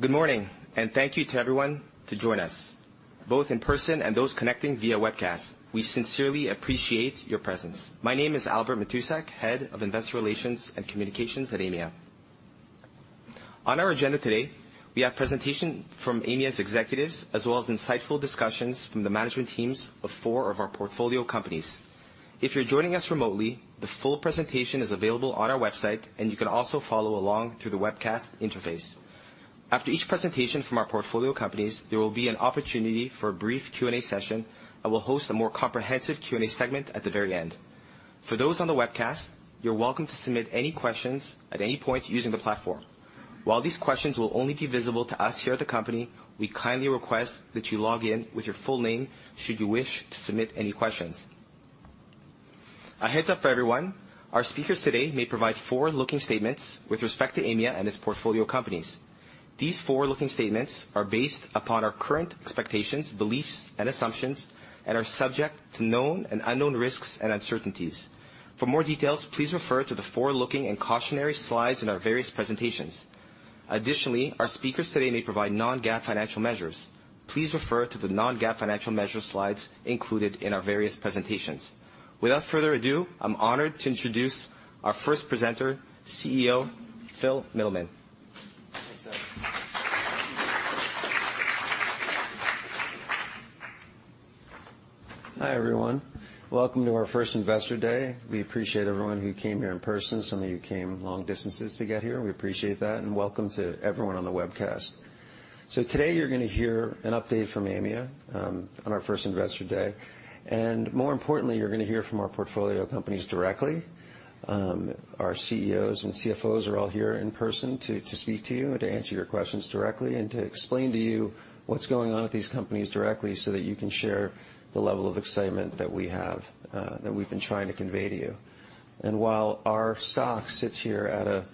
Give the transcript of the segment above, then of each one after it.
Good morning, and thank you to everyone to join us, both in person and those connecting via webcast. We sincerely appreciate your presence. My name is Albert Matousek, Head of Investor Relations and Communications at Aimia. On our agenda today, we have presentation from Aimia's executives, as well as insightful discussions from the management teams of four of our portfolio companies. If you're joining us remotely, the full presentation is available on our website, and you can also follow along through the webcast interface. After each presentation from our portfolio companies, there will be an opportunity for a brief Q&A session. I will host a more comprehensive Q&A segment at the very end. For those on the webcast, you're welcome to submit any questions at any point using the platform. While these questions will only be visible to us here at the company, we kindly request that you log in with your full name should you wish to submit any questions. A heads-up for everyone, our speakers today may provide forward-looking statements with respect to Aimia and its portfolio companies. These forward-looking statements are based upon our current expectations, beliefs, and assumptions, and are subject to known and unknown risks and uncertainties. For more details, please refer to the forward-looking and cautionary slides in our various presentations. Additionally, our speakers today may provide non-GAAP financial measures. Please refer to the non-GAAP financial measure slides included in our various presentations. Without further ado, I'm honored to introduce our first presenter, CEO Phil Mittleman. Hi, everyone. Welcome to our first Investor Day. We appreciate everyone who came here in person. Some of you came long distances to get here. We appreciate that, and welcome to everyone on the webcast. So today, you're gonna hear an update from Aimia, on our first Investor Day, and more importantly, you're gonna hear from our portfolio companies directly. Our CEOs and CFOs are all here in person to, to speak to you and to answer your questions directly, and to explain to you what's going on at these companies directly, so that you can share the level of excitement that we have, that we've been trying to convey to you. And while our stock sits here at a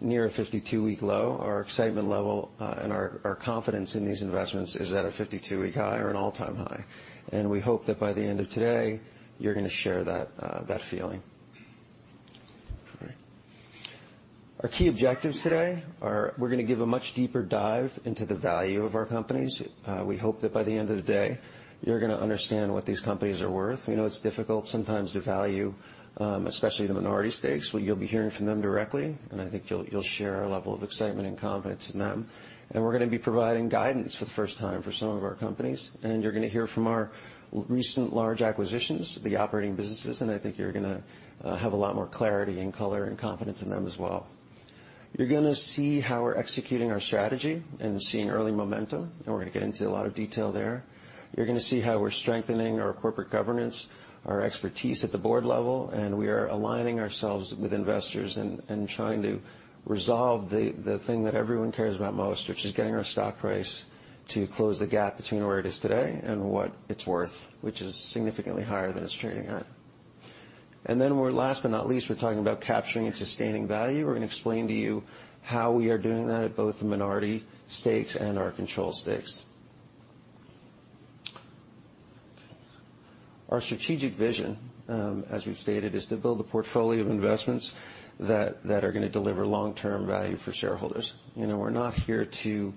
near a 52-week low, our excitement level, and our, our confidence in these investments is at a 52-week high or an all-time high. We hope that by the end of today, you're gonna share that, that feeling. All right. Our key objectives today are, we're gonna give a much deeper dive into the value of our companies. We hope that by the end of the day, you're gonna understand what these companies are worth. We know it's difficult sometimes to value, especially the minority stakes, but you'll be hearing from them directly, and I think you'll, you'll share our level of excitement and confidence in them. And we're gonna be providing guidance for the first time for some of our companies, and you're gonna hear from our recent large acquisitions, the operating businesses, and I think you're gonna have a lot more clarity and color and confidence in them as well. You're gonna see how we're executing our strategy and seeing early momentum, and we're gonna get into a lot of detail there. You're gonna see how we're strengthening our corporate governance, our expertise at the board level, and we are aligning ourselves with investors and trying to resolve the thing that everyone cares about most, which is getting our stock price to close the gap between where it is today and what it's worth, which is significantly higher than it's trading at. Then we're, last but not least, we're talking about capturing and sustaining value. We're gonna explain to you how we are doing that at both the minority stakes and our control stakes. Our strategic vision, as we've stated, is to build a portfolio of investments that are gonna deliver long-term value for shareholders. You know, we're not here to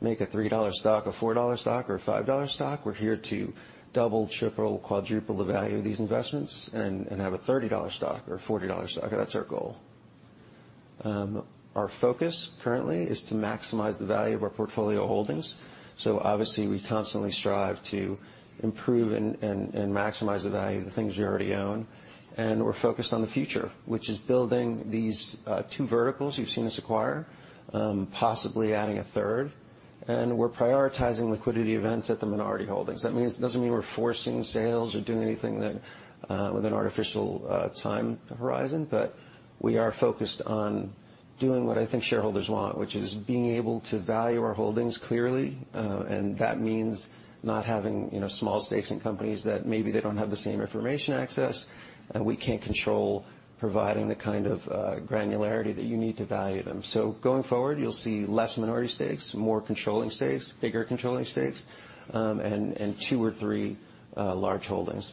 make a 3-dollar stock a 4-dollar stock or a 5-dollar stock. We're here to double, triple, quadruple the value of these investments and have a 30-dollar stock or a 40-dollar stock. That's our goal. Our focus currently is to maximize the value of our portfolio holdings. So obviously, we constantly strive to improve and maximize the value of the things we already own. We're focused on the future, which is building these two verticals you've seen us acquire, possibly adding a third. We're prioritizing liquidity events at the minority holdings. That means, doesn't mean we're forcing sales or doing anything that with an artificial time horizon, but we are focused on doing what I think shareholders want, which is being able to value our holdings clearly, and that means not having, you know, small stakes in companies that maybe they don't have the same information access. And we can't control providing the kind of granularity that you need to value them. So going forward, you'll see less minority stakes, more controlling stakes, bigger controlling stakes, and two or three large holdings.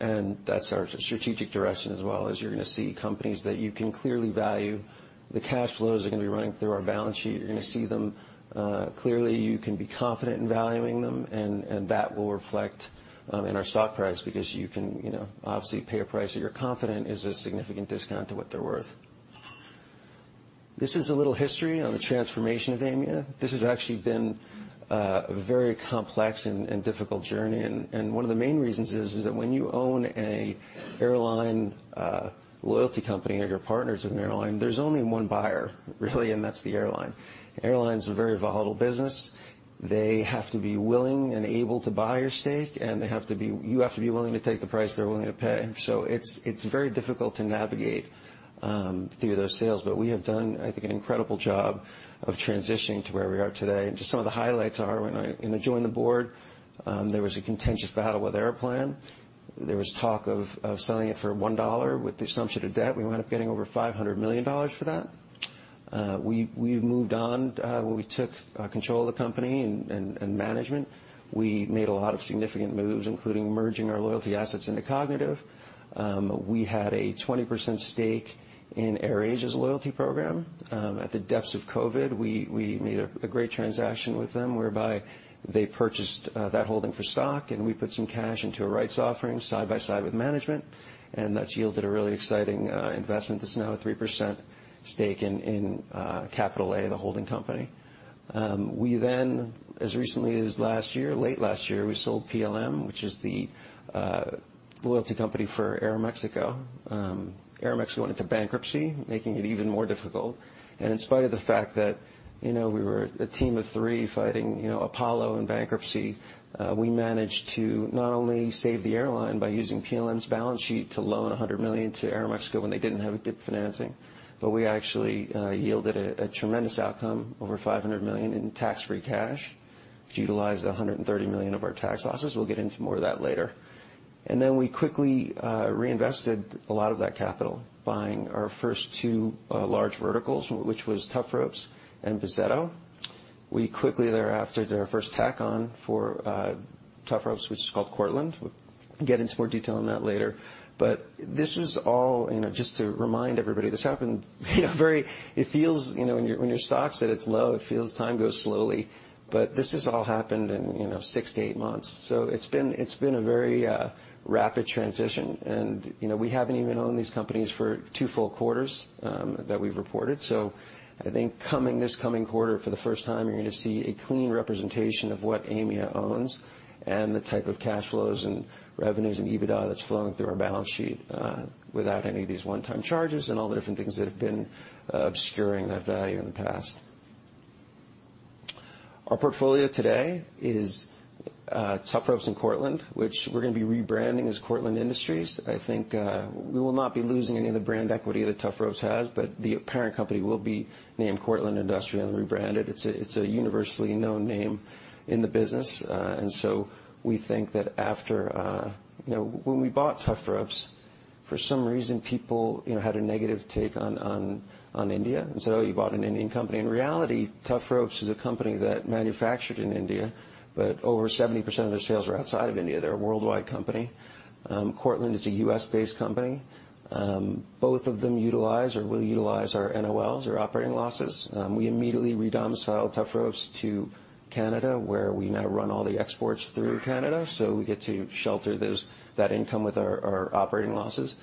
And that's our strategic direction as well, as you're gonna see companies that you can clearly value. The cash flows are gonna be running through our balance sheet. You're gonna see them clearly. You can be confident in valuing them, and that will reflect in our stock price, because you can, you know, obviously pay a price that you're confident is a significant discount to what they're worth. This is a little history on the transformation of Aimia. This has actually been a very complex and difficult journey, and one of the main reasons is that when you own a airline loyalty company or you're partners with an airline, there's only one buyer, really, and that's the airline. Airlines are a very volatile business. They have to be willing and able to buy your stake, and you have to be willing to take the price they're willing to pay. So it's very difficult to navigate through those sales. We have done, I think, an incredible job of transitioning to where we are today. And just some of the highlights are, when I, you know, joined the board, there was a contentious battle with Aeroplan. There was talk of selling it for $1 with the assumption of debt. We wound up getting over $500 million for that. We've moved on, we took control of the company and management. We made a lot of significant moves, including merging our loyalty assets into Kognitiv. We had a 20% stake in AirAsia's loyalty program. At the depths of COVID, we made a great transaction with them, whereby they purchased that holding for stock, and we put some cash into a rights offering side by side with management, and that's yielded a really exciting investment that's now a 3% stake in Capital A, the holding company. We then, as recently as last year, late last year, we sold PLM, which is the loyalty company for Aeroméxico. Aeroméxico went into bankruptcy, making it even more difficult. In spite of the fact that, you know, we were a team of three fighting, you know, Apollo in bankruptcy, we managed to not only save the airline by using PLM's balance sheet to loan $100 million to Aeroméxico when they didn't have a good financing, but we actually yielded a tremendous outcome, over $500 million in tax-free cash, which utilized $130 million of our tax losses. We'll get into more of that later. Then we quickly reinvested a lot of that capital, buying our first two large verticals, which was Tufropes and Bozzetto. We quickly thereafter did our first tuck-on for Tufropes, which is called Cortland. We'll get into more detail on that later. But this was all—you know, just to remind everybody, this happened, you know, very—it feels, you know, when your, when your stock's at its low, it feels time goes slowly, but this has all happened in, you know, 6-8 months. So it's been, it's been a very rapid transition. And, you know, we haven't even owned these companies for two full quarters that we've reported. So I think coming—this coming quarter, for the first time, you're gonna see a clean representation of what Aimia owns and the type of cash flows and revenues and EBITDA that's flowing through our balance sheet without any of these one-time charges and all the different things that have been obscuring that value in the past. Our portfolio today is Tufropes and Cortland, which we're gonna be rebranding as Cortland Industries. I think, we will not be losing any of the brand equity that Tufropes has, but the parent company will be named Cortland Industrial and rebranded. It's a universally known name in the business. And so we think that after... You know, when we bought Tufropes, for some reason, people, you know, had a negative take on India and said, "Oh, you bought an Indian company." In reality, Tufropes is a company that manufactured in India, but over 70% of their sales are outside of India. They're a worldwide company. Cortland is a U.S.-based company. Both of them utilize or will utilize our NOLs, our operating losses. We immediately redomiciled Tufropes to Canada, where we now run all the exports through Canada, so we get to shelter those, that income with our, our operating losses.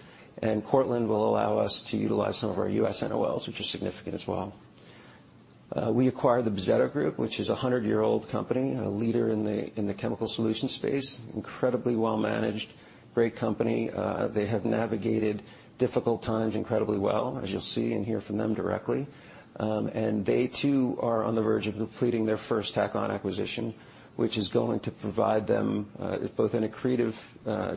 Cortland will allow us to utilize some of our U.S. NOLs, which are significant as well. We acquired the Bozzetto Group, which is a 100-year-old company, a leader in the chemical solution space, incredibly well managed, great company. They have navigated difficult times incredibly well, as you'll see and hear from them directly. They, too, are on the verge of completing their first tuck-on acquisition, which is going to provide them both an accretive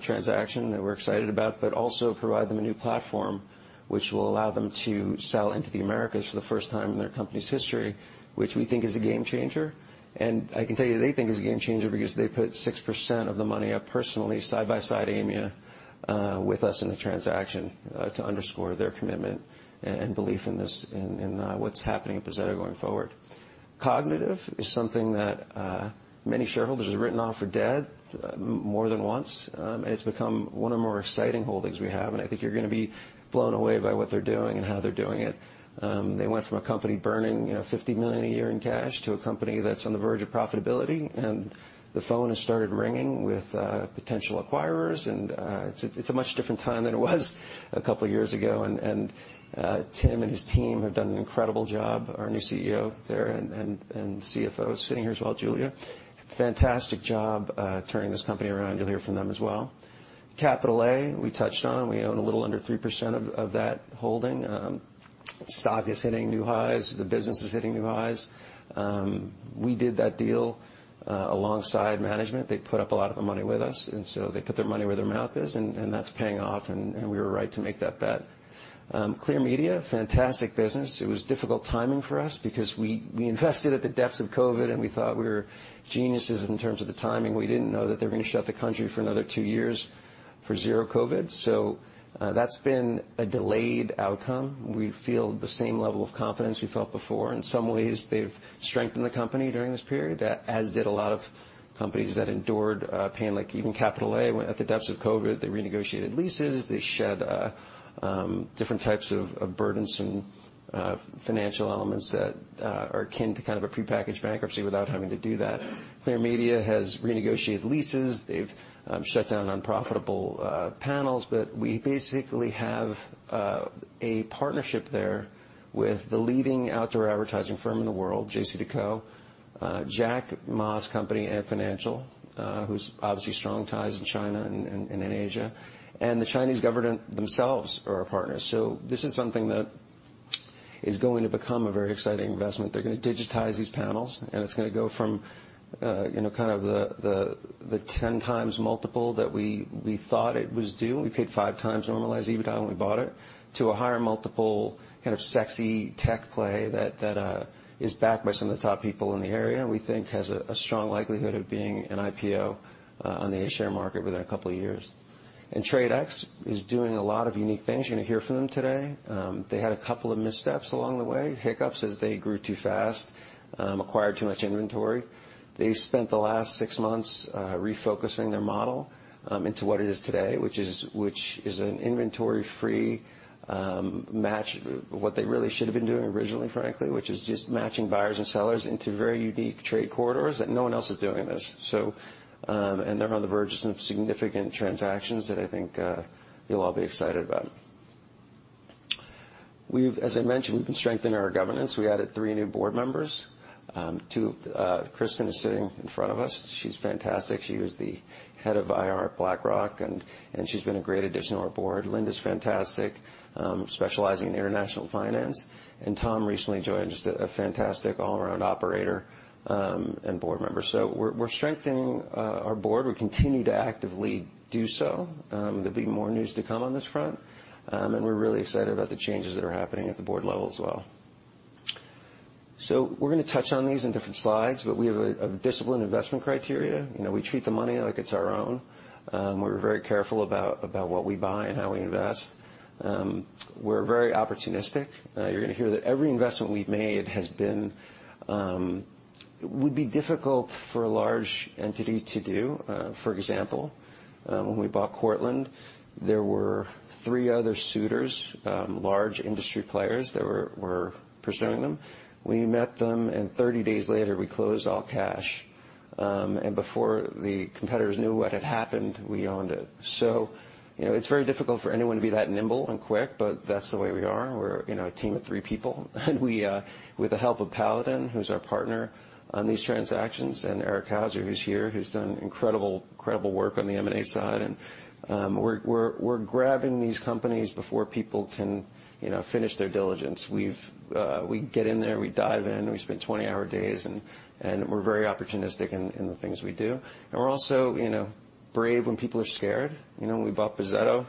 transaction that we're excited about, but also provide them a new platform, which will allow them to sell into the Americas for the first time in their company's history, which we think is a game changer. I can tell you, they think it's a game changer because they put 6% of the money up personally, side by side, Aimia, with us in the transaction, to underscore their commitment and belief in this, what's happening at Bozzetto going forward. Kognitiv is something that many shareholders have written off for dead more than once. It's become one of the more exciting holdings we have, and I think you're gonna be blown away by what they're doing and how they're doing it. They went from a company burning, you know, 50 million a year in cash to a company that's on the verge of profitability, and the phone has started ringing with potential acquirers. It's a much different time than it was a couple of years ago. Tim and his team have done an incredible job, our new CEO there and CFO, sitting here as well, Julia. Fantastic job turning this company around. You'll hear from them as well. Capital A, we touched on. We own a little under 3% of that holding. Stock is hitting new highs, the business is hitting new highs. We did that deal alongside management. They put up a lot of the money with us, and so they put their money where their mouth is, and that's paying off, and we were right to make that bet. Clear Media, fantastic business. It was difficult timing for us because we invested at the depths of COVID, and we thought we were geniuses in terms of the timing. We didn't know that they were going to shut the country for another two years for zero COVID, so that's been a delayed outcome. We feel the same level of confidence we felt before. In some ways, they've strengthened the company during this period, as did a lot of companies that endured pain, like even Capital A. At the depths of COVID, they renegotiated leases, they shed different types of burdensome financial elements that are akin to kind of a prepackaged bankruptcy without having to do that. Clear Media has renegotiated leases. They've shut down unprofitable panels, but we basically have a partnership there with the leading outdoor advertising firm in the world, JCDecaux, Jack Ma's company, Ant Financial, who's obviously strong ties in China and in Asia, and the Chinese government themselves are our partners. So this is something that is going to become a very exciting investment. They're gonna digitize these panels, and it's gonna go from, you know, kind of the 10x multiple that we thought it was due. We paid 5x normalized EBITDA when we bought it, to a higher multiple kind of sexy tech play that is backed by some of the top people in the area. We think has a strong likelihood of being an IPO on the A-share market within a couple of years. And TradeX is doing a lot of unique things. You're gonna hear from them today. They had a couple of missteps along the way, hiccups as they grew too fast, acquired too much inventory. They've spent the last six months refocusing their model into what it is today, which is, which is an inventory-free match. What they really should have been doing originally, frankly, which is just matching buyers and sellers into very unique trade corridors that no one else is doing this. So, and they're on the verge of some significant transactions that I think you'll all be excited about. We've, as I mentioned, we've been strengthening our governance. We added three new board members. Two, Kristen is sitting in front of us. She's fantastic. She was the head of IR at BlackRock, and, and she's been a great addition to our board. Linda's fantastic, specializing in international finance, and Tom recently joined, just a, a fantastic all-around operator, and board member. So we're, we're strengthening our board. We continue to actively do so. There'll be more news to come on this front, and we're really excited about the changes that are happening at the board level as well. So we're gonna touch on these in different slides, but we have a disciplined investment criteria. You know, we treat the money like it's our own. We're very careful about what we buy and how we invest. We're very opportunistic. You're gonna hear that every investment we've made has been, would be difficult for a large entity to do. For example, when we bought Cortland, there were three other suitors, large industry players that were pursuing them. We met them, and 30 days later, we closed all cash. And before the competitors knew what had happened, we owned it. So, you know, it's very difficult for anyone to be that nimble and quick, but that's the way we are. We're, you know, a team of three people, and we, with the help of Paladin, who's our partner on these transactions, and Eric Hauser, who's here, who's done incredible, incredible work on the M&A side. And, we're, we're grabbing these companies before people can, you know, finish their diligence. We've, we get in there, we dive in, we spend 20-hour days, and, and we're very opportunistic in, in the things we do. And we're also, you know, brave when people are scared. You know, when we bought Bozzetto,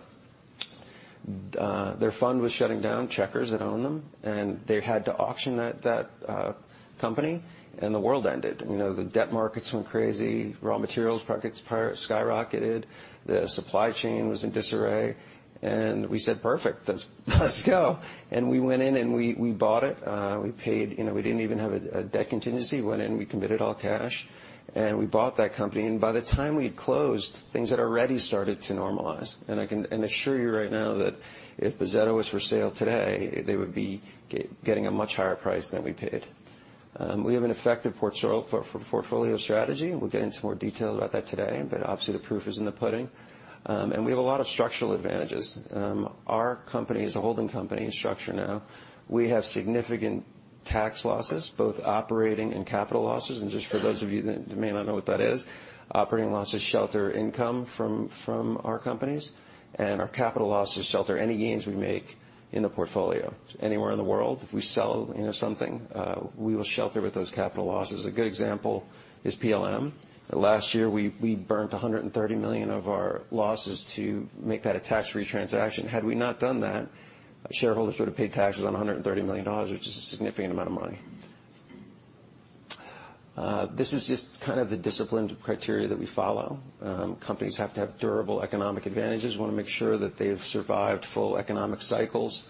their fund was shutting down. Chequers had owned them, and they had to auction that, that, company, and the world ended. You know, the debt markets went crazy, raw materials markets skyrocketed, the supply chain was in disarray, and we said, "Perfect, let's, let's go." And we went in, and we, we bought it. We paid... You know, we didn't even have a, a debt contingency. We went in, we committed all cash, and we bought that company, and by the time we had closed, things had already started to normalize. And I can assure you right now that if Bozzetto was for sale today, they would be getting a much higher price than we paid. We have an effective portfolio strategy. We'll get into more detail about that today, but obviously, the proof is in the pudding. And we have a lot of structural advantages. Our company is a holding company structure now. We have significant tax losses, both operating and capital losses. Just for those of you that may not know what that is, operating losses shelter income from our companies, and our capital losses shelter any gains we make in the portfolio. Anywhere in the world, if we sell, you know, something, we will shelter with those capital losses. A good example is PLM. Last year, we burnt 130 million of our losses to make that a tax-free transaction. Had we not done that, shareholders would have paid taxes on $130 million, which is a significant amount of money. This is just kind of the disciplined criteria that we follow. Companies have to have durable economic advantages. We wanna make sure that they've survived full economic cycles.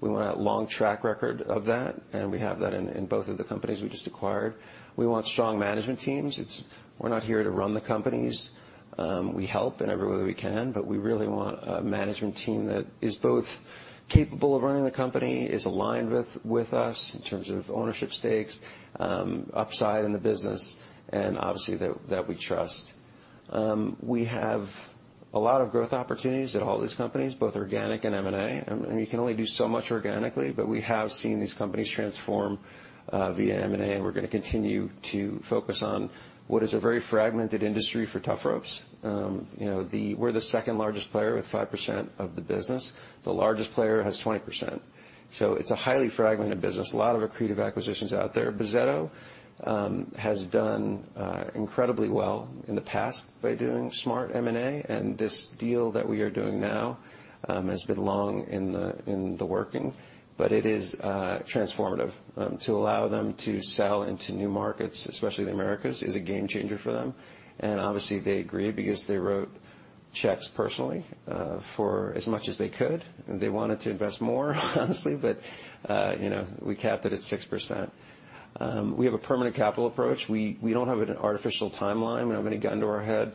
We want a long track record of that, and we have that in both of the companies we just acquired. We want strong management teams. It's. We're not here to run the companies. We help in every way we can, but we really want a management team that is both capable of running the company, is aligned with us in terms of ownership stakes, upside in the business, and obviously, that we trust. We have a lot of growth opportunities at all these companies, both organic and M&A. And you can only do so much organically, but we have seen these companies transform via M&A, and we're gonna continue to focus on what is a very fragmented industry for Tufropes. You know, we're the second-largest player with 5% of the business. The largest player has 20%, so it's a highly fragmented business, a lot of accretive acquisitions out there. Bozzetto has done incredibly well in the past by doing smart M&A, and this deal that we are doing now has been long in the working, but it is transformative. To allow them to sell into new markets, especially the Americas, is a game changer for them. And obviously, they agreed because they wrote checks personally for as much as they could. They wanted to invest more, honestly, but you know, we capped it at 6%. We have a permanent capital approach. We don't have an artificial timeline. We don't have any gun to our head.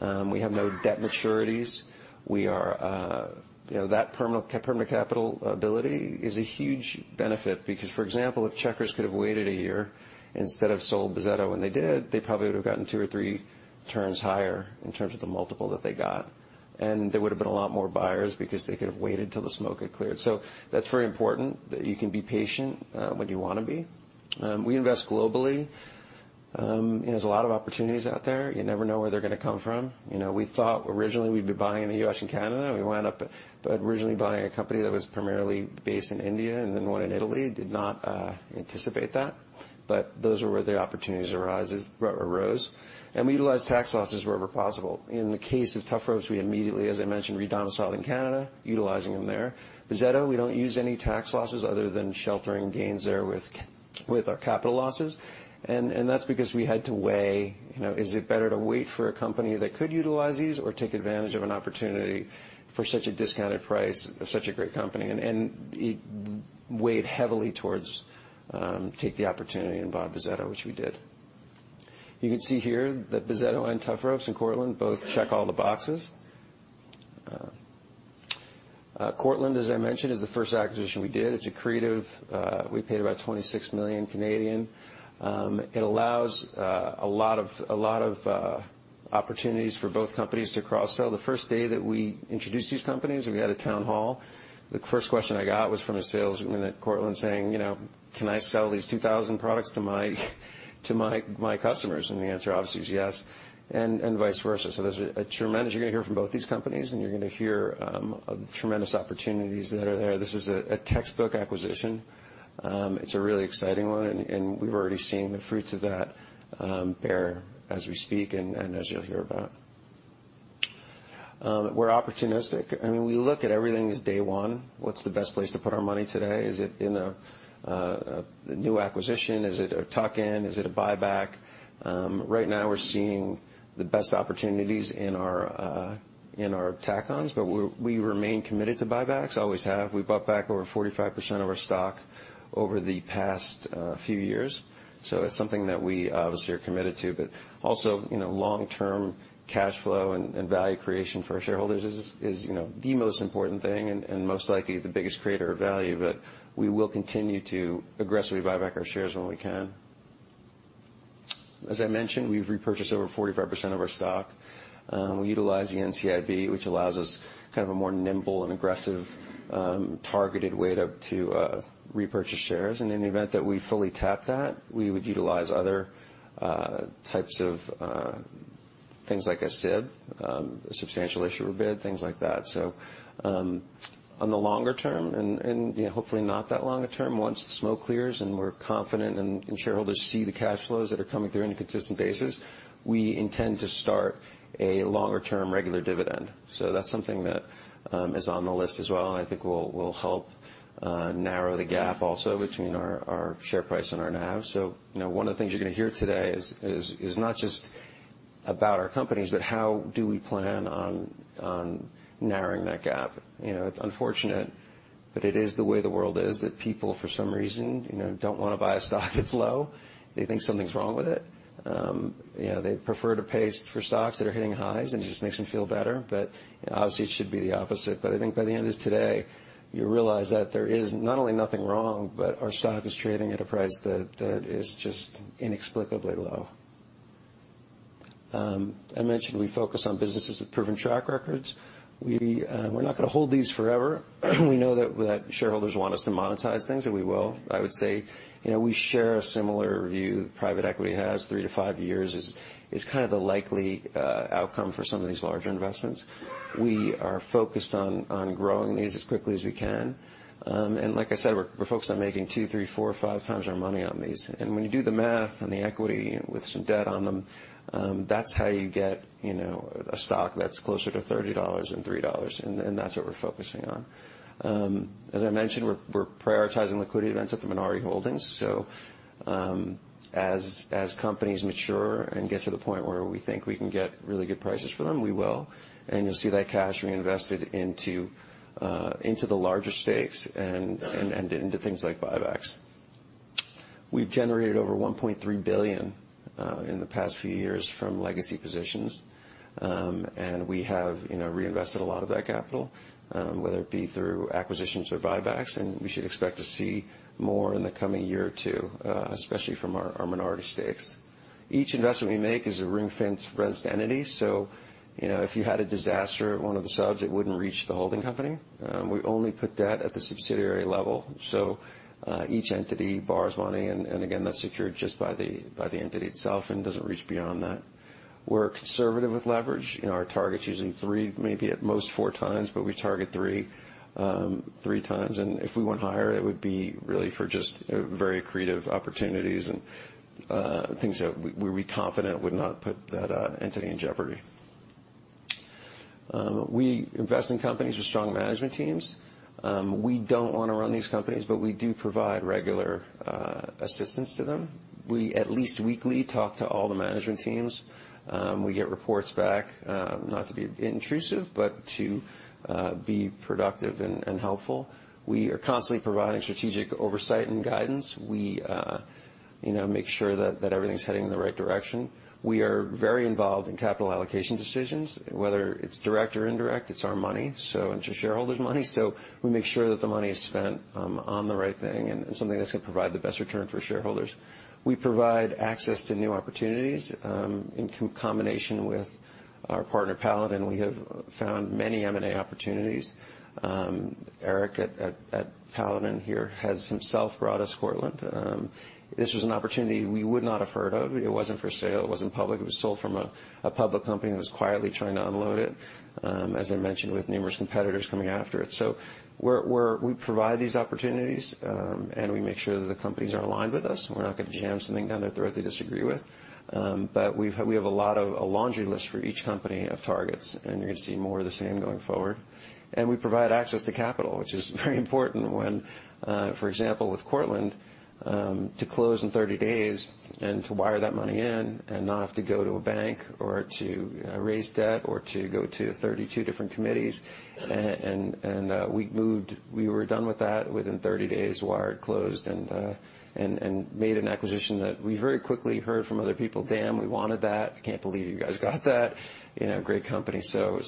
We have no debt maturities. We are... You know, that permanent capital ability is a huge benefit because, for example, if Chequers could have waited a year instead of sold Bozzetto when they did, they probably would have gotten two or three turns higher in terms of the multiple that they got. And there would have been a lot more buyers because they could have waited till the smoke had cleared. So that's very important, that you can be patient, when you wanna be. We invest globally. You know, there's a lot of opportunities out there. You never know where they're gonna come from. You know, we thought originally we'd be buying in the U.S. and Canada, and we wound up originally buying a company that was primarily based in India and then one in Italy. Did not anticipate that, but those were where the opportunities arose. We utilized tax losses wherever possible. In the case of Tufropes, we immediately, as I mentioned, redomiciled in Canada, utilizing them there. Bozzetto, we don't use any tax losses other than sheltering gains there with our capital losses, and that's because we had to weigh, you know, is it better to wait for a company that could utilize these or take advantage of an opportunity for such a discounted price of such a great company? And it weighed heavily towards take the opportunity and buy Bozzetto, which we did. You can see here that Bozzetto and Tufropes and Cortland both check all the boxes. Cortland, as I mentioned, is the first acquisition we did. It's accretive. We paid about 26 million Canadian dollars. It allows a lot of opportunities for both companies to cross-sell. The first day that we introduced these companies, and we had a town hall, the first question I got was from a salesman at Cortland saying, you know, "Can I sell these 2,000 products to my, to my, my customers?" And the answer, obviously, is yes, and vice versa. So there's a tremendous. You're gonna hear from both these companies, and you're gonna hear tremendous opportunities that are there. This is a textbook acquisition. It's a really exciting one, and we've already seen the fruits of that here as we speak, and as you'll hear about. We're opportunistic, and we look at everything as day one. What's the best place to put our money today? Is it in a new acquisition? Is it a tuck-in? Is it a buyback? Right now, we're seeing the best opportunities in our tuck-ons, but we remain committed to buybacks, always have. We bought back over 45% of our stock over the past few years, so it's something that we obviously are committed to. But also, you know, long-term cash flow and value creation for our shareholders is, you know, the most important thing and most likely the biggest creator of value. But we will continue to aggressively buy back our shares when we can. As I mentioned, we've repurchased over 45% of our stock. We utilize the NCIB, which allows us kind of a more nimble and aggressive targeted way to repurchase shares. In the event that we fully tap that, we would utilize other types of things like a SIB, Substantial Issuer Bid, things like that. So on the longer term, and, you know, hopefully not that long a term, once the smoke clears, and we're confident and shareholders see the cash flows that are coming through on a consistent basis, we intend to start a longer-term regular dividend. So that's something that is on the list as well, and I think will help narrow the gap also between our share price and our NAV. So you know, one of the things you're gonna hear today is not just about our companies, but how do we plan on narrowing that gap? You know, it's unfortunate, but it is the way the world is, that people, for some reason, you know, don't wanna buy a stock that's low. They think something's wrong with it. You know, they prefer to pay for stocks that are hitting highs, and it just makes them feel better. But obviously, it should be the opposite, but I think by the end of today, you realize that there is not only nothing wrong, but our stock is trading at a price that, that is just inexplicably low. I mentioned we focus on businesses with proven track records. We, we're not gonna hold these forever. We know that, that shareholders want us to monetize things, and we will. I would say, you know, we share a similar view. Private equity has three to five years, is kind of the likely outcome for some of these larger investments. We are focused on growing these as quickly as we can. And like I said, we're focused on making two, three, four, or five times our money on these. And when you do the math on the equity with some debt on them, that's how you get, you know, a stock that's closer to 30 dollars than 3 dollars, and that's what we're focusing on. As I mentioned, we're prioritizing liquidity events at the minority holdings. So, as companies mature and get to the point where we think we can get really good prices for them, we will, and you'll see that cash reinvested into the larger stakes and into things like buybacks. We've generated over 1.3 billion in the past few years from legacy positions. And we have, you know, reinvested a lot of that capital, whether it be through acquisitions or buybacks, and we should expect to see more in the coming year or two, especially from our minority stakes. Each investment we make is a ring-fenced entity, so, you know, if you had a disaster at one of the subs, it wouldn't reach the holding company. We only put debt at the subsidiary level, so, each entity borrows money, and again, that's secured just by the entity itself and doesn't reach beyond that. We're conservative with leverage. You know, our target's usually 3, maybe at most 4 times, but we target 3, three times, and if we went higher, it would be really for just, very accretive opportunities and, things that we, we'd be confident would not put that, entity in jeopardy. We invest in companies with strong management teams. We don't wanna run these companies, but we do provide regular, assistance to them. We, at least weekly, talk to all the management teams. We get reports back, not to be intrusive, but to, be productive and, and helpful. We are constantly providing strategic oversight and guidance. We, you know, make sure that, that everything's heading in the right direction. We are very involved in capital allocation decisions, whether it's direct or indirect, it's our money, so... It's your shareholders' money, so we make sure that the money is spent on the right thing and, and something that's gonna provide the best return for shareholders. We provide access to new opportunities in combination with our partner, Paladin. We have found many M&A opportunities. Eric at Paladin here has himself brought us Cortland. This was an opportunity we would not have heard of. It wasn't for sale. It wasn't public. It was sold from a public company that was quietly trying to unload it, as I mentioned, with numerous competitors coming after it. So we provide these opportunities, and we make sure that the companies are aligned with us, and we're not gonna jam something down their throat they disagree with. But we have a lot of... A laundry list for each company of targets, and you're gonna see more of the same going forward. We provide access to capital, which is very important when, for example, with Cortland, to close in 30 days and to wire that money in and not have to go to a bank or to raise debt or to go to 32 different committees. We were done with that within 30 days, wired, closed, and made an acquisition that we very quickly heard from other people, "Damn, we wanted that. I can't believe you guys got that." You know, great company. So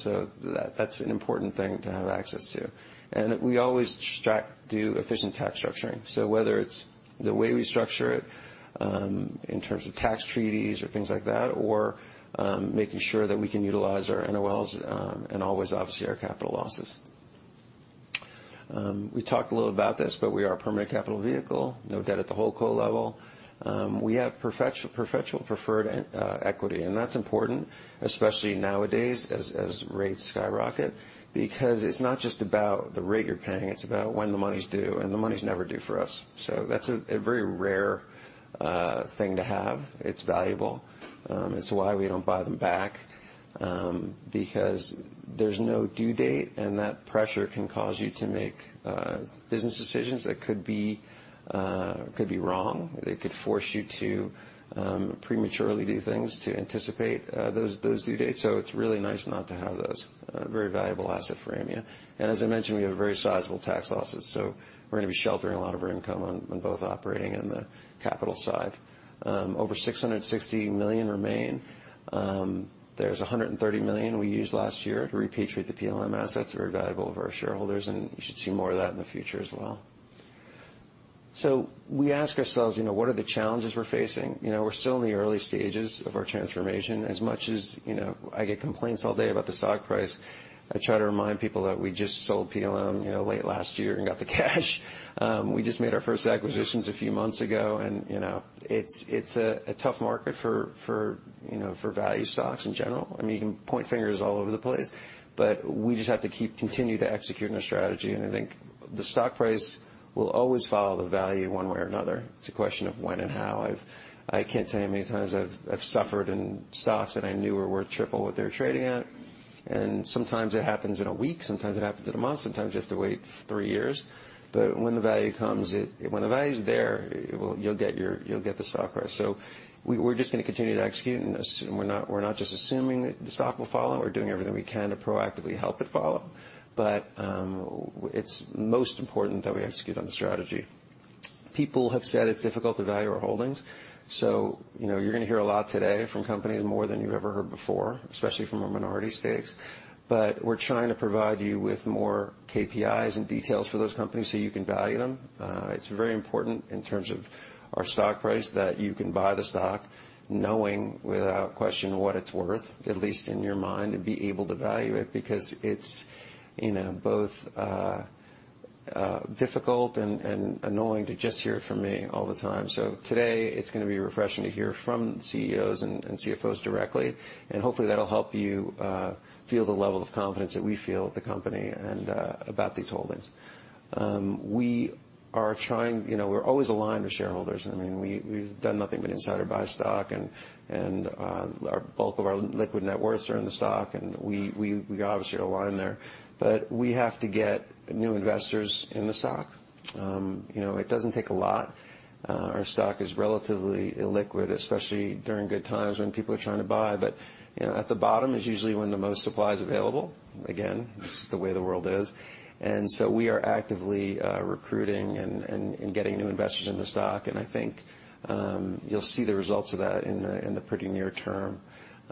that, that's an important thing to have access to. And we always track, do efficient tax structuring. So whether it's the way we structure it, in terms of tax treaties or things like that, or, making sure that we can utilize our NOLs, and always, obviously, our capital losses. We talked a little about this, but we are a permanent capital vehicle. No debt at the holdco level. We have perpetual, perpetual preferred, equity, and that's important, especially nowadays as, as rates skyrocket, because it's not just about the rate you're paying, it's about when the money's due, and the money's never due for us. So that's a, a very rare, thing to have. It's valuable. It's why we don't buy them back, because there's no due date, and that pressure can cause you to make, business decisions that could be, could be wrong. It could force you to prematurely do things to anticipate those due dates. So it's really nice not to have those. A very valuable asset for Aimia. And as I mentioned, we have very sizable tax losses, so we're gonna be sheltering a lot of our income on both operating and the capital side. Over 660 million remain. There's 130 million we used last year to repatriate the PLM assets, very valuable for our shareholders, and you should see more of that in the future as well. So we ask ourselves, you know, what are the challenges we're facing? You know, we're still in the early stages of our transformation. As much as, you know, I get complaints all day about the stock price, I try to remind people that we just sold PLM, you know, late last year and got the cash. We just made our first acquisitions a few months ago and, you know, it's a tough market for, you know, for value stocks in general. I mean, you can point fingers all over the place, but we just have to keep continuing to execute on our strategy, and I think the stock price will always follow the value one way or another. It's a question of when and how. I've, I can't tell you how many times I've suffered in stocks that I knew were worth triple what they were trading at. Sometimes it happens in a week, sometimes it happens in a month, sometimes you have to wait three years. But when the value comes, when the value is there, well, you'll get the stock price. So we're just gonna continue to execute, and we're not, we're not just assuming that the stock will follow. We're doing everything we can to proactively help it follow. But it's most important that we execute on the strategy. People have said it's difficult to value our holdings, so, you know, you're gonna hear a lot today from companies, more than you've ever heard before, especially from our minority stakes. But we're trying to provide you with more KPIs and details for those companies, so you can value them. It's very important in terms of our stock price, that you can buy the stock knowing without question what it's worth, at least in your mind, and be able to value it, because it's, you know, both difficult and annoying to just hear it from me all the time. So today, it's gonna be refreshing to hear from CEOs and CFOs directly, and hopefully, that'll help you feel the level of confidence that we feel at the company and about these holdings. We are trying. You know, we're always aligned with shareholders. I mean, we, we've done nothing but insider buy stock, and our bulk of our liquid net worths are in the stock, and we obviously are aligned there. But we have to get new investors in the stock. You know, it doesn't take a lot. Our stock is relatively illiquid, especially during good times when people are trying to buy. But, you know, at the bottom is usually when the most supply is available. Again, it's the way the world is. And so we are actively recruiting and getting new investors in the stock, and I think you'll see the results of that in the pretty near term.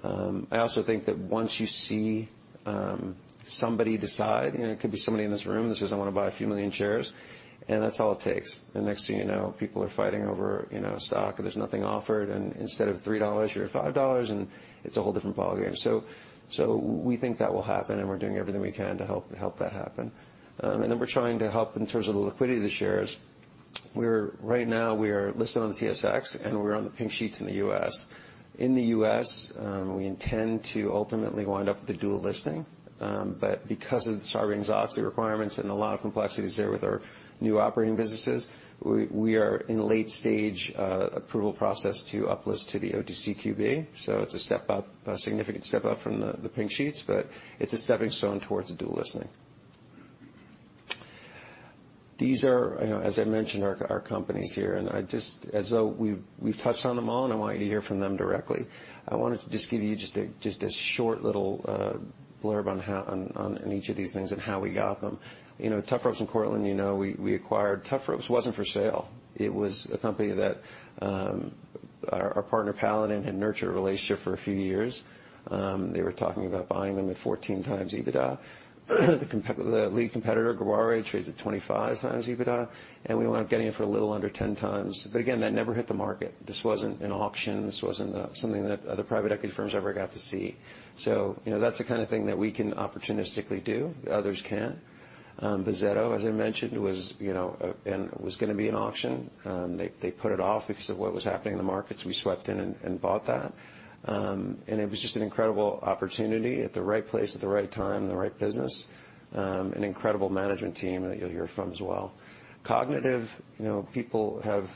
I also think that once you see somebody decide, you know, it could be somebody in this room that says, "I want to buy a few million shares," and that's all it takes. And next thing you know, people are fighting over, you know, stock, and there's nothing offered, and instead of 3 dollars, you're at 5 dollars, and it's a whole different ballgame. So we think that will happen, and we're doing everything we can to help that happen. And then we're trying to help in terms of the liquidity of the shares. We're right now listed on the TSX, and we're on the pink sheets in the US. In the US, we intend to ultimately wind up with a dual listing, but because of the Sarbanes-Oxley requirements and a lot of complexities there with our new operating businesses, we are in late stage approval process to uplist to the OTCQB. So it's a step up, a significant step up from the pink sheets, but it's a stepping stone towards a dual listing. These are, you know, as I mentioned, our companies here, and I just... As though we've touched on them all, and I want you to hear from them directly. I wanted to just give you just a short little blurb on how, on each of these things and how we got them. You know, Tufropes and Cortland, you know, we acquired. Tufropes wasn't for sale. It was a company that our partner, Paladin, had nurtured a relationship for a few years. They were talking about buying them at 14x EBITDA. The lead competitor, Garware, trades at 25x EBITDA, and we wound up getting it for a little under 10x. But again, that never hit the market. This wasn't an auction. This wasn't something that other private equity firms ever got to see. So, you know, that's the kind of thing that we can opportunistically do, others can't. Bozzetto, as I mentioned, was, you know, and was gonna be an auction. They put it off because of what was happening in the markets. We swept in and bought that. And it was just an incredible opportunity at the right place, at the right time, the right business. An incredible management team that you'll hear from as well. Kognitiv, you know, people have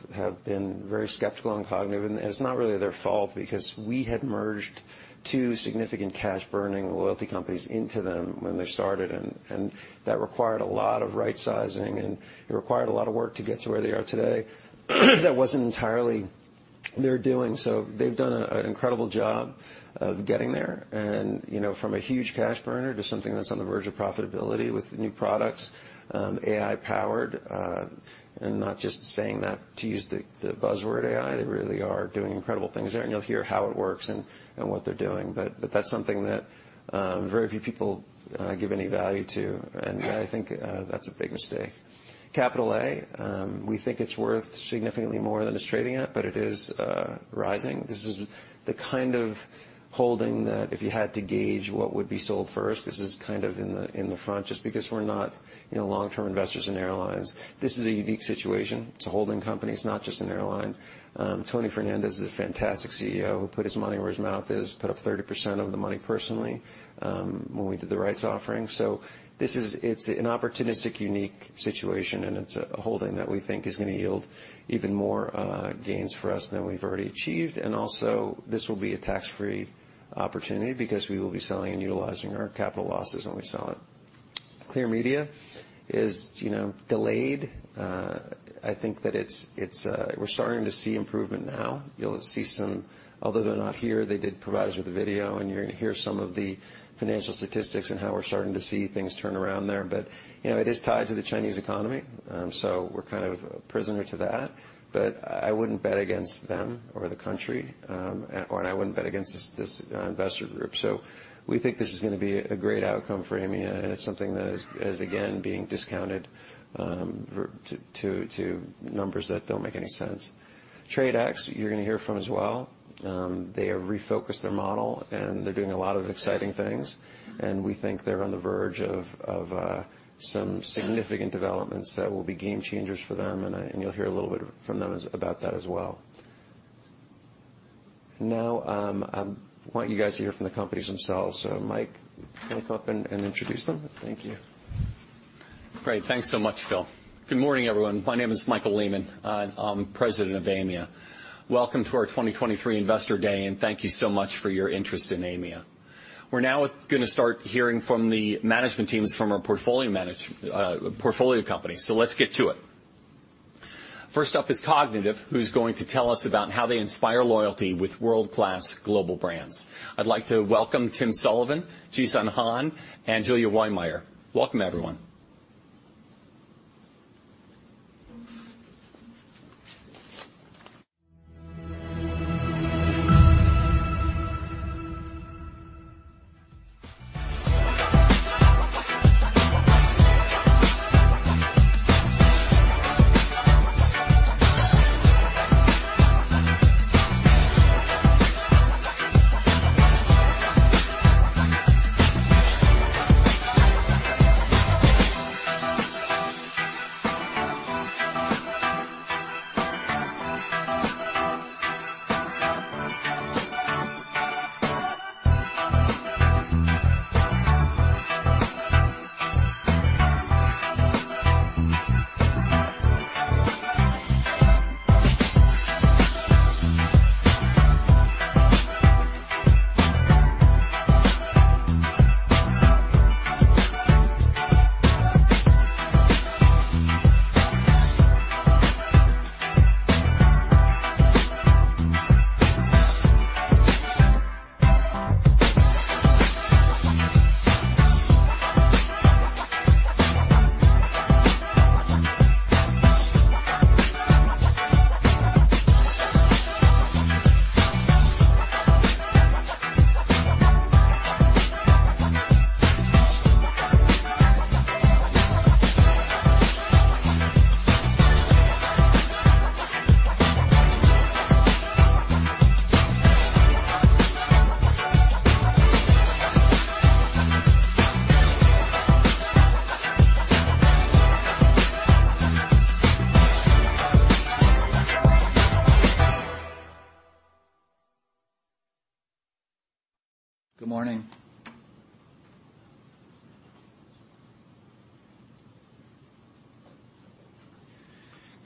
been very skeptical on Kognitiv, and it's not really their fault, because we had merged two significant cash burning loyalty companies into them when they started, and that required a lot of right-sizing, and it required a lot of work to get to where they are today. That wasn't entirely- they're doing. So they've done an incredible job of getting there, and, you know, from a huge cash burner to something that's on the verge of profitability with new products, AI powered, and not just saying that to use the, the buzzword AI, they really are doing incredible things there, and you'll hear how it works and, and what they're doing. But that's something that, very few people, give any value to, and I think, that's a big mistake. Capital A, we think it's worth significantly more than it's trading at, but it is, rising. This is the kind of holding that if you had to gauge what would be sold first, this is kind of in the, in the front, just because we're not, you know, long-term investors in airlines. This is a unique situation. It's a holding company. It's not just an airline. Tony Fernandes is a fantastic CEO, who put his money where his mouth is, put up 30% of the money personally, when we did the rights offering. So this is, it's an opportunistic, unique situation, and it's a holding that we think is gonna yield even more gains for us than we've already achieved. And also, this will be a tax-free opportunity because we will be selling and utilizing our capital losses when we sell it. Clear Media is, you know, delayed. I think that it's. We're starting to see improvement now. You'll see some, although they're not here, they did provide us with a video, and you're gonna hear some of the financial statistics and how we're starting to see things turn around there. You know, it is tied to the Chinese economy, so we're kind of prisoner to that, but I wouldn't bet against them or the country, and or I wouldn't bet against this, this, investor group. So we think this is gonna be a great outcome for Aimia, and it's something that is, again, being discounted, to numbers that don't make any sense. TradeX, you're gonna hear from as well. They have refocused their model, and they're doing a lot of exciting things, and we think they're on the verge of some significant developments that will be game changers for them, and you'll hear a little bit from them about that as well. Now, I want you guys to hear from the companies themselves. So Mike, wanna come up and introduce them? Thank you. Great. Thanks so much, Phil. Good morning, everyone. My name is Michael Lehmann. I'm President of Aimia. Welcome to our 2023 Investor Day, and thank you so much for your interest in Aimia. We're now gonna start hearing from the management teams from our portfolio manage, portfolio company, so let's get to it. First up is Kognitiv, who's going to tell us about how they inspire loyalty with world-class global brands. I'd like to welcome Tim Sullivan, Jisun Hahn, and Julia Wehmeyer. Welcome, everyone.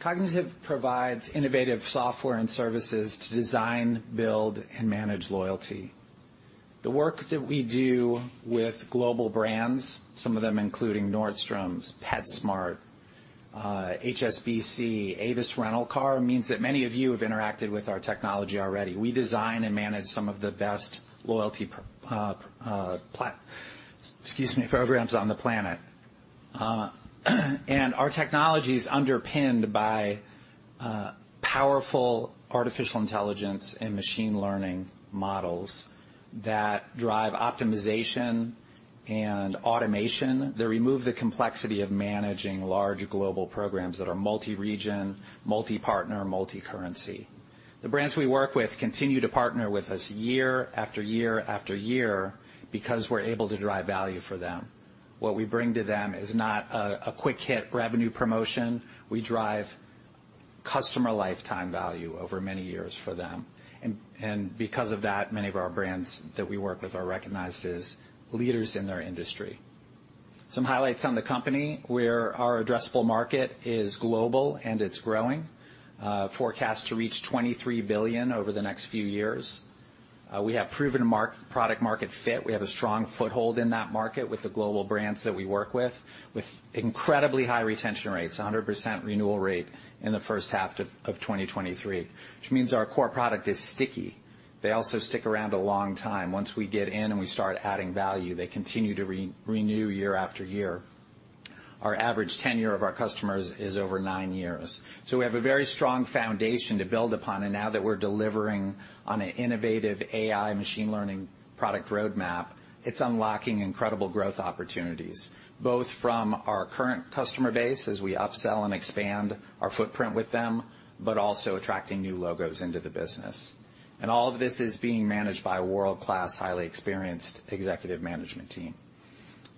Good morning. Kognitiv provides innovative software and services to design, build, and manage loyalty. The work that we do with global brands, some of them including Nordstrom, PetSmart, HSBC, Avis Rental Car, means that many of you have interacted with our technology already. We design and manage some of the best loyalty programs on the planet. And our technology is underpinned by powerful artificial intelligence and machine learning models that drive optimization and automation. They remove the complexity of managing large global programs that are multi-region, multi-partner, multi-currency. The brands we work with continue to partner with us year after year after year because we're able to drive value for them. What we bring to them is not a quick-hit revenue promotion. We drive customer lifetime value over many years for them, and, and because of that, many of our brands that we work with are recognized as leaders in their industry. Some highlights on the company, where our addressable market is global and it's growing, forecast to reach $23 billion over the next few years. We have proven product-market fit. We have a strong foothold in that market with the global brands that we work with, with incredibly high retention rates, 100% renewal rate in the first half of 2023, which means our core product is sticky. They also stick around a long time. Once we get in and we start adding value, they continue to re-renew year after year. Our average tenure of our customers is over nine years. So we have a very strong foundation to build upon, and now that we're delivering on an innovative AI machine learning product roadmap, it's unlocking incredible growth opportunities, both from our current customer base as we upsell and expand our footprint with them, but also attracting new logos into the business. And all of this is being managed by a world-class, highly experienced executive management team,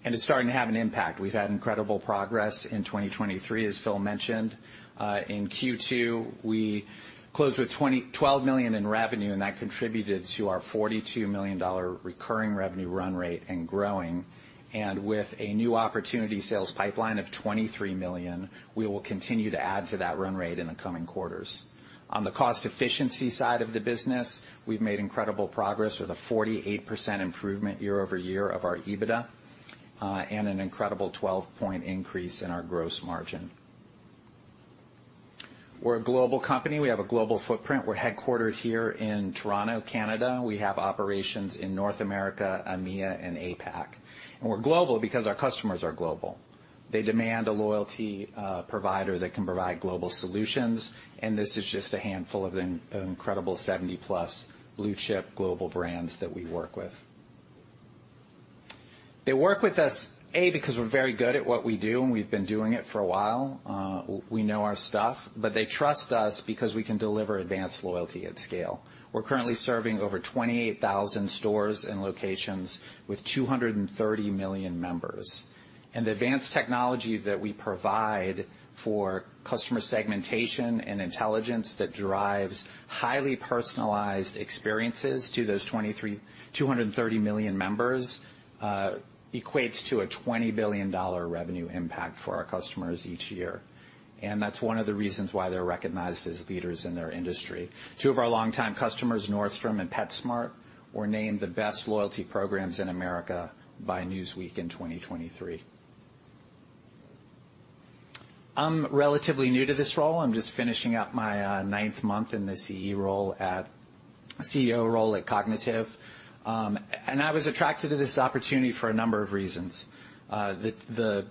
and it's starting to have an impact. We've had incredible progress in 2023, as Phil mentioned. In Q2, we closed with $20.12 million in revenue, and that contributed to our $42 million recurring revenue run rate and growing. And with a new opportunity sales pipeline of $23 million, we will continue to add to that run rate in the coming quarters. On the cost efficiency side of the business, we've made incredible progress with a 48% improvement year-over-year of our EBITDA, and an incredible 12-point increase in our gross margin. We're a global company. We have a global footprint. We're headquartered here in Toronto, Canada. We have operations in North America, EMEA, and APAC, and we're global because our customers are global. They demand a loyalty provider that can provide global solutions, and this is just a handful of an incredible 70-plus blue chip global brands that we work with. They work with us because we're very good at what we do, and we've been doing it for a while. We know our stuff, but they trust us because we can deliver advanced loyalty at scale. We're currently serving over 28,000 stores and locations with 230 million members, and the advanced technology that we provide for customer segmentation and intelligence that drives highly personalized experiences to those 230 million members equates to a $20 billion revenue impact for our customers each year. And that's one of the reasons why they're recognized as leaders in their industry. Two of our longtime customers, Nordstrom and PetSmart, were named the best loyalty programs in America by Newsweek in 2023. I'm relatively new to this role. I'm just finishing up my ninth month in the CEO role at Kognitiv, and I was attracted to this opportunity for a number of reasons. The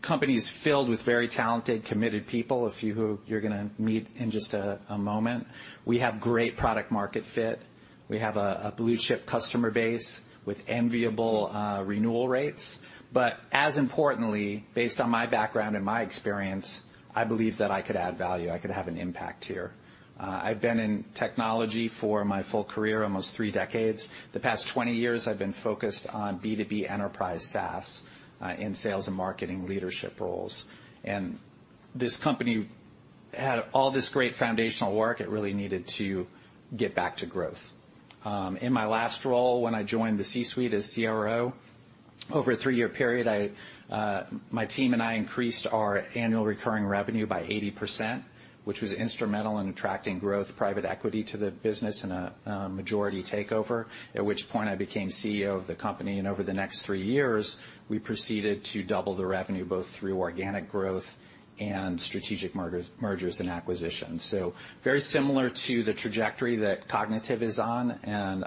company is filled with very talented, committed people, a few who you're gonna meet in just a moment. We have great product market fit. We have a blue chip customer base with enviable renewal rates. But as importantly, based on my background and my experience, I believe that I could add value, I could have an impact here. I've been in technology for my full career, almost three decades. The past 20 years, I've been focused on B2B enterprise SaaS in sales and marketing leadership roles, and this company had all this great foundational work. It really needed to get back to growth. In my last role, when I joined the C-suite as CRO, over a three-year period, I, my team and I increased our annual recurring revenue by 80%, which was instrumental in attracting growth private equity to the business, and a majority takeover, at which point I became CEO of the company, and over the next three years, we proceeded to double the revenue, both through organic growth and strategic mergers and acquisitions. So very similar to the trajectory that Kognitiv is on, and,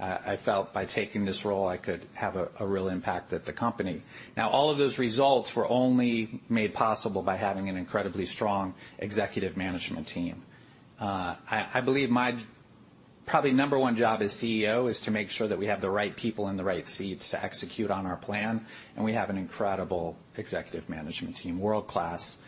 I felt by taking this role, I could have a real impact at the company. Now, all of those results were only made possible by having an incredibly strong executive management team. I believe my probably number one job as CEO is to make sure that we have the right people in the right seats to execute on our plan, and we have an incredible executive management team, world-class,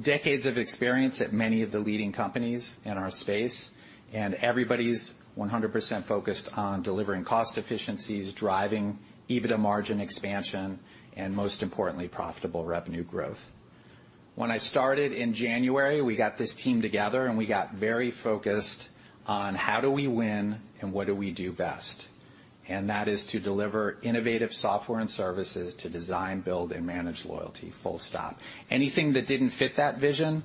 decades of experience at many of the leading companies in our space, and everybody's 100% focused on delivering cost efficiencies, driving EBITDA margin expansion, and most importantly, profitable revenue growth. When I started in January, we got this team together, and we got very focused on how do we win and what do we do best, and that is to deliver innovative software and services to design, build, and manage loyalty, full stop. Anything that didn't fit that vision,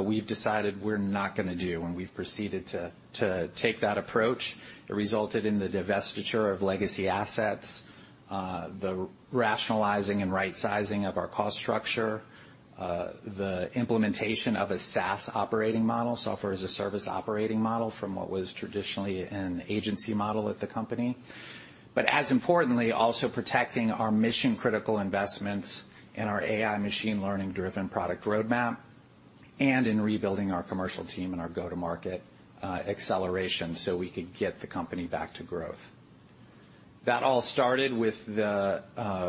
we've decided we're not gonna do, and we've proceeded to take that approach. It resulted in the divestiture of legacy assets, the rationalizing and right sizing of our cost structure, the implementation of a SaaS operating model, software as a service operating model, from what was traditionally an agency model at the company. But as importantly, also protecting our mission-critical investments in our AI machine learning-driven product roadmap and in rebuilding our commercial team and our go-to-market acceleration, so we could get the company back to growth. That all started with the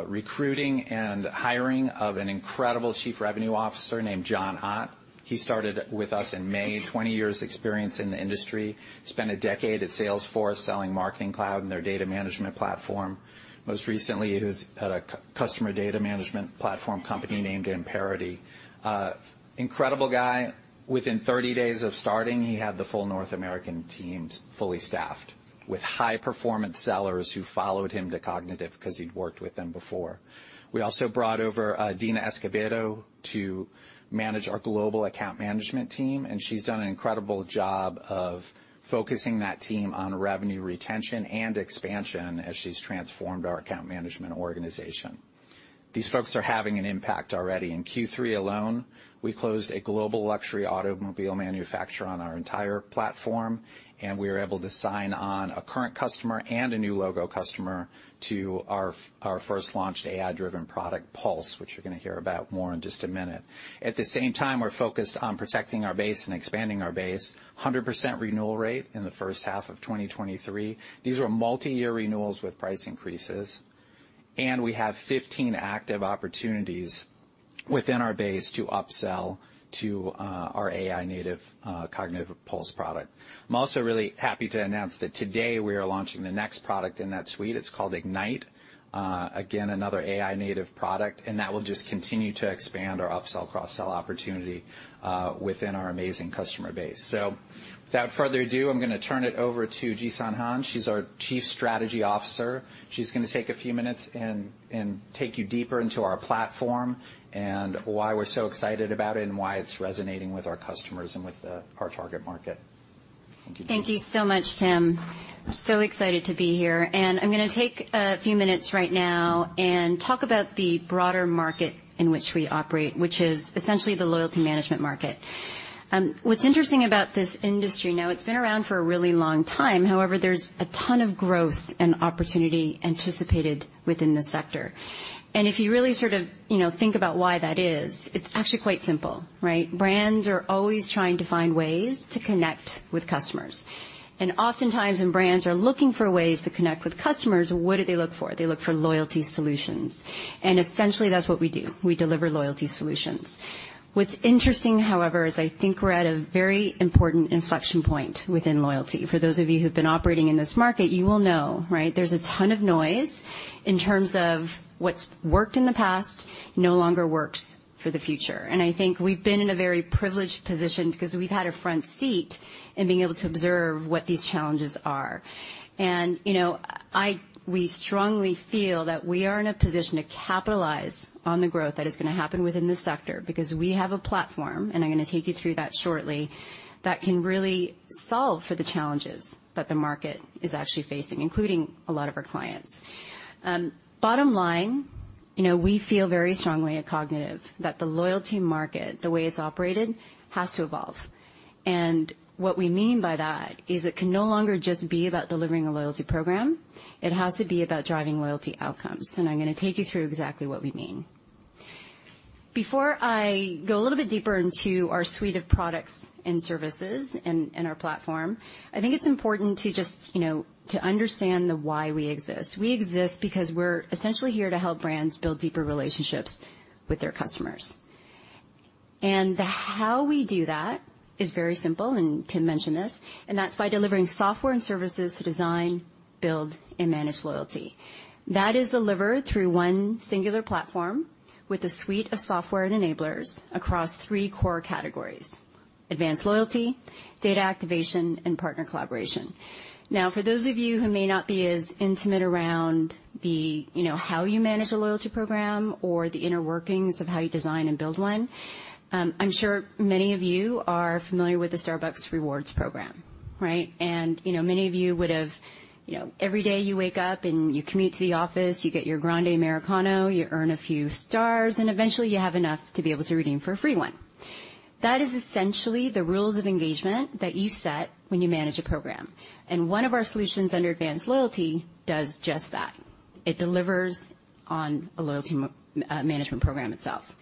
recruiting and hiring of an incredible Chief Revenue Officer named John Hott. He started with us in May, 20 years experience in the industry, spent a decade at Salesforce selling marketing cloud and their data management platform. Most recently, he was at a customer data management platform company named Amperity. Incredible guy. Within 30 days of starting, he had the full North American teams fully staffed with high-performance sellers who followed him to Kognitiv because he'd worked with them before. We also brought over, Dena Escobedo to manage our global account management team, and she's done an incredible job of focusing that team on revenue retention and expansion as she's transformed our account management organization. These folks are having an impact already. In Q3 alone, we closed a global luxury automobile manufacturer on our entire platform, and we were able to sign on a current customer and a new logo customer to our, our first launched AI-driven product, Pulse, which you're gonna hear about more in just a minute. At the same time, we're focused on protecting our base and expanding our base. 100% renewal rate in the first half of 2023. These were multi-year renewals with price increases, and we have 15 active opportunities within our base to upsell to our AI-native Kognitiv Pulse product. I'm also really happy to announce that today we are launching the next product in that suite. It's called Ignite, again, another AI-native product, and that will just continue to expand our upsell, cross-sell opportunity within our amazing customer base. So without further ado, I'm gonna turn it over to Jisun Hahn. She's our Chief Strategy Officer. She's gonna take a few minutes and take you deeper into our platform and why we're so excited about it and why it's resonating with our customers and with our target market. Thank you. Thank you so much, Tim. So excited to be here. I'm gonna take a few minutes right now and talk about the broader market in which we operate, which is essentially the loyalty management market. What's interesting about this industry, now, it's been around for a really long time. However, there's a ton of growth and opportunity anticipated within the sector. If you really sort of, you know, think about why that is, it's actually quite simple, right? Brands are always trying to find ways to connect with customers, and oftentimes, when brands are looking for ways to connect with customers, what do they look for? They look for loyalty solutions, and essentially, that's what we do. We deliver loyalty solutions. What's interesting, however, is I think we're at a very important inflection point within loyalty. For those of you who've been operating in this market, you will know, right? There's a ton of noise in terms of what's worked in the past, no longer works for the future. I think we've been in a very privileged position because we've had a front seat in being able to observe what these challenges are. You know, we strongly feel that we are in a position to capitalize on the growth that is gonna happen within the sector, because we have a platform, and I'm gonna take you through that shortly, that can really solve for the challenges that the market is actually facing, including a lot of our clients. Bottom line, you know, we feel very strongly at Kognitiv that the loyalty market, the way it's operated, has to evolve. What we mean by that is it can no longer just be about delivering a loyalty program. It has to be about driving loyalty outcomes. I'm gonna take you through exactly what we mean. Before I go a little bit deeper into our suite of products and services and our platform, I think it's important to just, you know, to understand the why we exist. We exist because we're essentially here to help brands build deeper relationships with their customers. The how we do that is very simple, and Tim mentioned this, and that's by delivering software and services to design, build, and manage loyalty. That is delivered through one singular platform with a suite of software and enablers across three core categories: advanced loyalty, data activation, and partner collaboration. Now, for those of you who may not be as intimate around the, you know, how you manage a loyalty program or the inner workings of how you design and build one, I'm sure many of you are familiar with the Starbucks Rewards program, right? And, you know, many of you would have... You know, every day you wake up, and you commute to the office, you get your grande Americano, you earn a few stars, and eventually, you have enough to be able to redeem for a free one. That is essentially the rules of engagement that you set when you manage a program, and one of our solutions under advanced loyalty does just that. It delivers on a loyalty management program itself.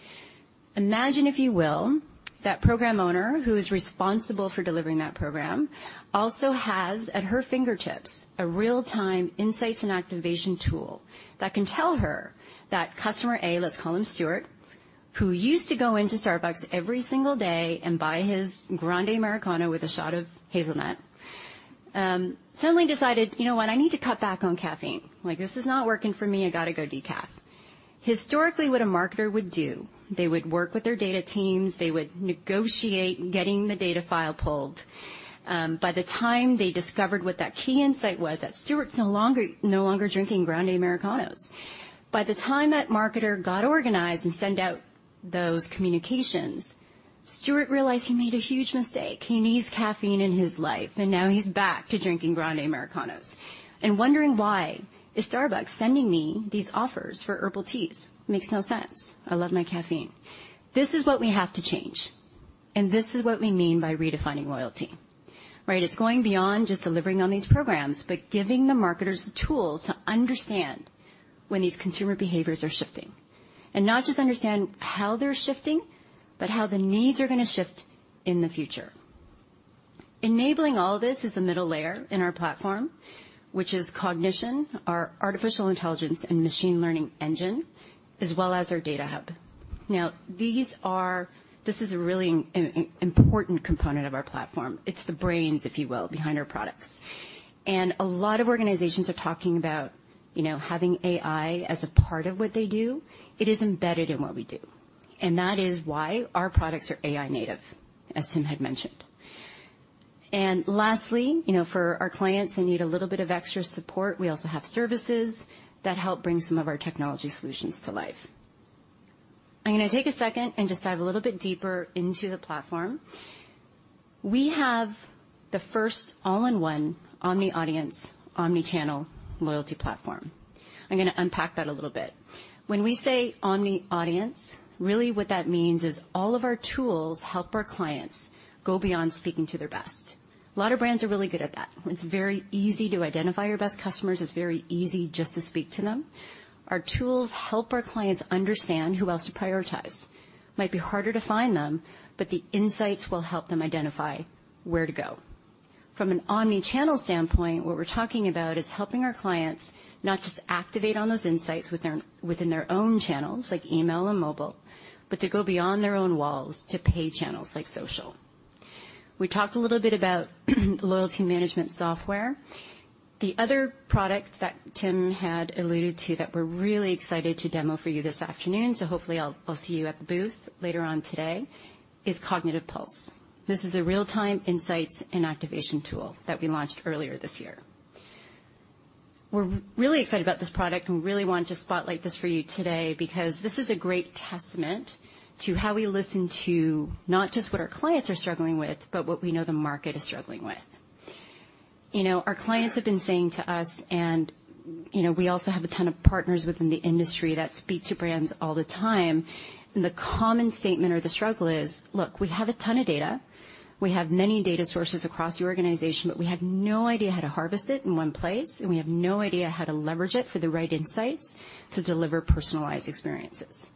Imagine, if you will, that program owner who is responsible for delivering that program also has, at her fingertips, a real-time insights and activation tool that can tell her that customer A, let's call him Stuart, who used to go into Starbucks every single day and buy his grande Americano with a shot of hazelnut, suddenly decided, "You know what? I need to cut back on caffeine. Like, this is not working for me. I gotta go decaf." Historically, what a marketer would do, they would work with their data teams, they would negotiate getting the data file pulled. By the time they discovered what that key insight was, that Stuart's no longer drinking grande Americanos, by the time that marketer got organized and send out those communications, Stuart realized he made a huge mistake. He needs caffeine in his life, and now he's back to drinking grande Americanos and wondering, "Why is Starbucks sending me these offers for herbal teas? Makes no sense. I love my caffeine." This is what we have to change, and this is what we mean by redefining loyalty, right? It's going beyond just delivering on these programs, but giving the marketers the tools to understand when these consumer behaviors are shifting, and not just understand how they're shifting, but how the needs are gonna shift in the future. Enabling all of this is the middle layer in our platform, which is Kognition, our artificial intelligence and machine learning engine, as well as our data hub. Now, this is a really important component of our platform. It's the brains, if you will, behind our products. And a lot of organizations are talking about, you know, having AI as a part of what they do. It is embedded in what we do, and that is why our products are AI native, as Tim had mentioned. And lastly, you know, for our clients that need a little bit of extra support, we also have services that help bring some of our technology solutions to life.... I'm gonna take a second and just dive a little bit deeper into the platform. We have the first all-in-one omni-audience, omni-channel loyalty platform. I'm gonna unpack that a little bit. When we say omni-audience, really what that means is all of our tools help our clients go beyond speaking to their best. A lot of brands are really good at that. When it's very easy to identify your best customers, it's very easy just to speak to them. Our tools help our clients understand who else to prioritize. Might be harder to find them, but the insights will help them identify where to go. From an omni-channel standpoint, what we're talking about is helping our clients not just activate on those insights with their, within their own channels, like email and mobile, but to go beyond their own walls, to paid channels like social. We talked a little bit about loyalty management software. The other product that Tim had alluded to that we're really excited to demo for you this afternoon, so hopefully I'll, I'll see you at the booth later on today, is Kognitiv Pulse. This is a real-time insights and activation tool that we launched earlier this year. We're really excited about this product, and we really want to spotlight this for you today because this is a great testament to how we listen to not just what our clients are struggling with, but what we know the market is struggling with. You know, our clients have been saying to us, and, you know, we also have a ton of partners within the industry that speak to brands all the time, and the common statement or the struggle is: "Look, we have a ton of data, we have many data sources across the organization, but we have no idea how to harvest it in one place, and we have no idea how to leverage it for the right insights to deliver personalized experiences.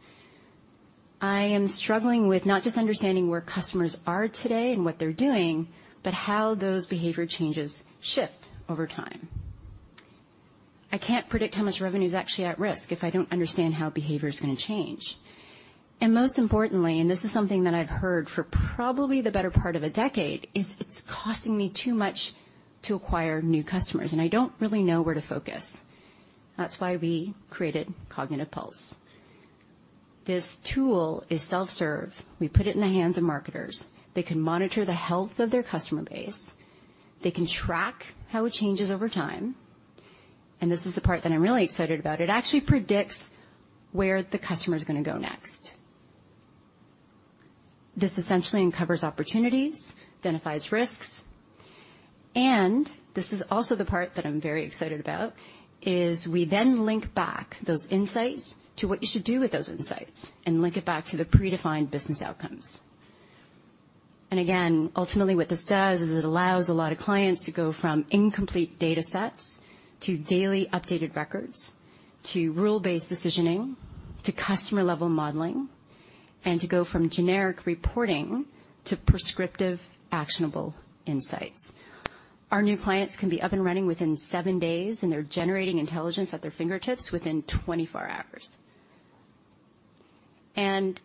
I am struggling with not just understanding where customers are today and what they're doing, but how those behavior changes shift over time. I can't predict how much revenue is actually at risk if I don't understand how behavior is gonna change." Most importantly, and this is something that I've heard for probably the better part of a decade, is, "It's costing me too much to acquire new customers, and I don't really know where to focus." That's why we created Kognitiv Pulse. This tool is self-serve. We put it in the hands of marketers. They can monitor the health of their customer base, they can track how it changes over time, and this is the part that I'm really excited about. It actually predicts where the customer is gonna go next. This essentially uncovers opportunities, identifies risks, and this is also the part that I'm very excited about, is we then link back those insights to what you should do with those insights and link it back to the predefined business outcomes. Again, ultimately, what this does is it allows a lot of clients to go from incomplete data sets to daily updated records, to rule-based decisioning, to customer-level modeling, and to go from generic reporting to prescriptive, actionable insights. Our new clients can be up and running within 7 days, and they're generating intelligence at their fingertips within 24 hours.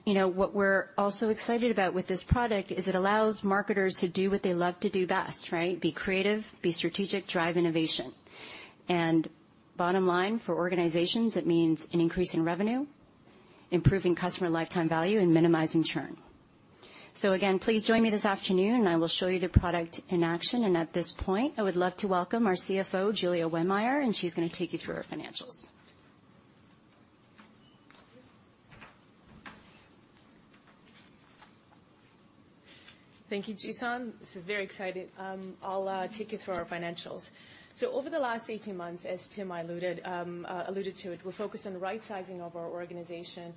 You know, what we're also excited about with this product is it allows marketers to do what they love to do best, right? Be creative, be strategic, drive innovation. Bottom line, for organizations, it means an increase in revenue, improving customer lifetime value, and minimizing churn. So again, please join me this afternoon, and I will show you the product in action. At this point, I would love to welcome our CFO, Julia Wehmeyer, and she's gonna take you through our financials. Thank you, Jisun. This is very exciting. I'll take you through our financials. So over the last 18 months, as Tim alluded to it, we're focused on the right sizing of our organization,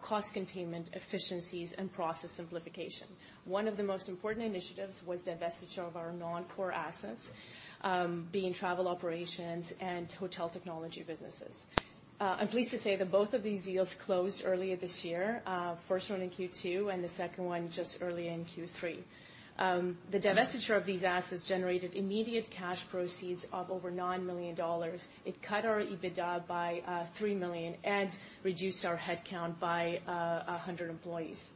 cost containment, efficiencies, and process simplification. One of the most important initiatives was divestiture of our non-core assets, being travel operations and hotel technology businesses. I'm pleased to say that both of these deals closed earlier this year, first one in Q2 and the second one just early in Q3. The divestiture of these assets generated immediate cash proceeds of over $9 million. It cut our EBITDA by three million and reduced our headcount by a hundred employees.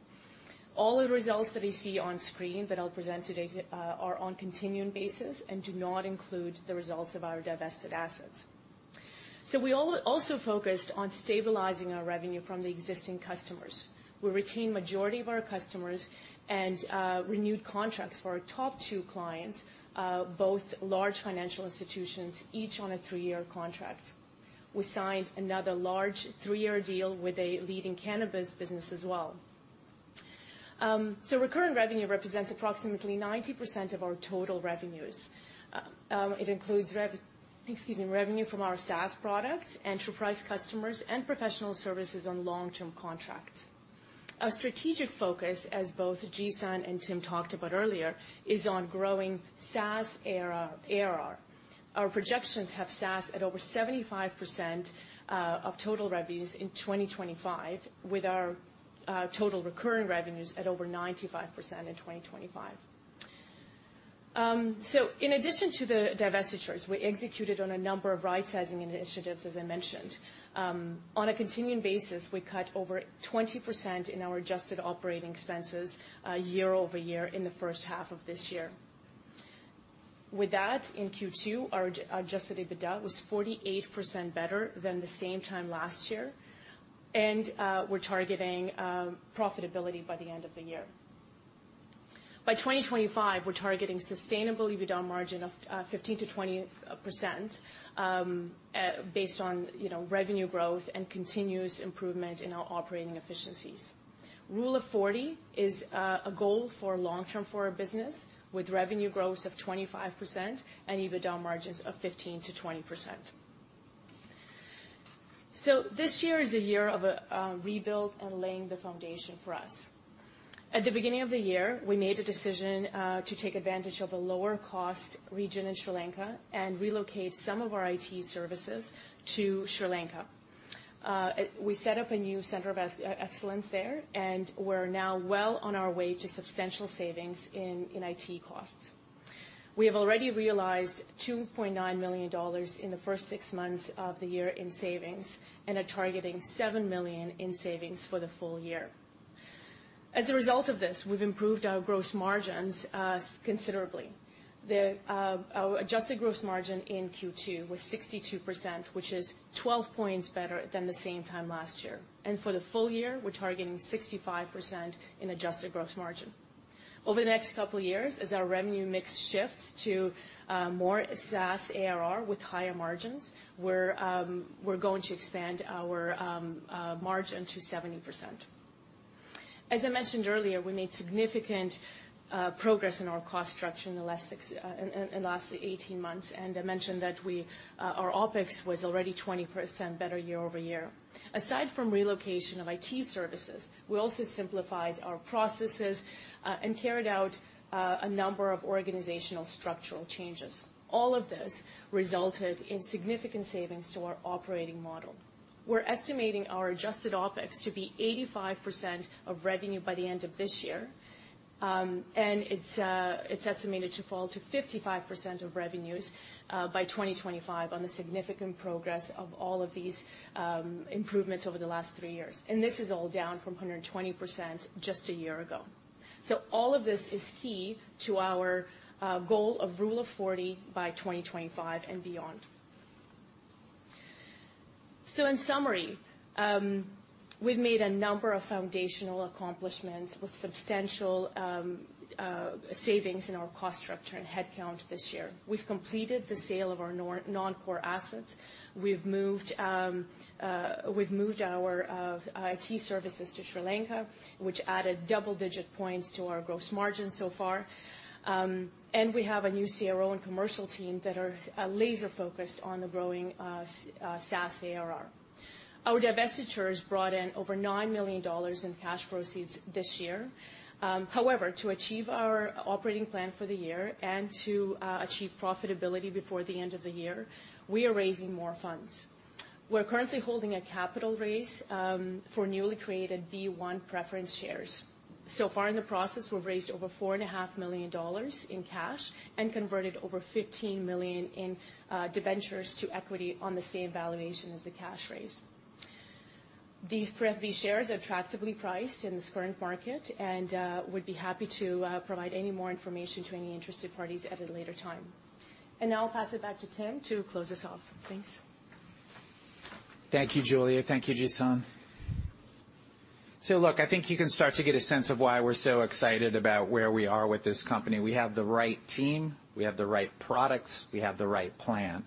All the results that you see on screen, that I'll present today, are on continuing basis and do not include the results of our divested assets. So we also focused on stabilizing our revenue from the existing customers. We retained majority of our customers and renewed contracts for our top two clients, both large financial institutions, each on a three-year contract. We signed another large three-year deal with a leading cannabis business as well. So recurring revenue represents approximately 90% of our total revenues. It includes revenue from our SaaS product, enterprise customers, and professional services on long-term contracts. A strategic focus, as both Jisun and Tim talked about earlier, is on growing SaaS ARR, ARR. Our projections have SaaS at over 75% of total revenues in 2025, with our total recurring revenues at over 95% in 2025. So in addition to the divestitures, we executed on a number of right sizing initiatives, as I mentioned. On a continuing basis, we cut over 20% in our adjusted operating expenses year-over-year in the first half of this year. With that, in Q2, our adjusted EBITDA was 48% better than the same time last year, and we're targeting profitability by the end of the year. By 2025, we're targeting sustainable EBITDA margin of 15%-20%, based on, you know, revenue growth and continuous improvement in our operating efficiencies. Rule of 40 is a goal for long-term for our business, with revenue growth of 25% and EBITDA margins of 15%-20%. This year is a year of rebuild and laying the foundation for us. At the beginning of the year, we made a decision to take advantage of a lower cost region in Sri Lanka and relocate some of our IT services to Sri Lanka. We set up a new center of excellence there, and we're now well on our way to substantial savings in IT costs. We have already realized $2.9 million in the first six months of the year in savings, and are targeting $7 million in savings for the full year. As a result of this, we've improved our gross margins considerably. Our adjusted gross margin in Q2 was 62%, which is 12 points better than the same time last year. For the full year, we're targeting 65% in adjusted gross margin. Over the next couple of years, as our revenue mix shifts to more SaaS ARR with higher margins, we're going to expand our margin to 70%. As I mentioned earlier, we made significant progress in our cost structure in the last eighteen months, and I mentioned that our OpEx was already 20% better year-over-year. Aside from relocation of IT services, we also simplified our processes and carried out a number of organizational structural changes. All of this resulted in significant savings to our operating model. We're estimating our adjusted OpEx to be 85% of revenue by the end of this year. And it's estimated to fall to 55% of revenues by 2025 on the significant progress of all of these improvements over the last 3 years. This is all down from 120% just a year ago. So all of this is key to our goal of Rule of 40 by 2025 and beyond. So in summary, we've made a number of foundational accomplishments with substantial savings in our cost structure and headcount this year. We've completed the sale of our non-core assets. We've moved our IT services to Sri Lanka, which added double-digit points to our gross margin so far. We have a new CRO and commercial team that are laser focused on the growing SaaS ARR. Our divestitures brought in over 9 million dollars in cash proceeds this year. However, to achieve our operating plan for the year and to achieve profitability before the end of the year, we are raising more funds. We're currently holding a capital raise for newly created B1 preference shares. So far in the process, we've raised over 4.5 million dollars in cash and converted over 15 million in debentures to equity on the same valuation as the cash raise. These pref B shares are attractively priced in this current market, and would be happy to provide any more information to any interested parties at a later time. Now I'll pass it back to Tim to close us off. Thanks. Thank you, Julia. Thank you, Jisun. So look, I think you can start to get a sense of why we're so excited about where we are with this company. We have the right team, we have the right products, we have the right plan.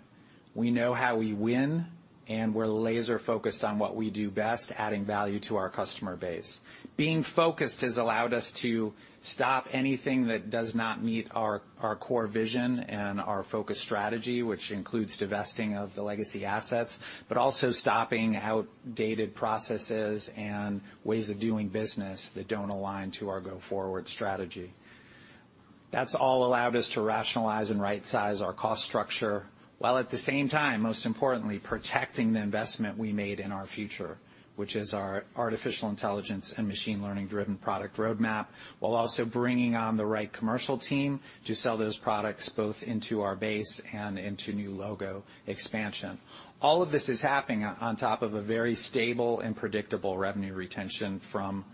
We know how we win, and we're laser focused on what we do best, adding value to our customer base. Being focused has allowed us to stop anything that does not meet our core vision and our focus strategy, which includes divesting of the legacy assets, but also stopping outdated processes and ways of doing business that don't align to our go-forward strategy. That's all allowed us to rationalize and right-size our cost structure, while at the same time, most importantly, protecting the investment we made in our future, which is our artificial intelligence and machine learning-driven product roadmap, while also bringing on the right commercial team to sell those products, both into our base and into new logo expansion. All of this is happening on top of a very stable and predictable revenue retention from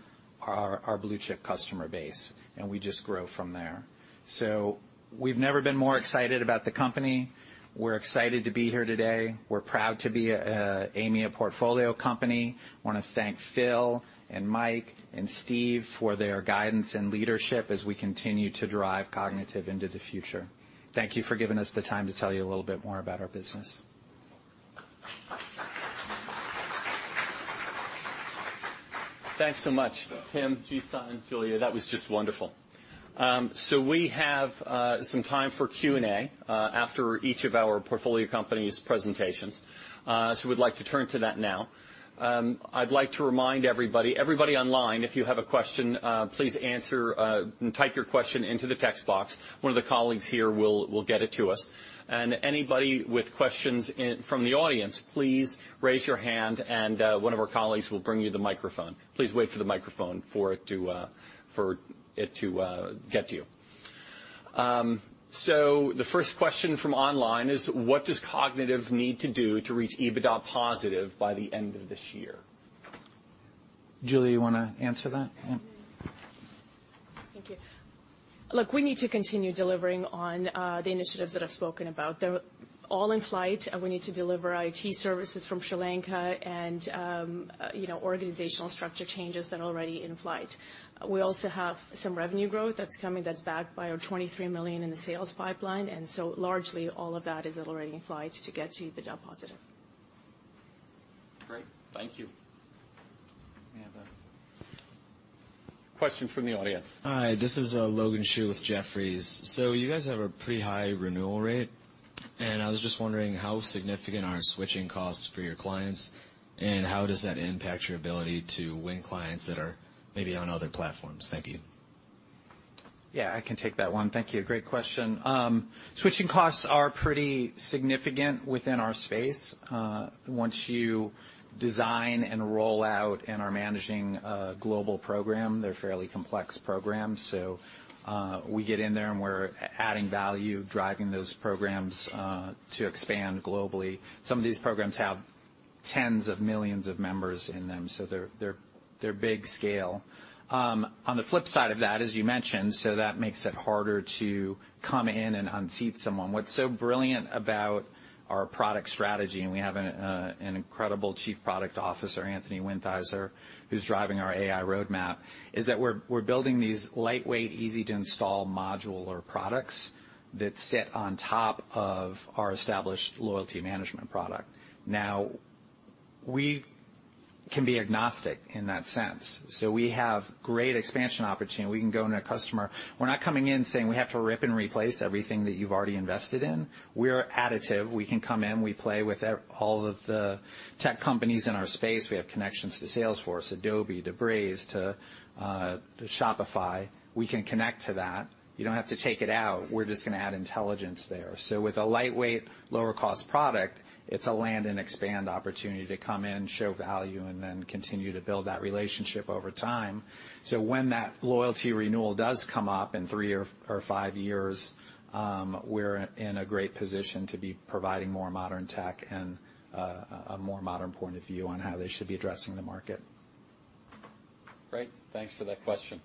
our blue-chip customer base, and we just grow from there. So we've never been more excited about the company. We're excited to be here today. We're proud to be a Aimia portfolio company. Wanna thank Phil and Mike and Steve for their guidance and leadership as we continue to drive Kognitiv into the future. Thank you for giving us the time to tell you a little bit more about our business. Thanks so much, Tim, Jisun, and Julia. That was just wonderful. So we have some time for Q&A after each of our portfolio companies' presentations. So we'd like to turn to that now. I'd like to remind everybody, everybody online, if you have a question, please answer, type your question into the text box. One of the colleagues here will get it to us. And anybody with questions from the audience, please raise your hand, and one of our colleagues will bring you the microphone. Please wait for the microphone for it to get to you. The first question from online is: What does Kognitiv need to do to reach EBITDA positive by the end of this year? Julia, you wanna answer that? Yeah. Thank you. Look, we need to continue delivering on the initiatives that I've spoken about. There-... all in flight, and we need to deliver IT services from Sri Lanka and, you know, organizational structure changes that are already in flight. We also have some revenue growth that's coming, that's backed by our 23 million in the sales pipeline, and so largely all of that is already in flight to get to the EBITDA positive. Great. Thank you. We have a question from the audience. Hi, this is Logan Schuh with Jefferies. So you guys have a pretty high renewal rate, and I was just wondering how significant are switching costs for your clients, and how does that impact your ability to win clients that are maybe on other platforms? Thank you. Yeah, I can take that one. Thank you. Great question. Switching costs are pretty significant within our space. Once you design and roll out and are managing a global program, they're fairly complex programs, so we get in there, and we're adding value, driving those programs to expand globally. Some of these programs have tens of millions of members in them, so they're big scale. On the flip side of that, as you mentioned, so that makes it harder to come in and unseat someone. What's so brilliant about our product strategy, and we have an incredible Chief Product Officer, Anthony Wintheiser, who's driving our AI roadmap, is that we're building these lightweight, easy-to-install modular products that sit on top of our established loyalty management product. Now, we can be agnostic in that sense, so we have great expansion opportunity. We can go into a customer... We're not coming in saying, "We have to rip and replace everything that you've already invested in." We're additive. We can come in, we play with all of the tech companies in our space. We have connections to Salesforce, Adobe, to Braze, to Shopify. We can connect to that. You don't have to take it out. We're just gonna add intelligence there. So with a lightweight, lower-cost product, it's a land and expand opportunity to come in, show value, and then continue to build that relationship over time. So when that loyalty renewal does come up in three or five years, we're in a great position to be providing more modern tech and a more modern point of view on how they should be addressing the market. Great, thanks for that question.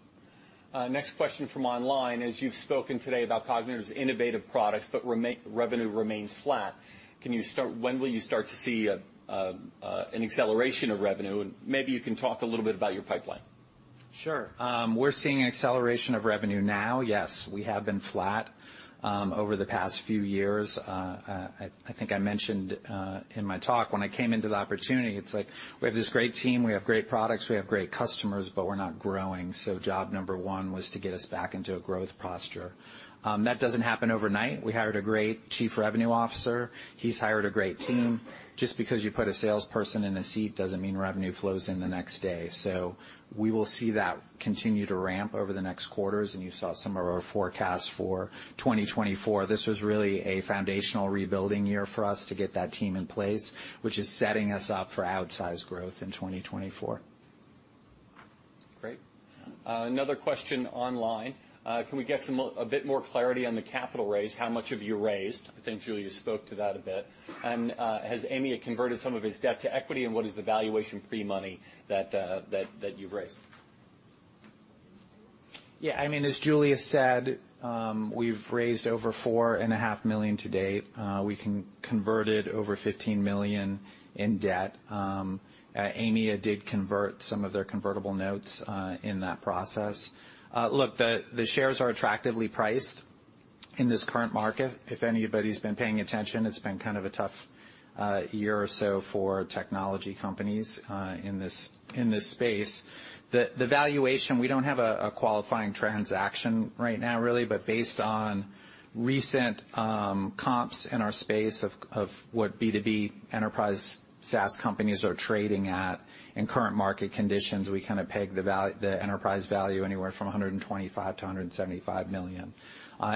Next question from online: As you've spoken today about Kognitiv's innovative products, but revenue remains flat. When will you start to see an acceleration of revenue? And maybe you can talk a little bit about your pipeline. Sure. We're seeing an acceleration of revenue now. Yes, we have been flat over the past few years. I think I mentioned in my talk, when I came into the opportunity, it's like we have this great team, we have great products, we have great customers, but we're not growing, so job number one was to get us back into a growth posture. That doesn't happen overnight. We hired a great Chief Revenue Officer. He's hired a great team. Just because you put a salesperson in a seat doesn't mean revenue flows in the next day. So we will see that continue to ramp over the next quarters, and you saw some of our forecasts for 2024. This was really a foundational rebuilding year for us to get that team in place, which is setting us up for outsized growth in 2024. Great. Another question online: Can we get some a bit more clarity on the capital raise? How much have you raised? I think Julia spoke to that a bit. And, has Aimia converted some of its debt to equity, and what is the valuation pre-money that you've raised? Yeah, I mean, as Julia said, we've raised over 4.5 million to date. We converted over 15 million in debt. Aimia did convert some of their convertible notes in that process. Look, the shares are attractively priced in this current market. If anybody's been paying attention, it's been kind of a tough year or so for technology companies in this space. The valuation, we don't have a qualifying transaction right now, really, but based on recent comps in our space of what B2B enterprise SaaS companies are trading at in current market conditions, we kind of peg the enterprise value anywhere from 125 million to 175 million.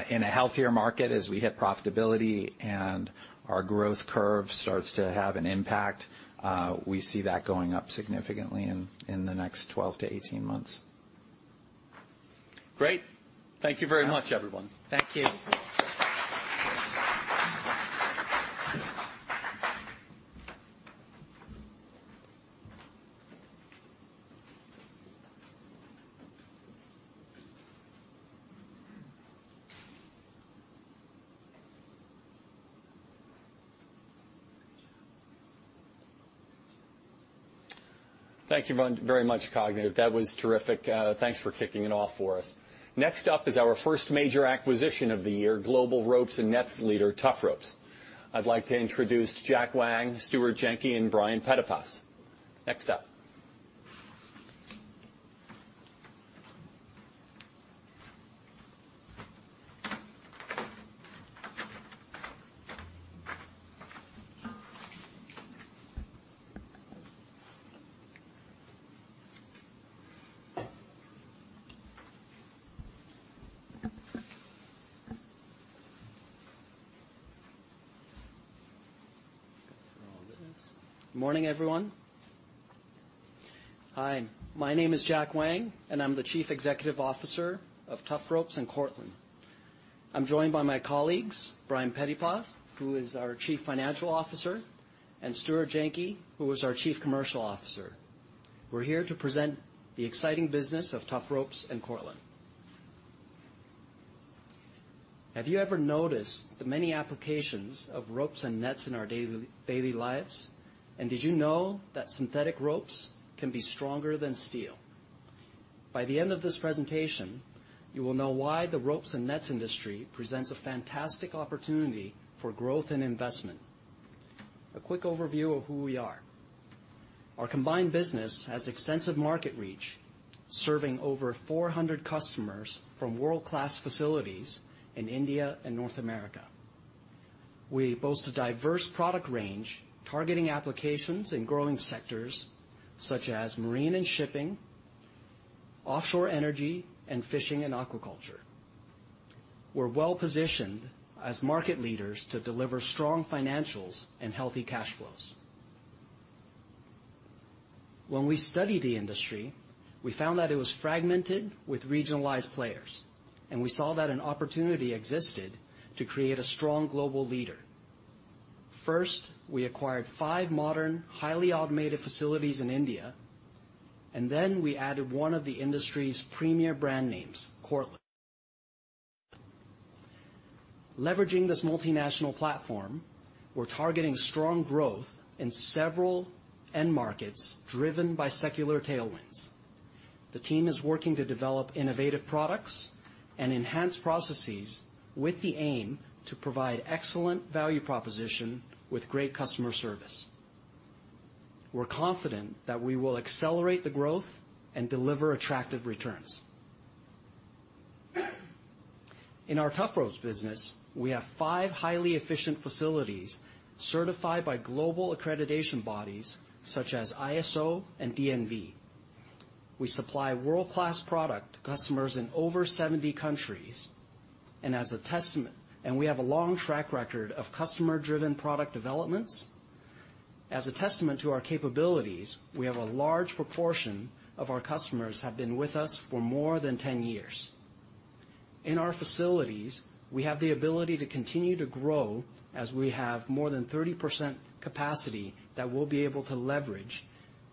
In a healthier market, as we hit profitability and our growth curve starts to have an impact, we see that going up significantly in the next 12-18 months. Great. Thank you very much, everyone. Thank you. Thank you very much, Kognitiv. That was terrific. Thanks for kicking it off for us. Next up is our first major acquisition of the year, global ropes and nets leader, Tufropes. I'd like to introduce Jack Wang, Stuart Janke, and Brian Pettipas. Next up. Good morning, everyone. Hi, my name is Jack Wang, and I'm the Chief Executive Officer of Tufropes and Cortland. I'm joined by my colleagues, Brian Pettipas, who is our Chief Financial Officer, and Stuart Janke, who is our Chief Commercial Officer. We're here to present the exciting business of Tufropes and Cortland.... Have you ever noticed the many applications of ropes and nets in our daily lives? And did you know that synthetic ropes can be stronger than steel? By the end of this presentation, you will know why the ropes and nets industry presents a fantastic opportunity for growth and investment. A quick overview of who we are. Our combined business has extensive market reach, serving over 400 customers from world-class facilities in India and North America. We boast a diverse product range, targeting applications in growing sectors such as marine and shipping, offshore energy, and fishing and aquaculture. We're well-positioned as market leaders to deliver strong financials and healthy cash flows. When we studied the industry, we found that it was fragmented with regionalized players, and we saw that an opportunity existed to create a strong global leader. First, we acquired 5 modern, highly automated facilities in India, and then we added one of the industry's premier brand names, Cortland. Leveraging this multinational platform, we're targeting strong growth in several end markets driven by secular tailwinds. The team is working to develop innovative products and enhance processes with the aim to provide excellent value proposition with great customer service. We're confident that we will accelerate the growth and deliver attractive returns. In our Tufropes business, we have 5 highly efficient facilities certified by global accreditation bodies such as ISO and DNV. We supply world-class product to customers in over 70 countries, and as a testament, and we have a long track record of customer-driven product developments. As a testament to our capabilities, we have a large proportion of our customers have been with us for more than 10 years. In our facilities, we have the ability to continue to grow as we have more than 30% capacity that we'll be able to leverage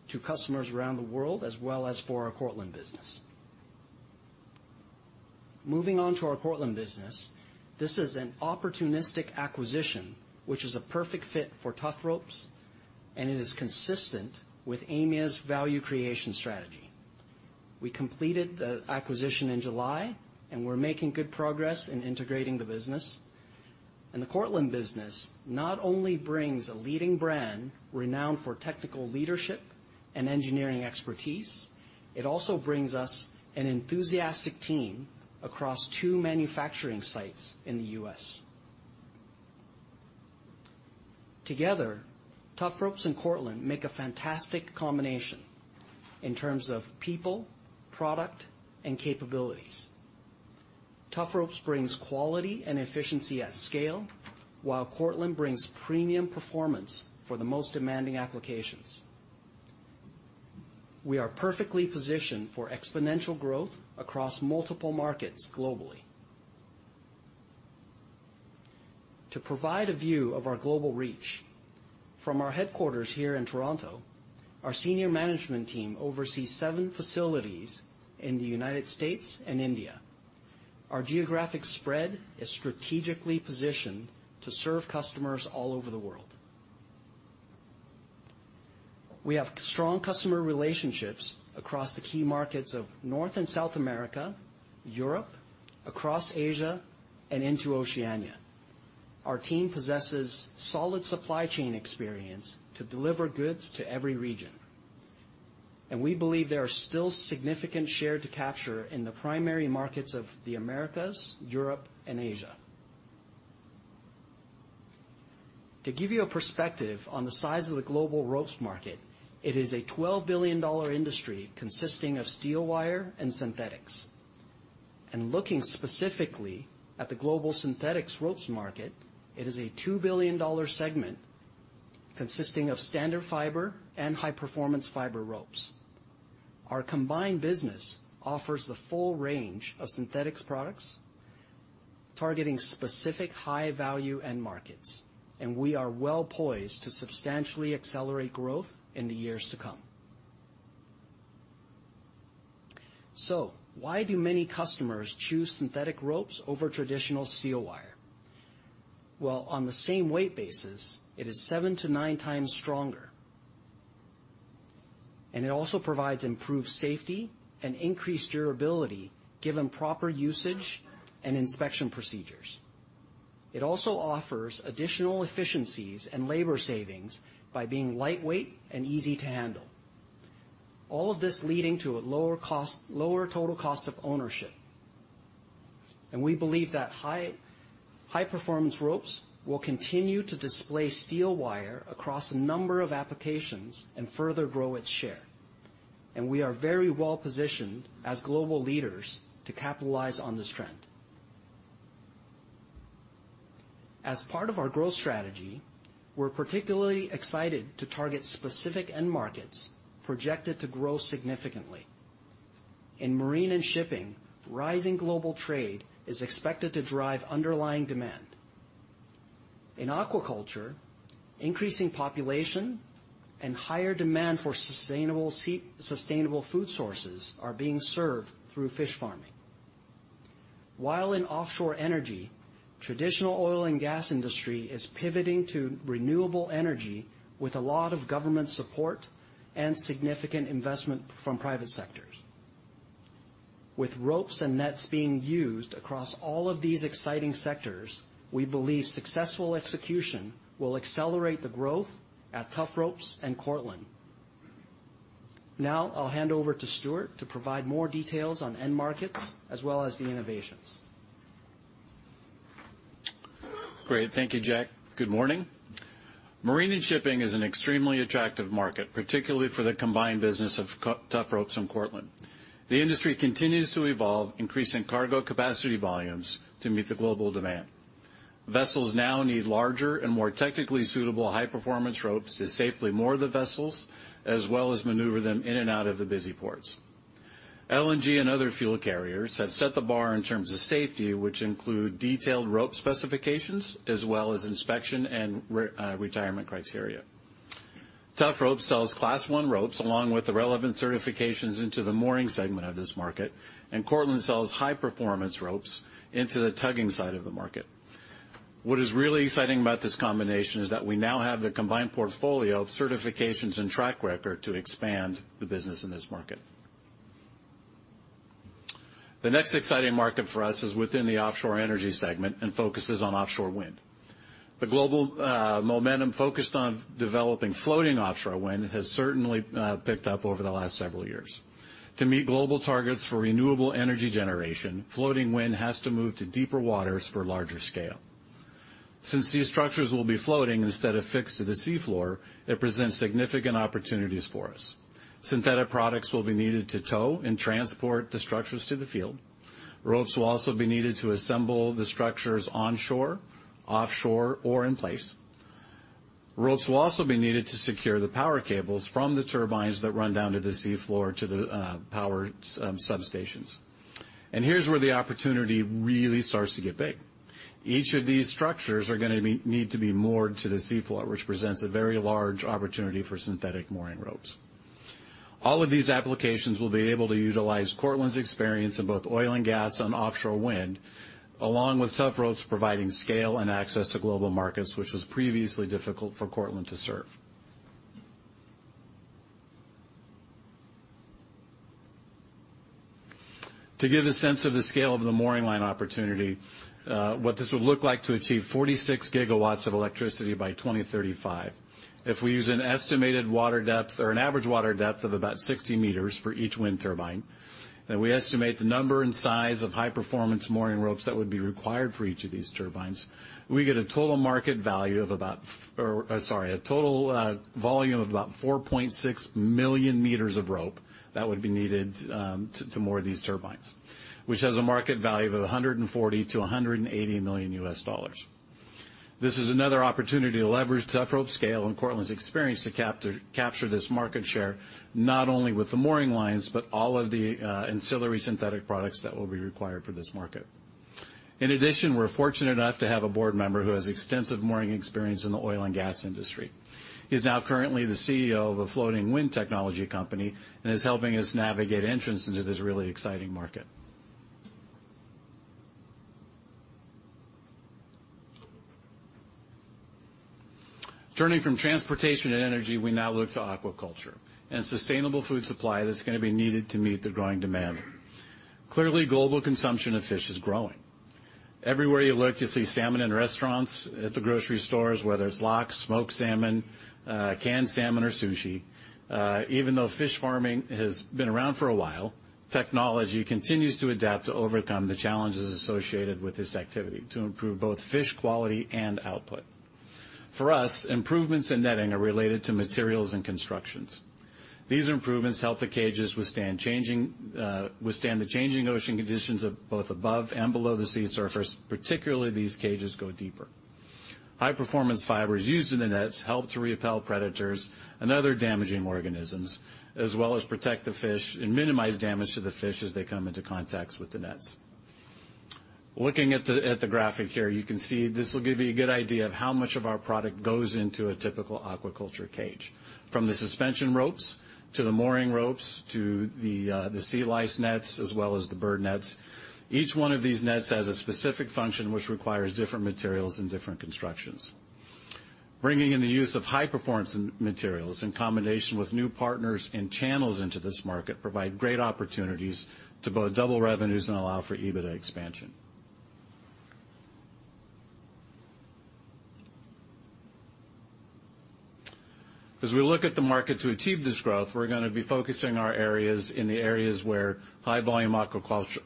to customers around the world, as well as for our Cortland business. Moving on to our Cortland business, this is an opportunistic acquisition, which is a perfect fit for Tufropes, and it is consistent with Aimia's value creation strategy. We completed the acquisition in July, and we're making good progress in integrating the business. The Cortland business not only brings a leading brand renowned for technical leadership and engineering expertise, it also brings us an enthusiastic team across two manufacturing sites in the U.S. Together, Tufropes and Cortland make a fantastic combination in terms of people, product, and capabilities. Tufropes brings quality and efficiency at scale, while Cortland brings premium performance for the most demanding applications. We are perfectly positioned for exponential growth across multiple markets globally. To provide a view of our global reach, from our headquarters here in Toronto, our senior management team oversees seven facilities in the United States and India. Our geographic spread is strategically positioned to serve customers all over the world. We have strong customer relationships across the key markets of North and South America, Europe, across Asia, and into Oceania. Our team possesses solid supply chain experience to deliver goods to every region, and we believe there is still significant share to capture in the primary markets of the Americas, Europe, and Asia. To give you a perspective on the size of the global ropes market, it is a $12 billion industry consisting of steel wire and synthetics. Looking specifically at the global synthetic ropes market, it is a $2 billion segment consisting of standard fiber and high-performance fiber ropes. Our combined business offers the full range of synthetic products, targeting specific high-value end markets, and we are well poised to substantially accelerate growth in the years to come. So why do many customers choose synthetic ropes over traditional steel wire? Well, on the same weight basis, it is 7-9 times stronger, and it also provides improved safety and increased durability, given proper usage and inspection procedures. It also offers additional efficiencies and labor savings by being lightweight and easy to handle. All of this leading to a lower cost, lower total cost of ownership. We believe that high-performance ropes will continue to displace steel wire across a number of applications and further grow its share. We are very well positioned as global leaders to capitalize on this trend. As part of our growth strategy, we're particularly excited to target specific end markets projected to grow significantly. In marine and shipping, rising global trade is expected to drive underlying demand. In aquaculture, increasing population and higher demand for sustainable sea, sustainable food sources are being served through fish farming. While in offshore energy, traditional oil and gas industry is pivoting to renewable energy with a lot of government support and significant investment from private sectors. With ropes and nets being used across all of these exciting sectors, we believe successful execution will accelerate the growth at Tufropes and Cortland. Now I'll hand over to Stuart to provide more details on end markets as well as the innovations. Great, thank you, Jack. Good morning. Marine and shipping is an extremely attractive market, particularly for the combined business of Tufropes and Cortland. The industry continues to evolve, increasing cargo capacity volumes to meet the global demand. Vessels now need larger and more technically suitable high-performance ropes to safely moor the vessels, as well as maneuver them in and out of the busy ports. LNG and other fuel carriers have set the bar in terms of safety, which include detailed rope specifications as well as inspection and retirement criteria. Tufropes sells Class One ropes, along with the relevant certifications into the mooring segment of this market, and Cortland sells high-performance ropes into the tugging side of the market. What is really exciting about this combination is that we now have the combined portfolio of certifications and track record to expand the business in this market. The next exciting market for us is within the offshore energy segment and focuses on offshore wind. The global momentum focused on developing floating offshore wind has certainly picked up over the last several years. To meet global targets for renewable energy generation, floating wind has to move to deeper waters for larger scale. Since these structures will be floating instead of fixed to the sea floor, it presents significant opportunities for us. Synthetic products will be needed to tow and transport the structures to the field. Ropes will also be needed to assemble the structures onshore, offshore, or in place. Ropes will also be needed to secure the power cables from the turbines that run down to the sea floor to the power substations. And here's where the opportunity really starts to get big. Each of these structures are gonna be, need to be moored to the sea floor, which presents a very large opportunity for synthetic mooring ropes. All of these applications will be able to utilize Cortland's experience in both oil and gas and offshore wind, along with Tufropes providing scale and access to global markets, which was previously difficult for Cortland to serve. To give a sense of the scale of the mooring line opportunity, what this would look like to achieve 46 gigawatts of electricity by 2035. If we use an estimated water depth or an average water depth of about 60 meters for each wind turbine, then we estimate the number and size of high-performance mooring ropes that would be required for each of these turbines, we get a total volume of about 4.6 million meters of rope that would be needed to moor these turbines, which has a market value of $140 million-$180 million. This is another opportunity to leverage Tufropes's scale and Cortland's experience to capture this market share, not only with the mooring lines, but all of the ancillary synthetic products that will be required for this market. In addition, we're fortunate enough to have a board member who has extensive mooring experience in the oil and gas industry. He's now currently the CEO of a floating wind technology company and is helping us navigate entrance into this really exciting market. Turning from transportation and energy, we now look to aquaculture and sustainable food supply that's gonna be needed to meet the growing demand. Clearly, global consumption of fish is growing. Everywhere you look, you see salmon in restaurants, at the grocery stores, whether it's lox, smoked salmon, canned salmon or sushi. Even though fish farming has been around for a while, technology continues to adapt to overcome the challenges associated with this activity to improve both fish quality and output. For us, improvements in netting are related to materials and constructions. These improvements help the cages withstand the changing ocean conditions of both above and below the sea surface, particularly these cages go deeper. High-performance fibers used in the nets help to repel predators and other damaging organisms, as well as protect the fish and minimize damage to the fish as they come into contact with the nets. Looking at the graphic here, you can see this will give you a good idea of how much of our product goes into a typical aquaculture cage. From the suspension ropes, to the mooring ropes, to the sea lice nets, as well as the bird nets, each one of these nets has a specific function, which requires different materials and different constructions. Bringing in the use of high-performance materials in combination with new partners and channels into this market, provide great opportunities to both double revenues and allow for EBITDA expansion. As we look at the market to achieve this growth, we're gonna be focusing our areas in the areas where high volume aquaculture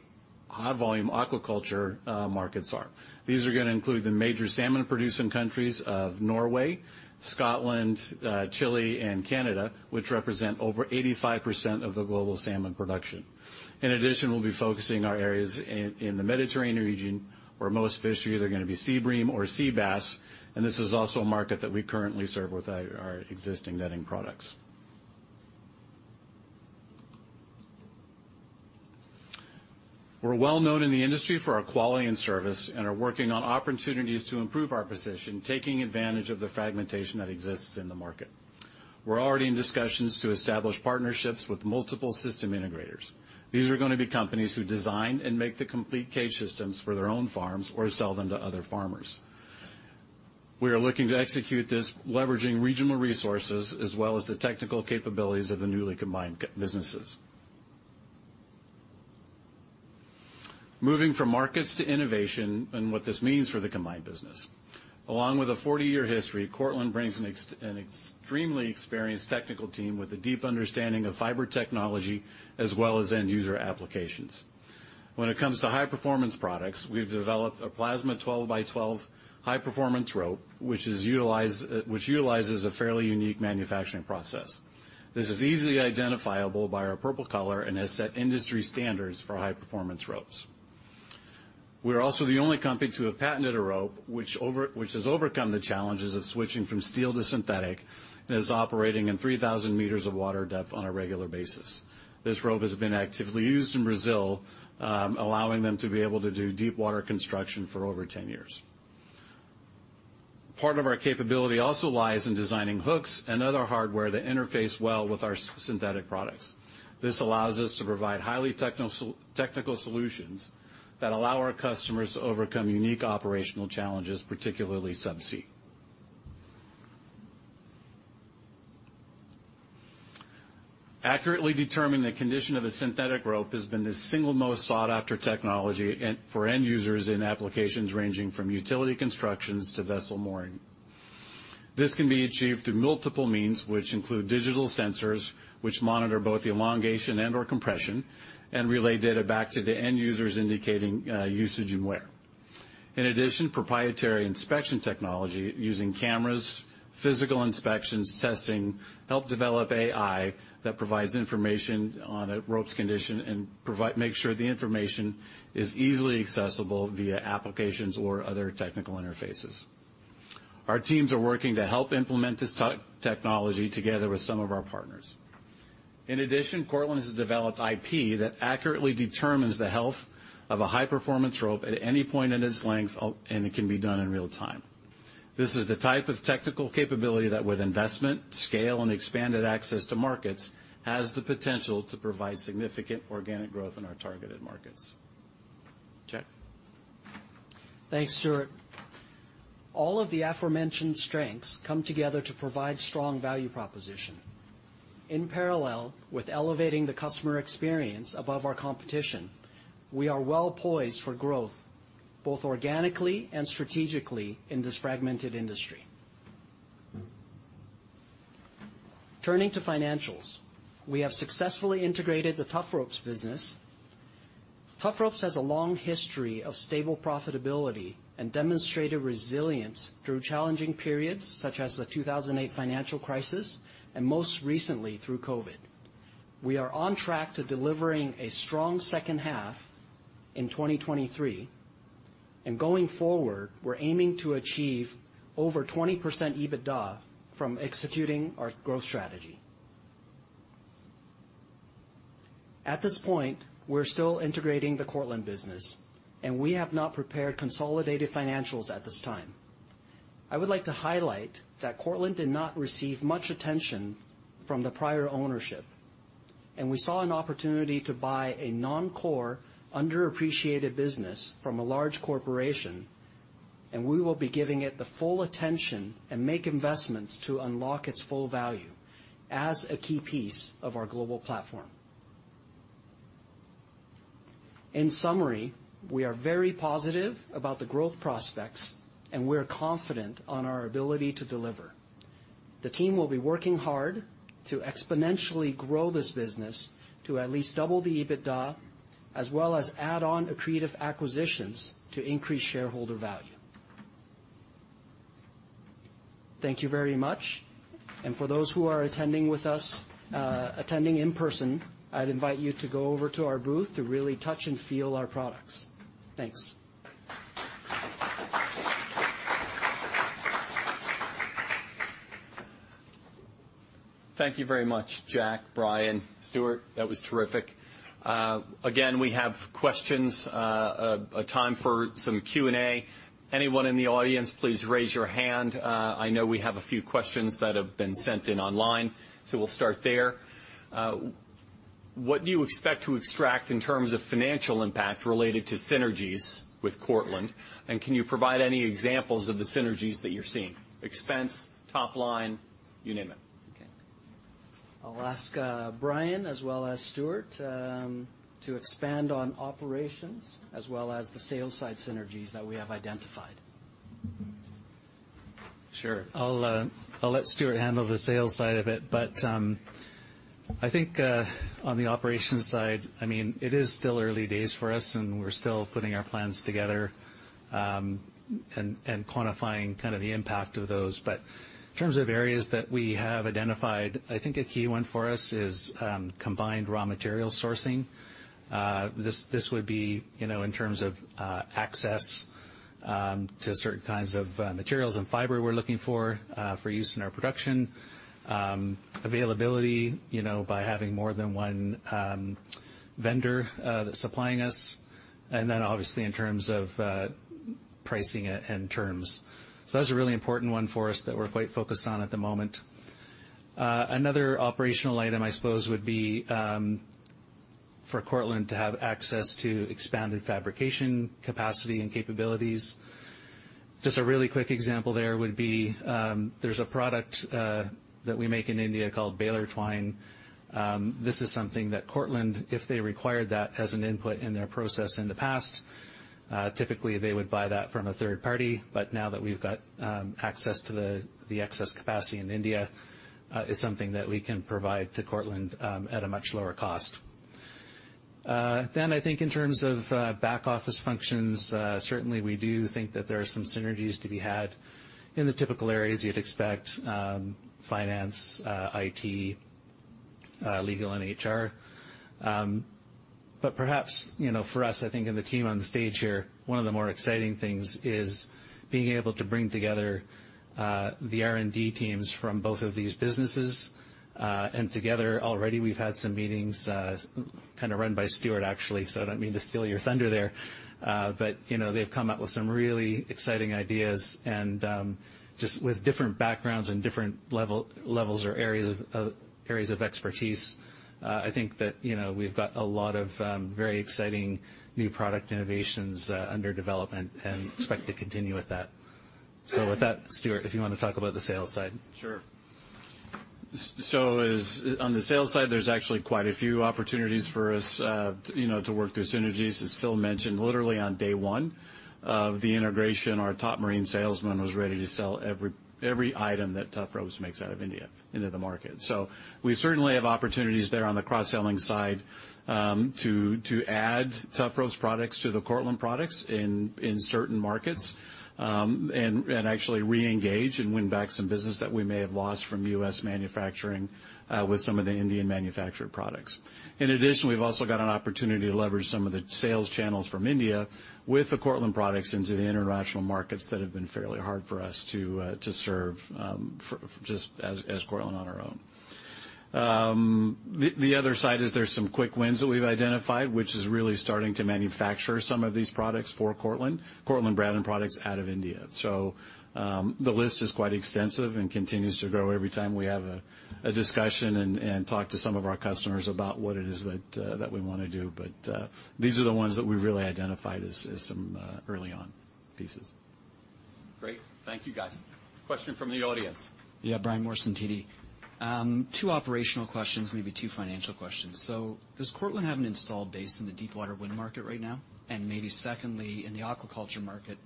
markets are. These are gonna include the major salmon-producing countries of Norway, Scotland, Chile, and Canada, which represent over 85% of the global salmon production. In addition, we'll be focusing our areas in the Mediterranean region, where most fish are either gonna be sea bream or sea bass, and this is also a market that we currently serve with our existing netting products. We're well known in the industry for our quality and service, and are working on opportunities to improve our position, taking advantage of the fragmentation that exists in the market. We're already in discussions to establish partnerships with multiple system integrators. These are gonna be companies who design and make the complete cage systems for their own farms or sell them to other farmers. We are looking to execute this, leveraging regional resources as well as the technical capabilities of the newly combined businesses. Moving from markets to innovation and what this means for the combined business. Along with a 40-year history, Cortland brings an extremely experienced technical team with a deep understanding of fiber technology, as well as end user applications. When it comes to high performance products, we've developed a Plasma 12x12 high performance rope, which utilizes a fairly unique manufacturing process. This is easily identifiable by our purple color and has set industry standards for high performance ropes. We are also the only company to have patented a rope, which has overcome the challenges of switching from steel to synthetic, and is operating in 3,000 meters of water depth on a regular basis. This rope has been actively used in Brazil, allowing them to be able to do deep water construction for over 10 years. Part of our capability also lies in designing hooks and other hardware that interface well with our synthetic products. This allows us to provide highly technical solutions, that allow our customers to overcome unique operational challenges, particularly subsea. Accurately determining the condition of a synthetic rope has been the single most sought after technology for end users in applications ranging from utility constructions to vessel mooring. This can be achieved through multiple means, which include digital sensors, which monitor both the elongation and/or compression, and relay data back to the end users, indicating usage and wear. In addition, proprietary inspection technology using cameras, physical inspections, testing, help develop AI that provides information on a rope's condition and make sure the information is easily accessible via applications or other technical interfaces. Our teams are working to help implement this technology together with some of our partners. In addition, Cortland has developed IP that accurately determines the health of a high performance rope at any point in its length, and it can be done in real time. This is the type of technical capability that, with investment, scale, and expanded access to markets, has the potential to provide significant organic growth in our targeted markets. Jack? Thanks, Stuart. All of the aforementioned strengths come together to provide strong value proposition. In parallel with elevating the customer experience above our competition, we are well poised for growth, both organically and strategically in this fragmented industry. Turning to financials, we have successfully integrated the Tufropes business. Tufropes has a long history of stable profitability and demonstrated resilience through challenging periods, such as the 2008 financial crisis, and most recently, through COVID. We are on track to delivering a strong second half in 2023, and going forward, we're aiming to achieve over 20% EBITDA from executing our growth strategy. At this point, we're still integrating the Cortland business, and we have not prepared consolidated financials at this time. I would like to highlight that Cortland did not receive much attention from the prior ownership, and we saw an opportunity to buy a non-core, underappreciated business from a large corporation, and we will be giving it the full attention and make investments to unlock its full value as a key piece of our global platform. In summary, we are very positive about the growth prospects, and we're confident on our ability to deliver. The team will be working hard to exponentially grow this business to at least double the EBITDA, as well as add on accretive acquisitions to increase shareholder value. Thank you very much, and for those who are attending with us, attending in person, I'd invite you to go over to our booth to really touch and feel our products. Thanks. Thank you very much, Jack, Brian, Stuart. That was terrific. Again, we have questions, a time for some Q&A. Anyone in the audience, please raise your hand. I know we have a few questions that have been sent in online, so we'll start there. What do you expect to extract in terms of financial impact related to synergies with Cortland? And can you provide any examples of the synergies that you're seeing? Expense, top line, you name it. Okay. I'll ask, Brian, as well as Stuart, to expand on operations as well as the sales side synergies that we have identified. Sure. I'll let Stuart handle the sales side of it, but I think on the operations side, I mean, it is still early days for us, and we're still putting our plans together, and quantifying kind of the impact of those. But in terms of areas that we have identified, I think a key one for us is combined raw material sourcing. This would be, you know, in terms of access to certain kinds of materials and fiber we're looking for for use in our production. Availability, you know, by having more than one vendor that's supplying us, and then obviously, in terms of pricing and terms. So that's a really important one for us that we're quite focused on at the moment. Another operational item, I suppose, would be for Cortland to have access to expanded fabrication capacity and capabilities. Just a really quick example there would be: there's a product that we make in India called baler twine. This is something that Cortland, if they required that as an input in their process in the past, typically they would buy that from a third party, but now that we've got access to the excess capacity in India, it's something that we can provide to Cortland at a much lower cost. Then I think in terms of back office functions, certainly we do think that there are some synergies to be had in the typical areas you'd expect: finance, IT, legal, and HR. But perhaps, you know, for us, I think in the team on the stage here, one of the more exciting things is being able to bring together the R&D teams from both of these businesses. And together, already we've had some meetings, kinda run by Stuart, actually, so I don't mean to steal your thunder there. But, you know, they've come up with some really exciting ideas, and, just with different backgrounds and different level, levels or areas of areas of expertise, I think that, you know, we've got a lot of very exciting new product innovations under development, and expect to continue with that. So with that, Stuart, if you want to talk about the sales side. Sure. So as on the sales side, there's actually quite a few opportunities for us, to you know to work through synergies. As Phil mentioned, literally on day one of the integration, our top marine salesman was ready to sell every item that Tufropes makes out of India into the market. So we certainly have opportunities there on the cross-selling side, to add Tufropes products to the Cortland products in certain markets, and actually reengage and win back some business that we may have lost from U.S. manufacturing, with some of the Indian-manufactured products. In addition, we've also got an opportunity to leverage some of the sales channels from India with the Cortland products into the international markets that have been fairly hard for us to serve, just as Cortland on our own. The other side is there's some quick wins that we've identified, which is really starting to manufacture some of these products for Cortland, Cortland branded products out of India. So, the list is quite extensive and continues to grow every time we have a discussion and talk to some of our customers about what it is that we want to do. But, these are the ones that we really identified as some early on pieces. Great. Thank you, guys. Question from the audience. Yeah, Brian Morrison, TD. Two operational questions, maybe two financial questions. So does Cortland have an installed base in the deepwater wind market right now? And maybe secondly, in the aquaculture market,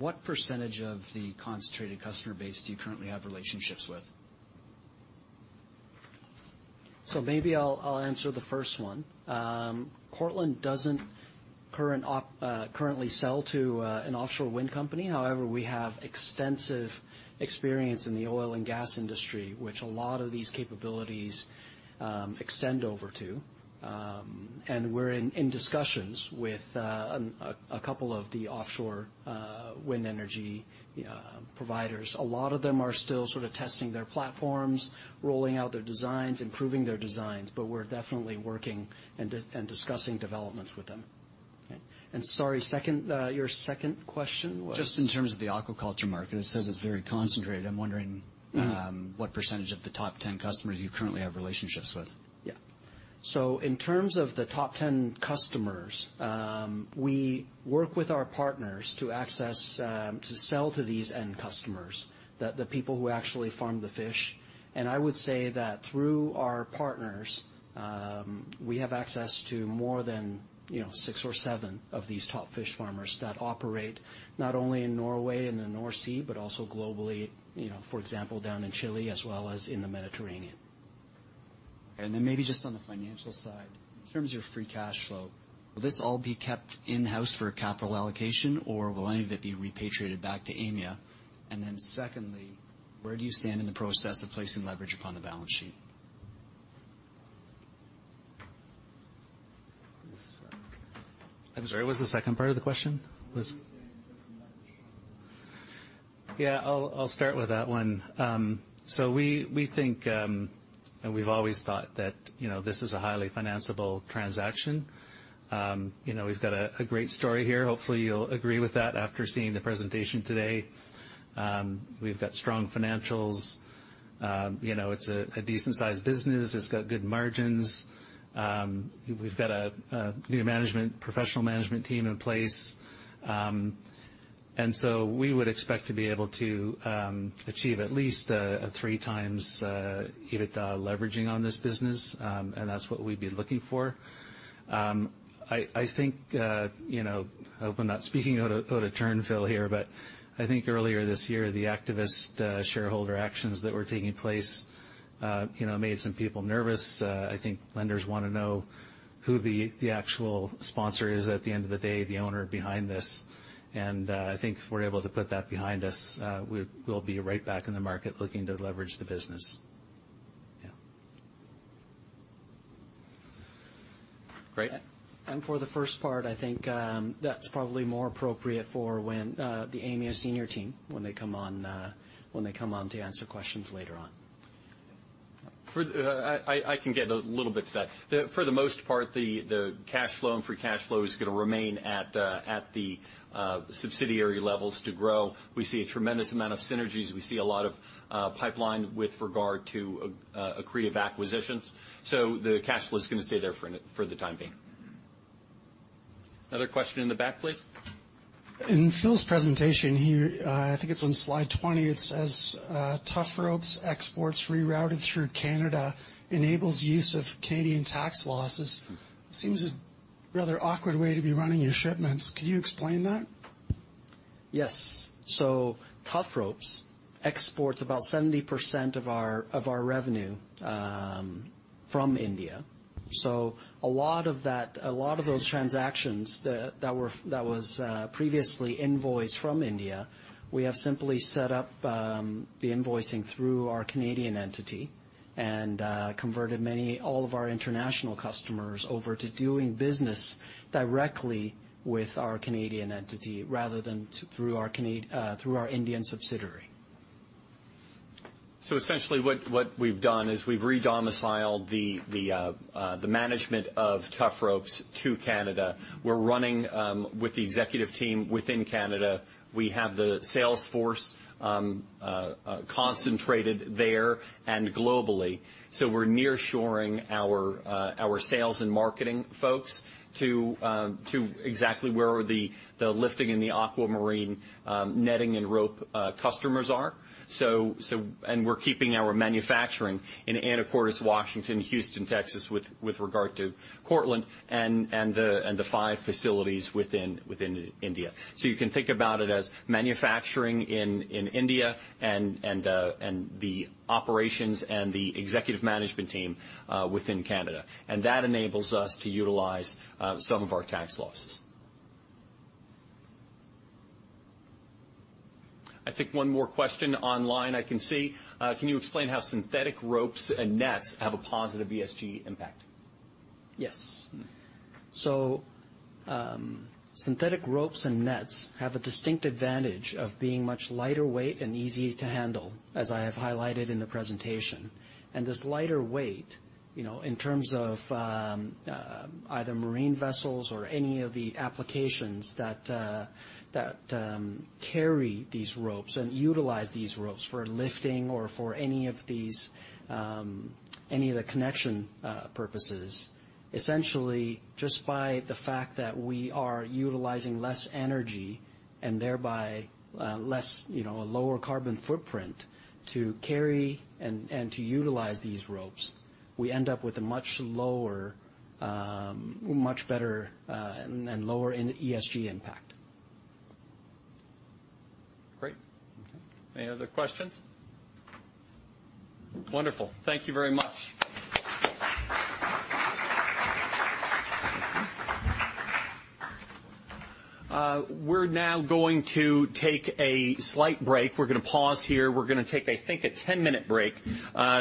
what percentage of the concentrated customer base do you currently have relationships with? So maybe I'll answer the first one. Cortland doesn't currently sell to an offshore wind company. However, we have extensive experience in the oil and gas industry, which a lot of these capabilities extend over to. And we're in discussions with a couple of the offshore wind energy providers. A lot of them are still sort of testing their platforms, rolling out their designs, improving their designs, but we're definitely working and discussing developments with them. Okay. And sorry, your second question was? Just in terms of the aquaculture market, it says it's very concentrated. I'm wondering, Mm-hmm. What percentage of the top 10 customers you currently have relationships with? Yeah. So in terms of the top 10 customers, we work with our partners to access, to sell to these end customers, the, the people who actually farm the fish. And I would say that through our partners, we have access to more than, you know, six or seven of these top fish farmers that operate not only in Norway and the North Sea, but also globally, you know, for example, down in Chile as well as in the Mediterranean. Then maybe just on the financial side, in terms of your free cash flow, will this all be kept in-house for capital allocation, or will any of it be repatriated back to Aimia? Secondly, where do you stand in the process of placing leverage upon the balance sheet? I'm sorry, what was the second part of the question? Was- Where do you stand with leverage upon the- Yeah, I'll start with that one. So we think, and we've always thought that, you know, this is a highly financiable transaction. You know, we've got a great story here. Hopefully, you'll agree with that after seeing the presentation today. We've got strong financials. You know, it's a decent-sized business. It's got good margins. We've got a new professional management team in place. And so we would expect to be able to achieve at least 3x EBITDA leveraging on this business, and that's what we'd be looking for. I think, you know, I hope I'm not speaking out of turn, Phil, here, but I think earlier this year, the activist shareholder actions that were taking place, you know, made some people nervous. I think lenders wanna know who the, the actual sponsor is at the end of the day, the owner behind this. I think if we're able to put that behind us, we'll be right back in the market looking to leverage the business. Yeah. Great. For the first part, I think, that's probably more appropriate for when the Aimia senior team come on to answer questions later on. For, I can get a little bit to that. For the most part, the cash flow and free cash flow is gonna remain at the subsidiary levels to grow. We see a tremendous amount of synergies. We see a lot of pipeline with regard to accretive acquisitions. So the cash flow is gonna stay there for the time being. Another question in the back, please? In Phil's presentation here, I think it's on slide 20, it says, "Tufropes exports rerouted through Canada enables use of Canadian tax losses." Seems a rather awkward way to be running your shipments. Can you explain that? Yes. So Tufropes exports about 70% of our, of our revenue from India. So a lot of that, a lot of those transactions that were previously invoiced from India, we have simply set up the invoicing through our Canadian entity and converted all of our international customers over to doing business directly with our Canadian entity, rather than through our Indian subsidiary. So essentially, what we've done is we've re-domiciled the management of Tufropes to Canada. We're running with the executive team within Canada. We have the sales force concentrated there and globally. So we're nearshoring our sales and marketing folks to exactly where the lifting and the aquaculture netting and rope customers are. So and we're keeping our manufacturing in Anacortes, Washington, Houston, Texas, with regard to Cortland, and the five facilities within India. So you can think about it as manufacturing in India and the operations and the executive management team within Canada, and that enables us to utilize some of our tax losses. I think one more question online, I can see. Can you explain how synthetic ropes and nets have a positive ESG impact? Yes. So, synthetic ropes and nets have a distinct advantage of being much lighter weight and easy to handle, as I have highlighted in the presentation. And this lighter weight, you know, in terms of, either marine vessels or any of the applications that, that, carry these ropes and utilize these ropes for lifting or for any of these, any of the connection, purposes, essentially, just by the fact that we are utilizing less energy and thereby, less, you know, a lower carbon footprint to carry and, and to utilize these ropes, we end up with a much lower, much better, and lower in ESG impact. Great. Any other questions? Wonderful. Thank you very much. We're now going to take a slight break. We're gonna pause here. We're gonna take, I think, a 10-minute break.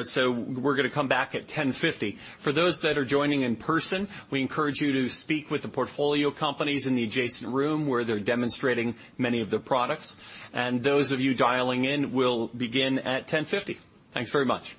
So we're gonna come back at 10:50 A.M. For those that are joining in person, we encourage you to speak with the portfolio companies in the adjacent room, where they're demonstrating many of their products. And those of you dialing in, we'll begin at 10:50 A.M. Thanks very much.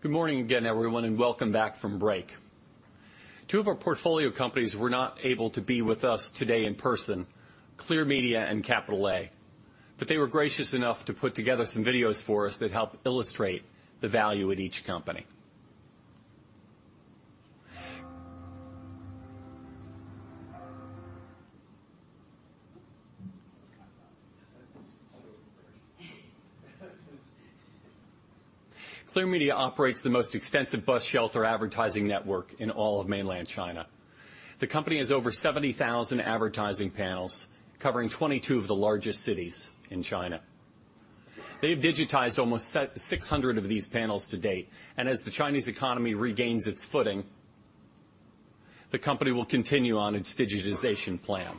Good morning again, everyone, and welcome back from break. Two of our portfolio companies were not able to be with us today in person, Clear Media and Capital A, but they were gracious enough to put together some videos for us that help illustrate the value at each company. Clear Media operates the most extensive bus shelter advertising network in all of mainland China. The company has over 70,000 advertising panels covering 22 of the largest cities in China. They've digitized almost six hundred of these panels to date, and as the Chinese economy regains its footing, the company will continue on its digitization plan.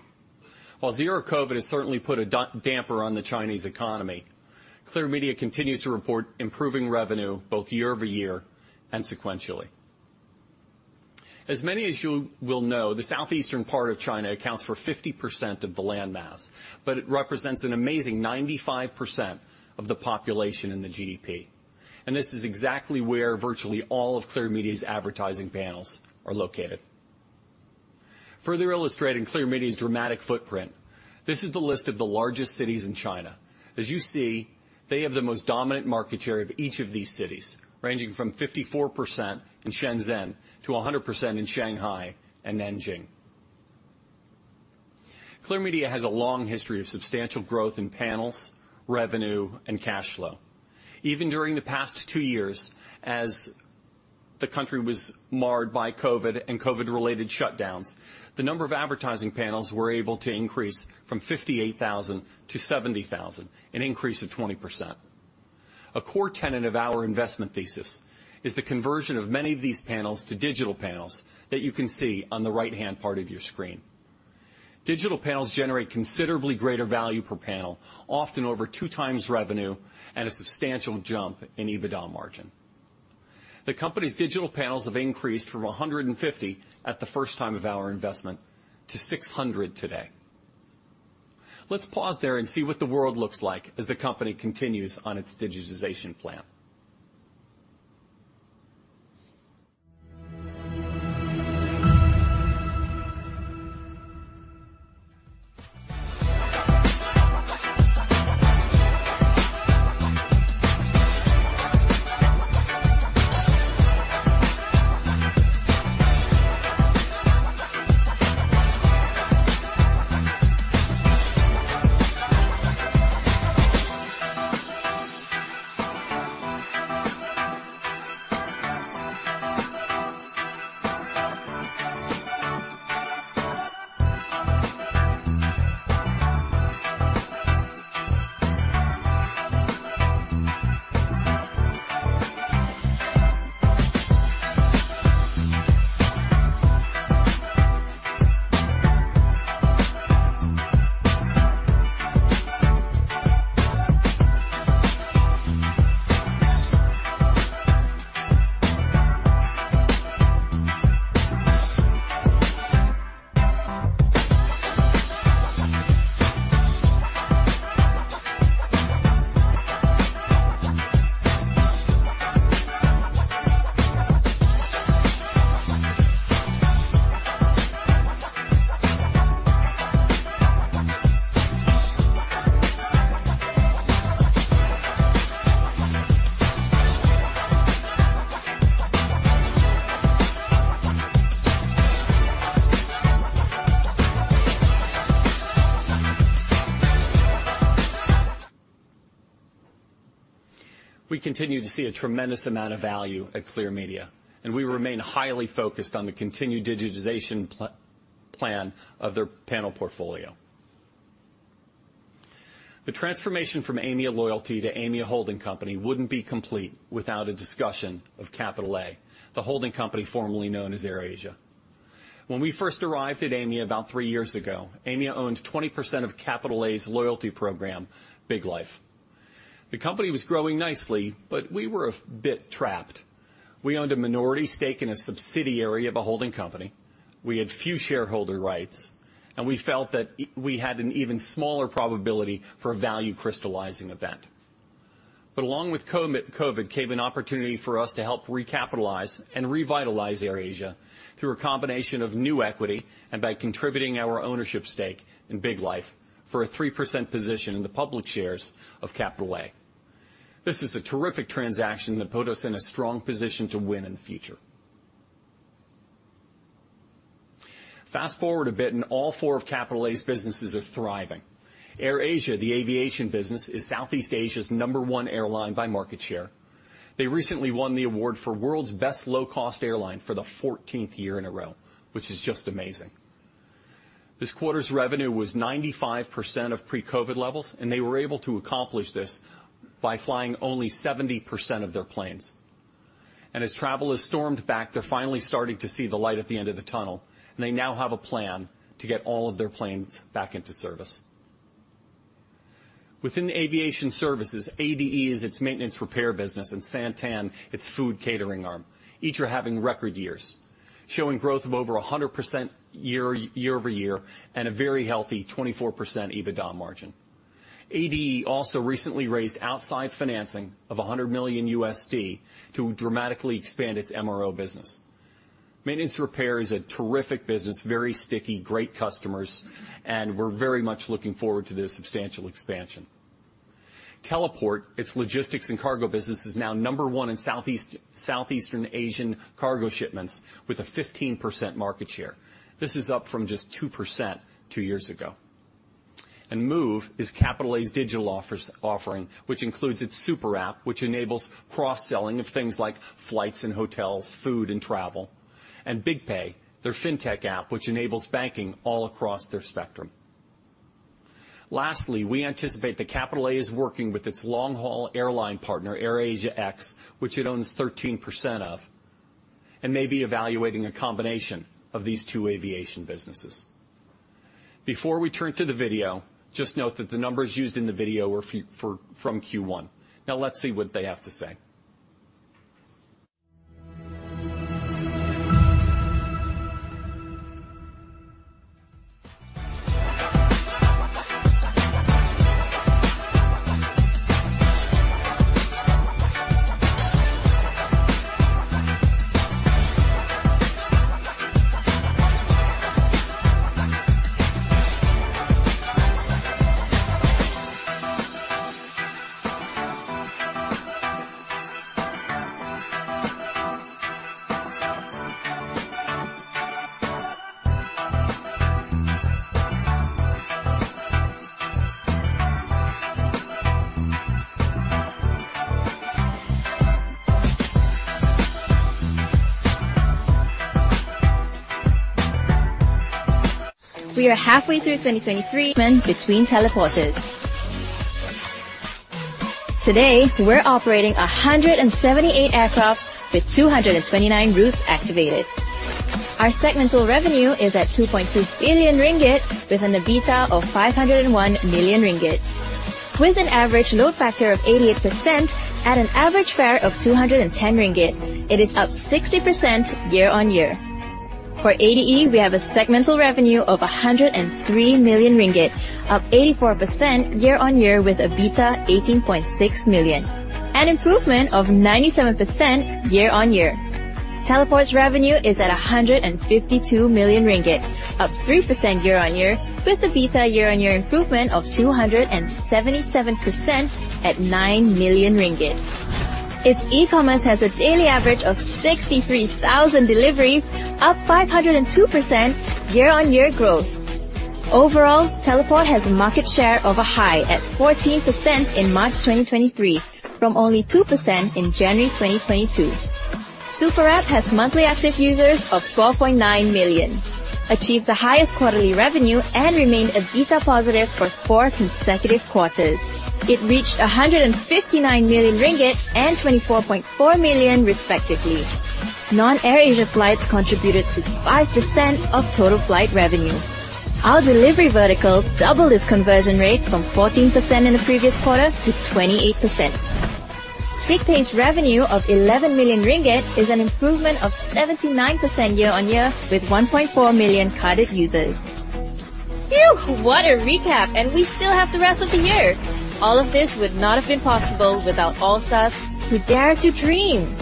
While Zero-Covid has certainly put a damper on the Chinese economy, Clear Media continues to report improving revenue both year-over year and sequentially. As many as you will know, the southeastern part of China accounts for 50% of the landmass, but it represents an amazing 95% of the population in the GDP. And this is exactly where virtually all of Clear Media's advertising panels are located. Further illustrating Clear Media's dramatic footprint, this is the list of the largest cities in China. As you see, they have the most dominant market share of each of these cities, ranging from 54% in Shenzhen to 100% in Shanghai and Nanjing. Clear Media has a long history of substantial growth in panels, revenue, and cash flow. Even during the past two years, as the country was marred by COVID and COVID-related shutdowns, the number of advertising panels were able to increase from 58,000 to 70,000, an increase of 20%. A core tenet of our investment thesis is the conversion of many of these panels to digital panels that you can see on the right-hand part of your screen. Digital panels generate considerably greater value per panel, often over two times revenue and a substantial jump in EBITDA margin. The company's digital panels have increased from 150 at the first time of our investment to 600 today. Let's pause there and see what the world looks like as the company continues on its digitization plan. We continue to see a tremendous amount of value at Clear Media, and we remain highly focused on the continued digitization plan of their panel portfolio. The transformation from Aimia Loyalty to Aimia Holding Company wouldn't be complete without a discussion of Capital A, the holding company formerly known as AirAsia. When we first arrived at Aimia about 3 years ago, Aimia owned 20% of Capital A's loyalty program, Big Life. The company was growing nicely, but we were a bit trapped. We owned a minority stake in a subsidiary of a holding company, we had few shareholder rights, and we felt that we had an even smaller probability for a value crystallizing event. But along with COVID, came an opportunity for us to help recapitalize and revitalize AirAsia through a combination of new equity and by contributing our ownership stake in Big Life for a 3% position in the public shares of Capital A. This is a terrific transaction that put us in a strong position to win in the future. Fast forward a bit, and all 4 of Capital A's businesses are thriving. AirAsia, the aviation business, is Southeast Asia's number 1 airline by market share. They recently won the award for World's Best Low-Cost Airline for the 14th year in a row, which is just amazing. This quarter's revenue was 95% of pre-COVID levels, and they were able to accomplish this by flying only 70% of their planes. As travel has stormed back, they're finally starting to see the light at the end of the tunnel, and they now have a plan to get all of their planes back into service. Within the aviation services, ADE is its maintenance repair business, and Santan, its food catering arm. Each are having record years, showing growth of over 100% year-over-year, and a very healthy 24% EBITDA margin. ADE also recently raised outside financing of $100 million to dramatically expand its MRO business. Maintenance repair is a terrific business, very sticky, great customers, and we're very much looking forward to this substantial expansion. Teleport, its logistics and cargo business, is now number one in Southeastern Asian cargo shipments with a 15% market share. This is up from just 2% two years ago. Move is Capital A's digital offering, which includes its super app, which enables cross-selling of things like flights and hotels, food and travel, and BigPay, their fintech app, which enables banking all across their spectrum. Lastly, we anticipate that Capital A is working with its long-haul airline partner, AirAsia X, which it owns 13% of, and may be evaluating a combination of these two aviation businesses. Before we turn to the video, just note that the numbers used in the video are from Q1. Now, let's see what they have to say. We are halfway through 2023, between Teleport's. Today, we're operating 178 aircrafts with 229 routes activated. Our segmental revenue is at 2.2 billion ringgit, with an EBITDA of 501 million ringgit, with an average load factor of 88% at an average fare of 210 ringgit. It is up 60% year-on-year. For ADE, we have a segmental revenue of 103 million ringgit, up 84% year-on-year, with EBITDA 18.6 million, an improvement of 97% year-on-year. Teleport's revenue is at 152 million ringgit, up 3% year-on-year, with EBITDA year-on-year improvement of 277% at 9 million ringgit. Its e-commerce has a daily average of 63,000 deliveries, up 502% year-on-year growth. Overall, Teleport has a market share of a high at 14% in March 2023, from only 2% in January 2022. ...Super App has monthly active users of 12.9 million, achieved the highest quarterly revenue, and remained EBITDA positive for four consecutive quarters. It reached 159 million ringgit and 24.4 million, respectively. Non-AirAsia flights contributed to 5% of total flight revenue. Our delivery vertical doubled its conversion rate from 14% in the previous quarter to 28%. BigPay's revenue of 11 million ringgit is an improvement of 79% year-on-year, with 1.4 million carded users. Phew! What a recap, and we still have the rest of the year. All of this would not have been possible without all of us who dare to dream.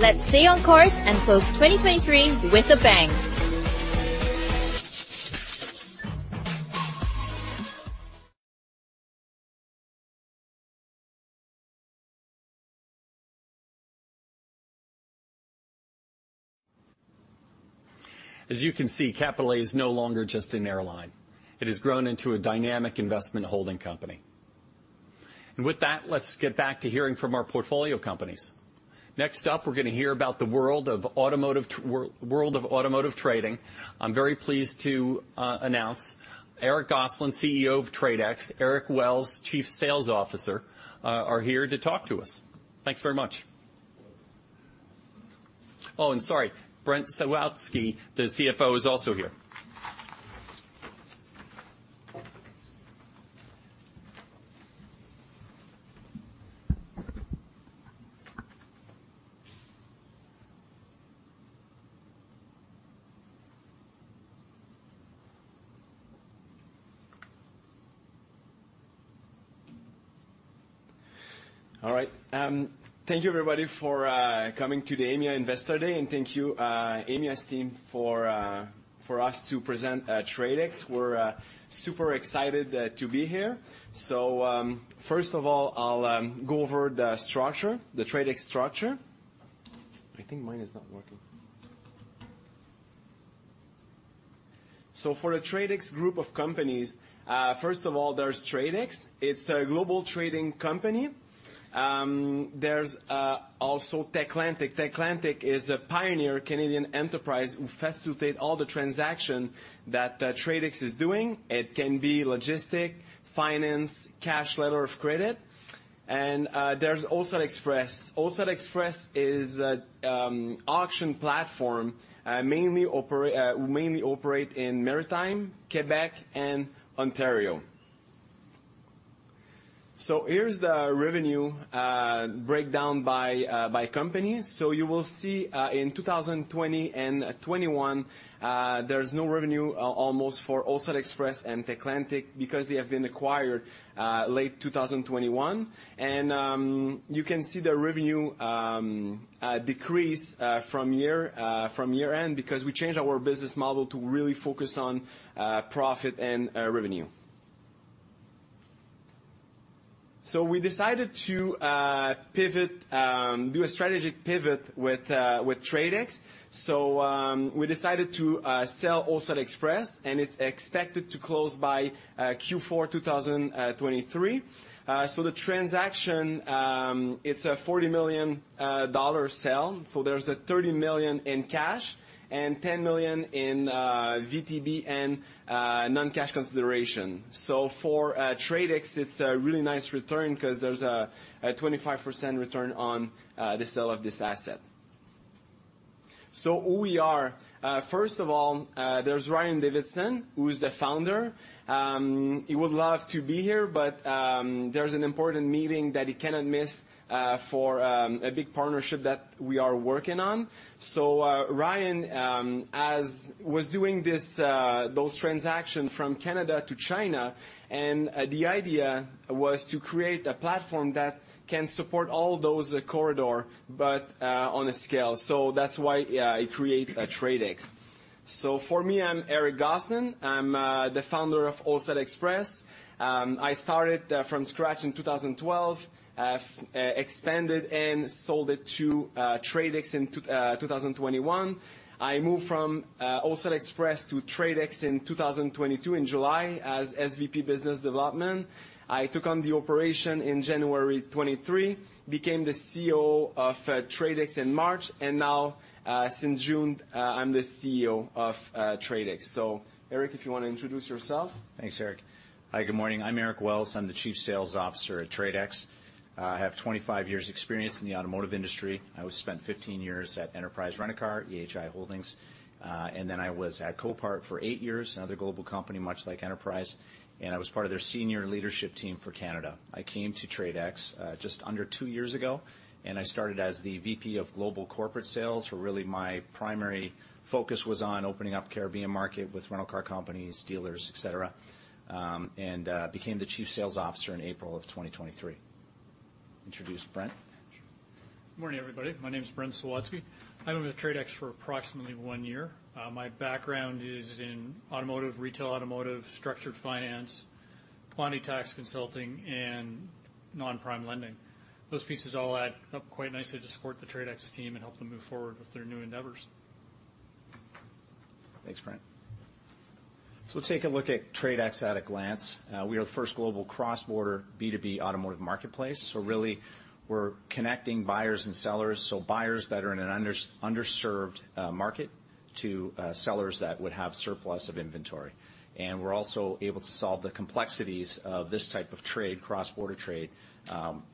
Let's stay on course and close 2023 with a bang. As you can see, Capital A is no longer just an airline. It has grown into a dynamic investment holding company. With that, let's get back to hearing from our portfolio companies. Next up, we're going to hear about the world of automotive trading. I'm very pleased to announce Eric Gosselin, CEO of TradeX, Eric Wells, Chief Sales Officer, are here to talk to us. Thanks very much. Oh, and sorry, Brent Sawatzky, the CFO, is also here. All right. Thank you, everybody, for coming to the Aimia Investor Day, and thank you, Aimia's team, for us to present TradeX. We're super excited to be here. So, first of all, I'll go over the structure, the TradeX structure. I think mine is not working. So for the TradeX group of companies, first of all, there's TradeX. It's a global trading company. There's also Techlantic. Techlantic is a pioneer Canadian enterprise who facilitate all the transaction that TradeX is doing. It can be logistic, finance, cash, letter of credit. And, there's Wholesale Express. Wholesale Express is a auction platform, mainly operate in Maritime, Quebec, and Ontario. So here's the revenue breakdown by companies. So you will see in 2020 and 2021, there's almost no revenue for Wholesale Express and Techlantic because they have been acquired late 2021. And you can see the revenue decrease from year-end because we changed our business model to really focus on profit and revenue. So we decided to pivot, do a strategic pivot with TradeX. So we decided to sell Wholesale Express, and it's expected to close by Q4 2023. So the transaction, it's a $40 million sale, so there's $30 million in cash and $10 million in VTB and non-cash consideration. So for TradeX, it's a really nice return 'cause there's a 25% return on the sale of this asset. So who we are? First of all, there's Ryan Davidson, who is the founder. He would love to be here, but there's an important meeting that he cannot miss for a big partnership that we are working on. So, Ryan was doing this, those transaction from Canada to China, and the idea was to create a platform that can support all those corridor, but on a scale. So that's why he create TradeX. So for me, I'm Eric Gosselin. I'm the founder of Wholesale Express. I started from scratch in 2012, expanded and sold it to TradeX in 2021. I moved from Wholesale Express to TradeX in 2022, in July, as SVP, Business Development. I took on the operation in January 2023, became the CEO of TradeX in March, and now, since June, I'm the CEO of TradeX. So Eric, if you want to introduce yourself. Thanks, Eric. Hi, good morning. I'm Eric Wells. I'm the Chief Sales Officer at TradeX. I have 25 years experience in the automotive industry. I spent 15 years at Enterprise Rent-A-Car, EHI Holdings, and then I was at Copart for 8 years, another global company, much like Enterprise, and I was part of their senior leadership team for Canada. I came to TradeX, just under 2 years ago, and I started as the VP of Global Corporate Sales, where really my primary focus was on opening up Caribbean market with rental car companies, dealers, et cetera, and became the Chief Sales Officer in April 2023. Introduce Brent. Sure. Morning, everybody. My name is Brent Sawatzky. I've been with TradeX for approximately one year. My background is in automotive, retail automotive, structured finance, quantity tax consulting, and non-prime lending. Those pieces all add up quite nicely to support the TradeX team and help them move forward with their new endeavors.... Thanks, Frank. So take a look at TradeX at a glance. We are the first global cross-border B2B automotive marketplace. So really, we're connecting buyers and sellers, so buyers that are in an underserved market to sellers that would have surplus of inventory. And we're also able to solve the complexities of this type of trade, cross-border trade,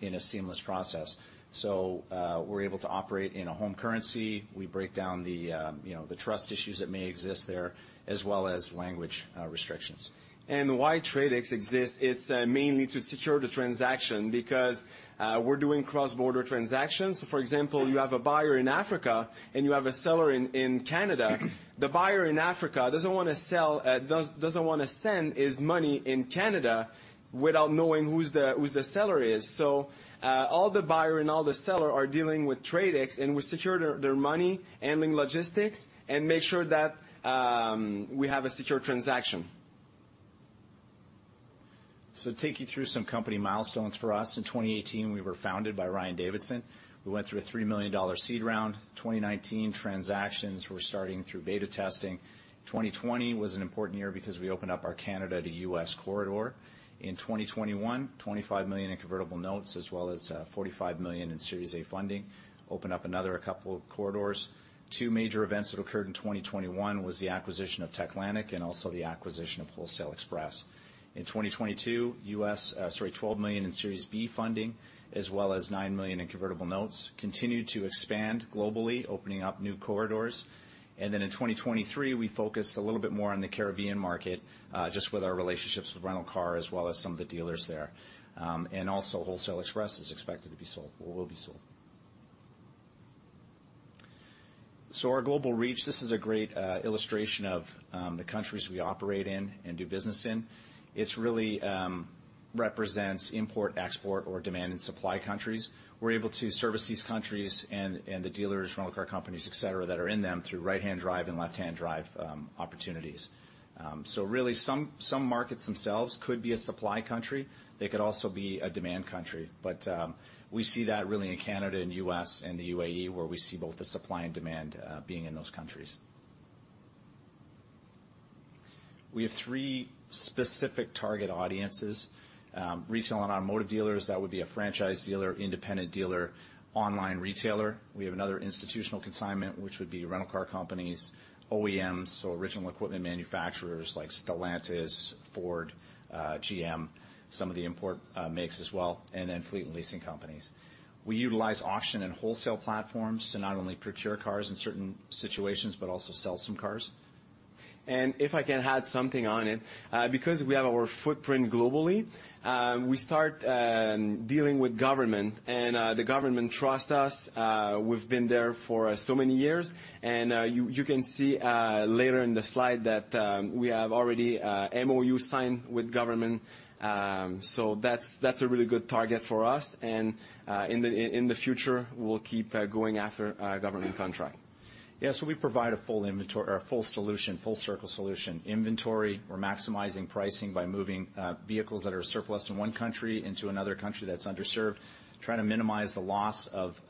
in a seamless process. So, we're able to operate in a home currency. We break down the, you know, the trust issues that may exist there, as well as language restrictions. Why TradeX exists, it's mainly to secure the transaction because we're doing cross-border transactions. For example, you have a buyer in Africa, and you have a seller in Canada. The buyer in Africa doesn't wanna send his money in Canada without knowing who the seller is. So, all the buyer and all the seller are dealing with TradeX, and we secure their money, handling logistics, and make sure that we have a secure transaction. So take you through some company milestones for us. In 2018, we were founded by Ryan Davidson. We went through a $3 million seed round. 2019, transactions were starting through beta testing. 2020 was an important year because we opened up our Canada to US corridor. In 2021, $25 million in convertible notes, as well as $45 million in Series A funding, opened up another couple of corridors. Two major events that occurred in 2021 was the acquisition of Techlantic and also the acquisition of Wholesale Express. In 2022, $12 million in Series B funding, as well as $9 million in convertible notes, continued to expand globally, opening up new corridors. Then in 2023, we focused a little bit more on the Caribbean market, just with our relationships with rental car as well as some of the dealers there. And also Wholesale Express is expected to be sold, or will be sold. So our global reach, this is a great illustration of the countries we operate in and do business in. It's really represents import, export, or demand and supply countries. We're able to service these countries and the dealers, rental car companies, et cetera, that are in them through right-hand drive and left-hand drive opportunities. So really some markets themselves could be a supply country. They could also be a demand country, but we see that really in Canada and U.S. and the UAE, where we see both the supply and demand being in those countries. We have three specific target audiences. Retail and automotive dealers, that would be a franchise dealer, independent dealer, online retailer. We have another institutional consignment, which would be rental car companies, OEMs, so original equipment manufacturers like Stellantis, Ford, GM, some of the import makes as well, and then fleet and leasing companies. We utilize auction and wholesale platforms to not only procure cars in certain situations, but also sell some cars. And if I can add something on it, because we have our footprint globally, we start dealing with government, and the government trust us. We've been there for so many years, and you can see later in the slide that we have already a MOU signed with government. So that's a really good target for us, and in the future, we'll keep going after a government contract. Yeah, so we provide a full inventory or a full solution, full circle solution, inventory. We're maximizing pricing by moving vehicles that are surplus in one country into another country that's underserved, trying to minimize the loss of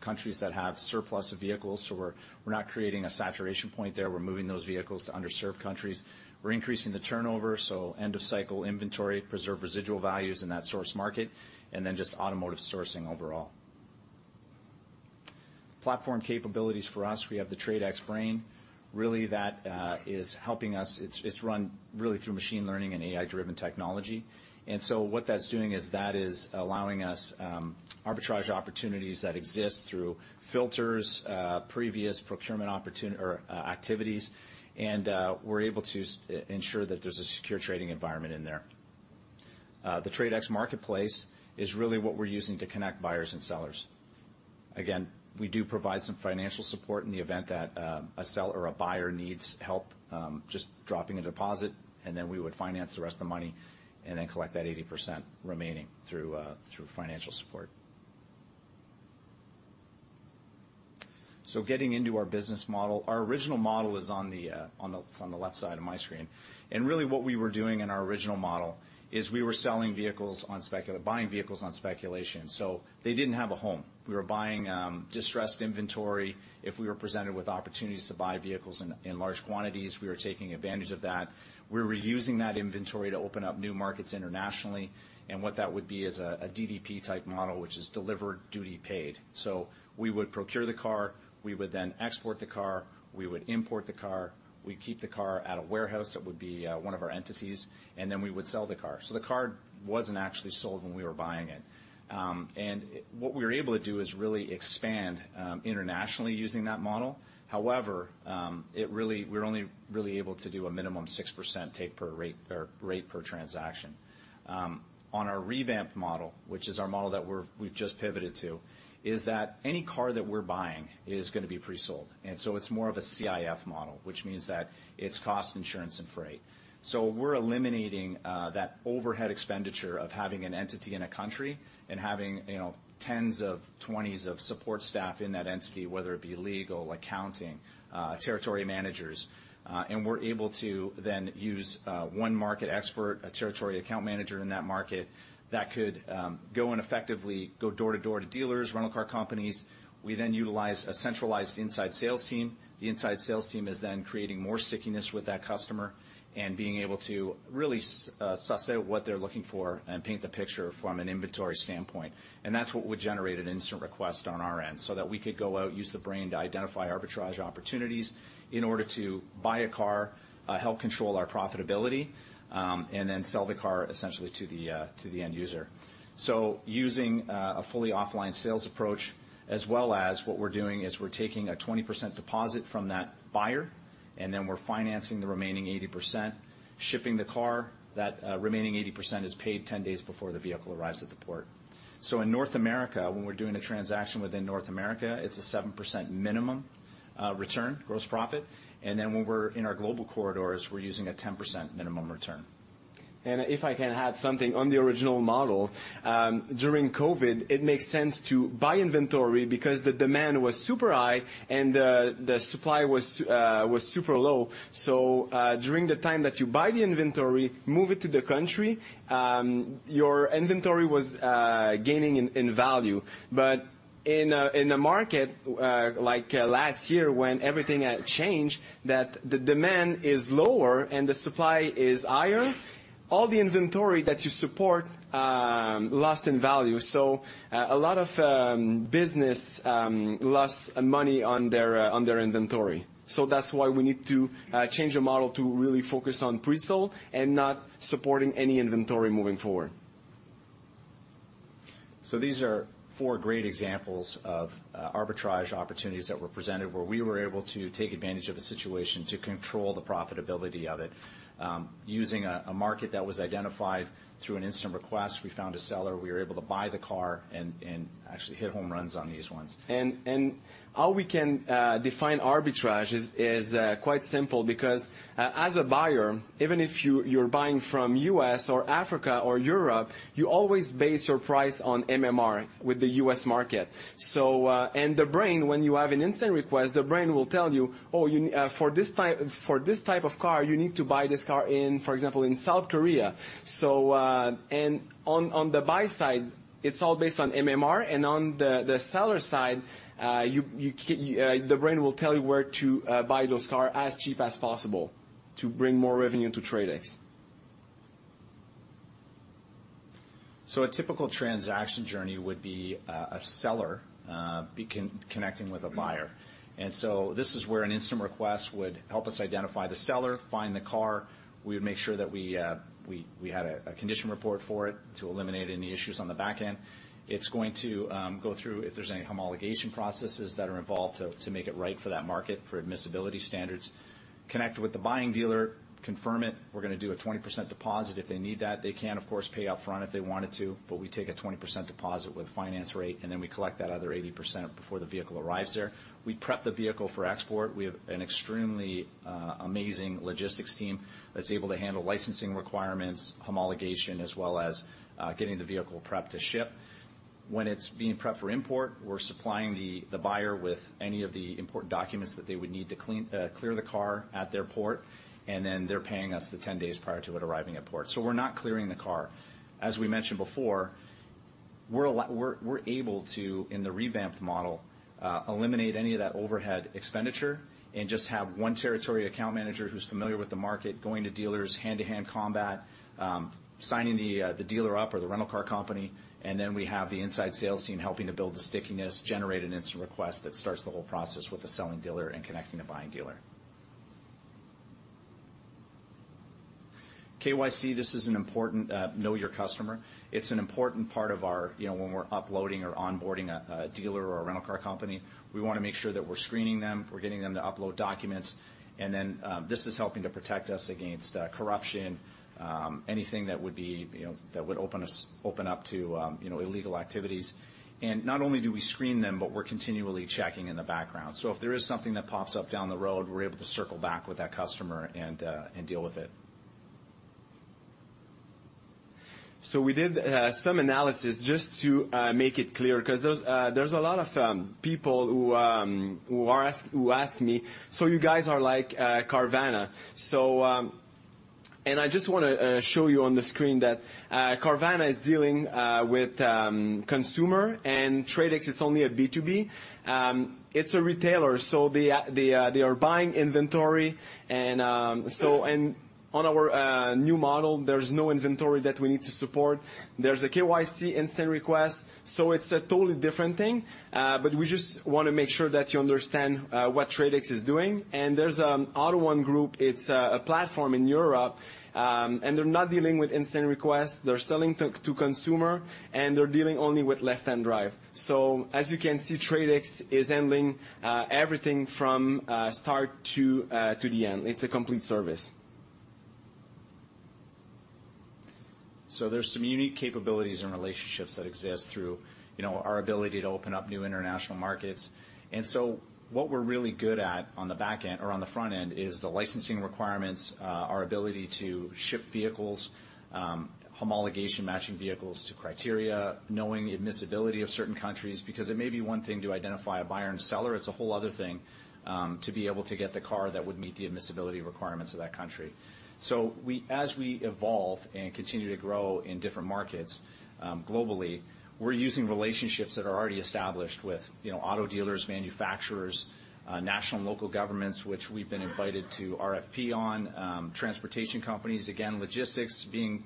countries that have surplus of vehicles. So we're not creating a saturation point there. We're moving those vehicles to underserved countries. We're increasing the turnover, so end-of-cycle inventory, preserve residual values in that source market, and then just automotive sourcing overall. Platform capabilities for us, we have the TradeX Brain. Really, that is helping us. It's run really through machine learning and AI-driven technology. And so what that's doing is that is allowing us arbitrage opportunities that exist through filters, previous procurement or activities, and we're able to ensure that there's a secure trading environment in there. The TradeX Marketplace is really what we're using to connect buyers and sellers. Again, we do provide some financial support in the event that a seller or a buyer needs help just dropping a deposit, and then we would finance the rest of the money and then collect that 80% remaining through financial support. So getting into our business model, our original model is on the left side of my screen. And really, what we were doing in our original model is we were buying vehicles on speculation, so they didn't have a home. We were buying distressed inventory. If we were presented with opportunities to buy vehicles in large quantities, we were taking advantage of that. We were using that inventory to open up new markets internationally, and what that would be is a DDP-type model, which is Delivered Duty Paid. So we would procure the car, we would then export the car, we would import the car, we'd keep the car at a warehouse that would be one of our entities, and then we would sell the car. So the car wasn't actually sold when we were buying it. And it... What we were able to do is really expand internationally using that model. However, it really—we're only really able to do a minimum 6% take per rate, or rate per transaction. On our revamped model, which is our model that we've just pivoted to, any car that we're buying is gonna be pre-sold, and so it's more of a CIF model, which means that it's Cost, Insurance, and Freight. So we're eliminating that overhead expenditure of having an entity in a country and having, you know, 10s or 20s of support staff in that entity, whether it be legal, accounting, territory managers, and we're able to then use one market expert, a territory account manager in that market, that could go and effectively go door to door to dealers, rental car companies. We then utilize a centralized inside sales team. The inside sales team is then creating more stickiness with that customer and being able to really suss out what they're looking for and paint the picture from an inventory standpoint. And that's what would generate an instant request on our end, so that we could go out, use the brain to identify arbitrage opportunities in order to buy a car, help control our profitability, and then sell the car essentially to the end user. So using a fully offline sales approach, as well as what we're doing is we're taking a 20% deposit from that buyer, and then we're financing the remaining 80%, shipping the car. That remaining 80% is paid 10 days before the vehicle arrives at the port. In North America, when we're doing a transaction within North America, it's a 7% minimum return, gross profit. Then when we're in our global corridors, we're using a 10% minimum return. And if I can add something on the original model, during COVID, it makes sense to buy inventory because the demand was super high and the supply was super low. So, during the time that you buy the inventory, move it to the country, your inventory was gaining in value. But in a market like last year when everything had changed, that the demand is lower and the supply is higher, all the inventory that you support lost in value. So, a lot of business lost money on their inventory. So that's why we need to change the model to really focus on pre-sale and not supporting any inventory moving forward. So these are four great examples of arbitrage opportunities that were presented, where we were able to take advantage of a situation to control the profitability of it. Using a market that was identified through an instant request, we found a seller, we were able to buy the car and actually hit home runs on these ones. How we can define arbitrage is quite simple because as a buyer, even if you're buying from U.S. or Africa or Europe, you always base your price on MMR with the U.S. market. So, and the brain, when you have an instant request, the brain will tell you: "Oh, for this type of car, you need to buy this car in, for example, in South Korea." So... And on the buy side, it's all based on MMR, and on the seller side, the brain will tell you where to buy those cars as cheap as possible to bring more revenue into TradeX. So a typical transaction journey would be a seller connecting with a buyer. Mm-hmm. This is where an instant request would help us identify the seller, find the car. We would make sure that we had a condition report for it to eliminate any issues on the back end. It's going to go through if there's any homologation processes that are involved, to make it right for that market, for admissibility standards. Connect with the buying dealer, confirm it. We're going to do a 20% deposit if they need that. They can, of course, pay upfront if they wanted to, but we take a 20% deposit with finance rate, and then we collect that other 80% before the vehicle arrives there. We prep the vehicle for export. We have an extremely amazing logistics team that's able to handle licensing requirements, homologation, as well as getting the vehicle prepped to ship. When it's being prepped for import, we're supplying the buyer with any of the import documents that they would need to clear the car at their port, and then they're paying us 10 days prior to it arriving at port. So we're not clearing the car. As we mentioned before, we're able to, in the revamped model, eliminate any of that overhead expenditure and just have one territory account manager who's familiar with the market, going to dealers, hand-to-hand combat, signing the dealer up or the rental car company, and then we have the inside sales team helping to build the stickiness, generate an instant request that starts the whole process with the selling dealer and connecting the buying dealer. KYC, this is an important... Know Your Customer. It's an important part of our, you know, when we're uploading or onboarding a dealer or a rental car company, we want to make sure that we're screening them, we're getting them to upload documents, and then this is helping to protect us against corruption, anything that would be, you know, that would open us up to illegal activities. And not only do we screen them, but we're continually checking in the background. So if there is something that pops up down the road, we're able to circle back with that customer and deal with it. So we did some analysis just to make it clear, 'cause there's a lot of people who ask me: "So you guys are like Carvana?" So and I just want to show you on the screen that Carvana is dealing with consumer, and TradeX is only a B2B. It's a retailer, so they they are buying inventory and and on our new model, there's no inventory that we need to support. There's a KYC instant request, so it's a totally different thing. But we just want to make sure that you understand what TradeX is doing. And there's AUTO1 Group, it's a platform in Europe, and they're not dealing with instant requests. They're selling to, to consumer, and they're dealing only with left-hand drive. So as you can see, TradeX is handling everything from start to the end. It's a complete service. So there's some unique capabilities and relationships that exist through, you know, our ability to open up new international markets. And so what we're really good at on the back end or on the front end is the licensing requirements, our ability to ship vehicles, homologation, matching vehicles to criteria, knowing the admissibility of certain countries, because it may be one thing to identify a buyer and seller, it's a whole other thing, to be able to get the car that would meet the admissibility requirements of that country. So as we evolve and continue to grow in different markets, globally, we're using relationships that are already established with, you know, auto dealers, manufacturers, national and local governments, which we've been invited to RFP on, transportation companies. Again, logistics, being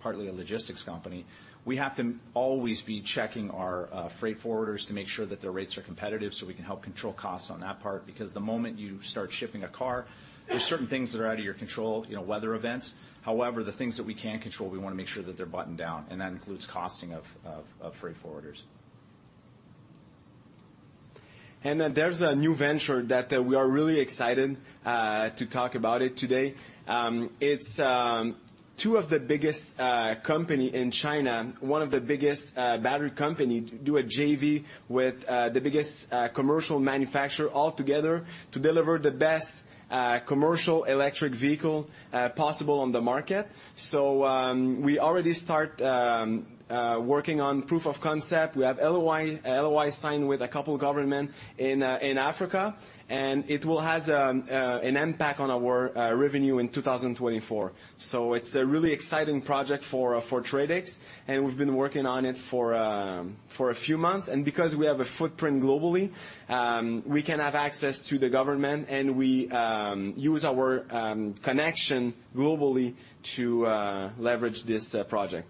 partly a logistics company, we have to always be checking our freight forwarders to make sure that their rates are competitive so we can help control costs on that part, because the moment you start shipping a car, there's certain things that are out of your control, you know, weather events. However, the things that we can control, we want to make sure that they're buttoned down, and that includes costing of freight forwarders. ...And then there's a new venture that, we are really excited, to talk about it today. It's, two of the biggest, company in China, one of the biggest, battery company, do a JV with, the biggest, commercial manufacturer all together to deliver the best, commercial electric vehicle, possible on the market. So, we already start, working on proof of concept. We have LOI, LOI signed with a couple government in, in Africa, and it will has, an impact on our, revenue in 2024. So it's a really exciting project for, for TradeX, and we've been working on it for, for a few months. Because we have a footprint globally, we can have access to the government, and we use our connection globally to leverage this project.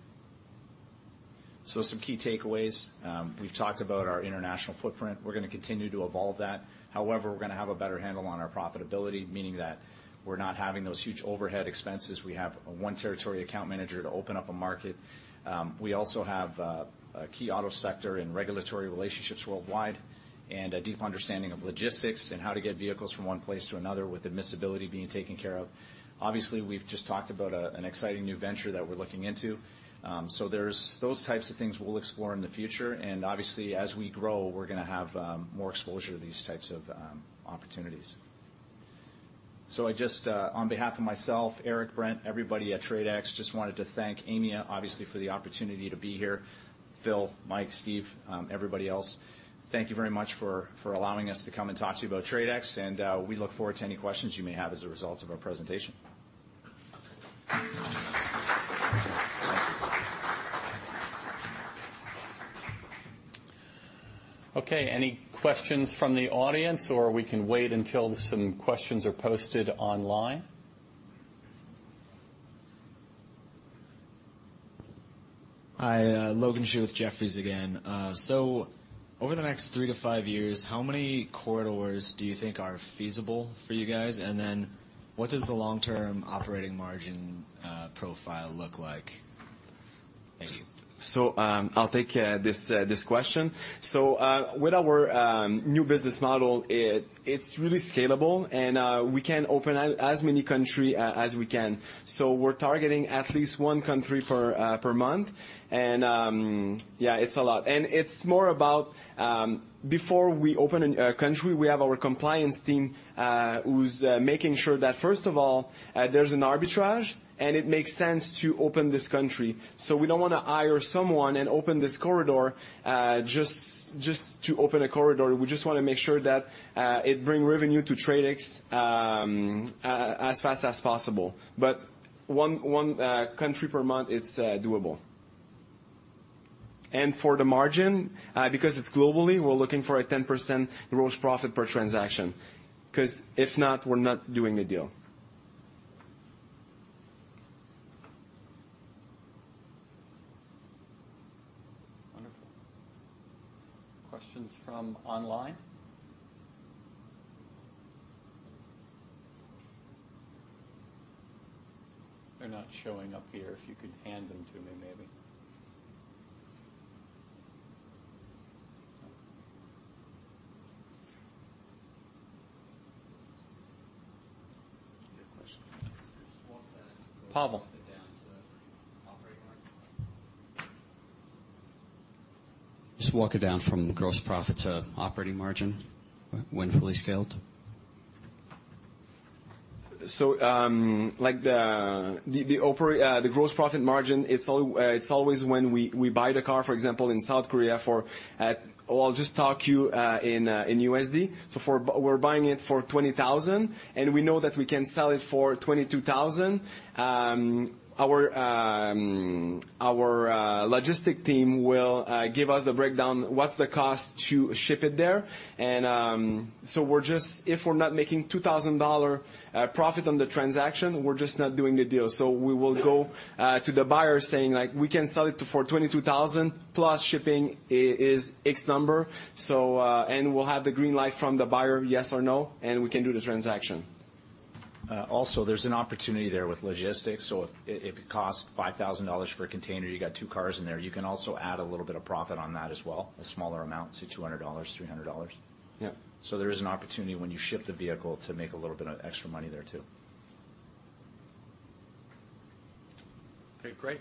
So some key takeaways. We've talked about our international footprint. We're gonna continue to evolve that. However, we're gonna have a better handle on our profitability, meaning that we're not having those huge overhead expenses. We have one territory account manager to open up a market. We also have a key auto sector and regulatory relationships worldwide, and a deep understanding of logistics and how to get vehicles from one place to another, with admissibility being taken care of. Obviously, we've just talked about an exciting new venture that we're looking into. So there's those types of things we'll explore in the future. And obviously, as we grow, we're gonna have more exposure to these types of opportunities. So I just on behalf of myself, Eric, Brent, everybody at TradeX, just wanted to thank Aimia, obviously, for the opportunity to be here. Phil, Mike, Steve, everybody else, thank you very much for allowing us to come and talk to you about TradeX, and we look forward to any questions you may have as a result of our presentation. Okay, any questions from the audience, or we can wait until some questions are posted online? Hi, Logan Schuh with Jefferies again. So over the next 3-5 years, how many corridors do you think are feasible for you guys? And then what does the long-term operating margin profile look like? Thank you. So, I'll take this question. So, with our new business model, it's really scalable, and we can open up as many countries as we can. So we're targeting at least one country per month. And yeah, it's a lot. And it's more about, before we open a country, we have our compliance team, who's making sure that, first of all, there's an arbitrage, and it makes sense to open this country. So we don't wanna hire someone and open this corridor, just to open a corridor. We just wanna make sure that it bring revenue to TradeX, as fast as possible. But one country per month, it's doable. For the margin, because it's globally, we're looking for a 10% gross profit per transaction, 'cause if not, we're not doing the deal. Wonderful. Questions from online? They're not showing up here. If you could hand them to me, maybe. Good question. Pavel. Just walk it down from gross profit to operating margin when fully scaled. So, like the gross profit margin, it's always when we buy the car, for example, in South Korea. I'll just talk you in USD. So we're buying it for $20,000, and we know that we can sell it for $22,000. Our logistic team will give us the breakdown, what's the cost to ship it there. And so we're just if we're not making $2,000 profit on the transaction, we're just not doing the deal. So we will go to the buyer saying, like: "We can sell it for $22,000, plus shipping is X number." So and we'll have the green light from the buyer, yes or no, and we can do the transaction. Also, there's an opportunity there with logistics. So if it costs $5,000 for a container, you got two cars in there, you can also add a little bit of profit on that as well, a smaller amount, say, $200, $300. Yeah. There is an opportunity when you ship the vehicle to make a little bit of extra money there, too. Okay, great.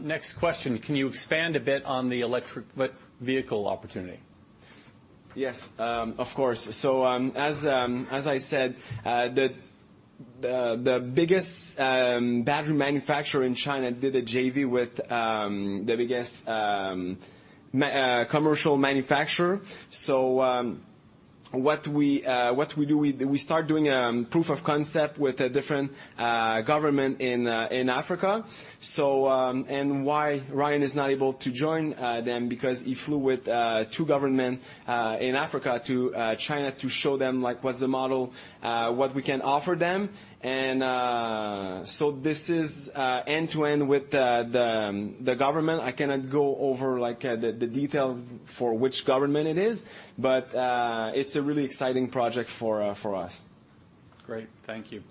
Next question: Can you expand a bit on the electric vehicle opportunity? Yes, of course. So, as I said, the biggest battery manufacturer in China did a JV with the biggest major commercial manufacturer. So, what we do, we start doing proof of concept with a different government in Africa. And why Ryan is not able to join them? Because he flew with two government in Africa to China to show them, like, what's the model, what we can offer them. And so this is end-to-end with the government. I cannot go over, like, the detail for which government it is, but it's a really exciting project for us. Great. Thank you.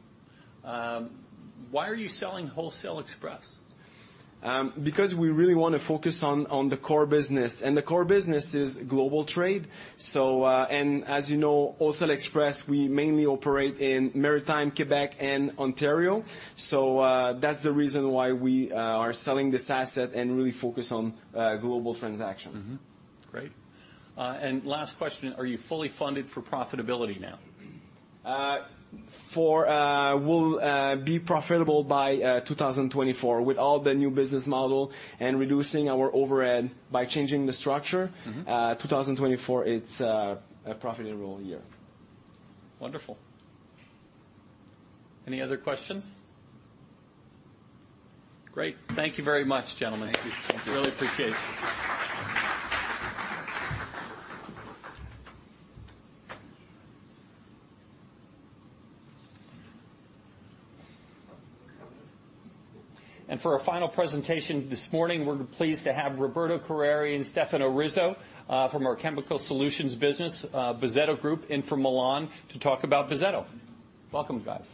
Why are you selling Wholesale Express? ... because we really want to focus on the core business, and the core business is global trade. And as you know, also Express, we mainly operate in Maritime, Quebec, and Ontario. So, that's the reason why we are selling this asset and really focus on global transaction. Mm-hmm. Great. And last question: Are you fully funded for profitability now? We'll be profitable by 2024. With all the new business model and reducing our overhead by changing the structure- Mm-hmm. 2024, it's a profitable year. Wonderful. Any other questions? Great. Thank you very much, gentlemen. Thank you. Really appreciate it. And for our final presentation this morning, we're pleased to have Roberto Corigliano and Stefano Rizzo from our chemical solutions business, Bozzetto Group, in from Milan, to talk about Bozzetto. Welcome, guys.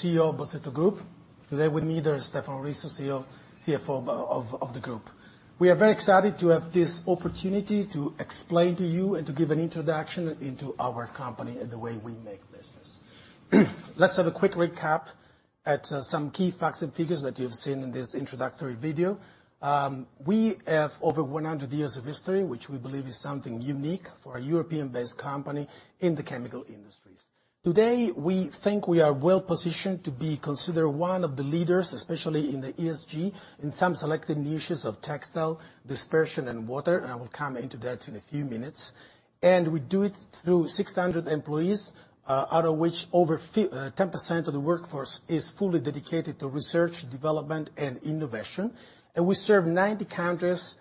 Good morning, everybody, and- I'm Roberto Corigliano. I'm the CEO of Bozzetto Group. Today with me, there is Stefano Rizzo, CFO of the group. We are very excited to have this opportunity to explain to you and to give an introduction into our company and the way we make business. Let's have a quick recap at some key facts and figures that you've seen in this introductory video. We have over 100 years of history, which we believe is something unique for a European-based company in the chemical industries. Today, we think we are well positioned to be considered one of the leaders, especially in the ESG, in some selected niches of textile, dispersion, and water, and I will come into that in a few minutes. We do it through 600 employees, out of which over fi... 10% of the workforce is fully dedicated to research, development, and innovation. We serve 90 countries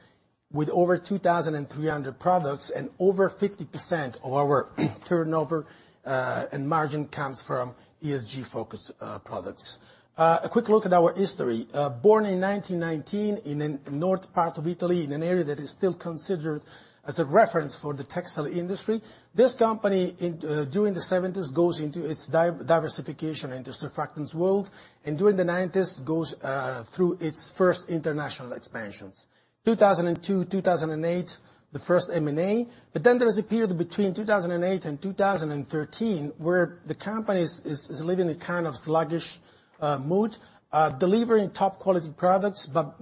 with over 2,300 products, and over 50% of our turnover and margin comes from ESG-focused products. A quick look at our history. Born in 1919, in the north part of Italy, in an area that is still considered as a reference for the textile industry, this company in during the 1970s goes into its diversification into surfactants world, and during the 1990s goes through its first international expansions. 2002, 2008, the first M&A. Then there is a period between 2008 and 2013, where the company is living a kind of sluggish mood, delivering top-quality products, but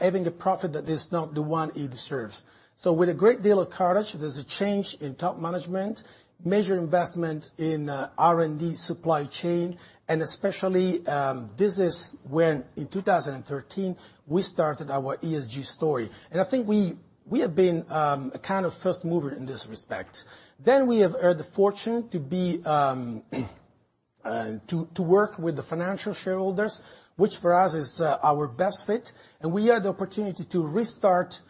having a profit that is not the one it deserves. With a great deal of courage, there's a change in top management, major investment in R&D supply chain, and especially, this is when, in 2013, we started our ESG story. I think we have been a kind of first mover in this respect. Then we have earned the fortune to be to work with the financial shareholders, which, for us, is our best fit, and we had the opportunity to restart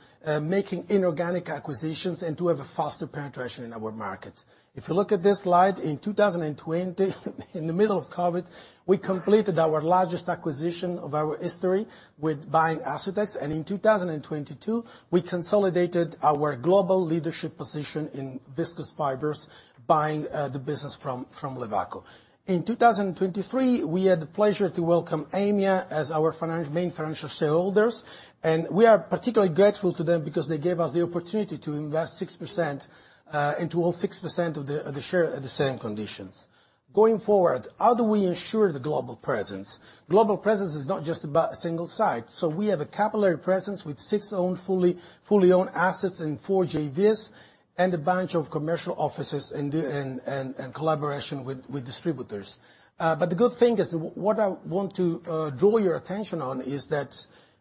making inorganic acquisitions and to have a faster penetration in our markets. If you look at this slide, in 2020, in the middle of COVID, we completed our largest acquisition of our history with buying Asutex, and in 2022, we consolidated our global leadership position in viscose fibers, buying the business from Levaco. In 2023, we had the pleasure to welcome Aimia as our main financial shareholders, and we are particularly grateful to them because they gave us the opportunity to invest 6% and to own 6% of the share at the same conditions. Going forward, how do we ensure the global presence? Global presence is not just about a single site, so we have a capillary presence with six own, fully owned assets and four JVs, and a bunch of commercial offices in the and collaboration with distributors. But the good thing is, what I want to draw your attention on is that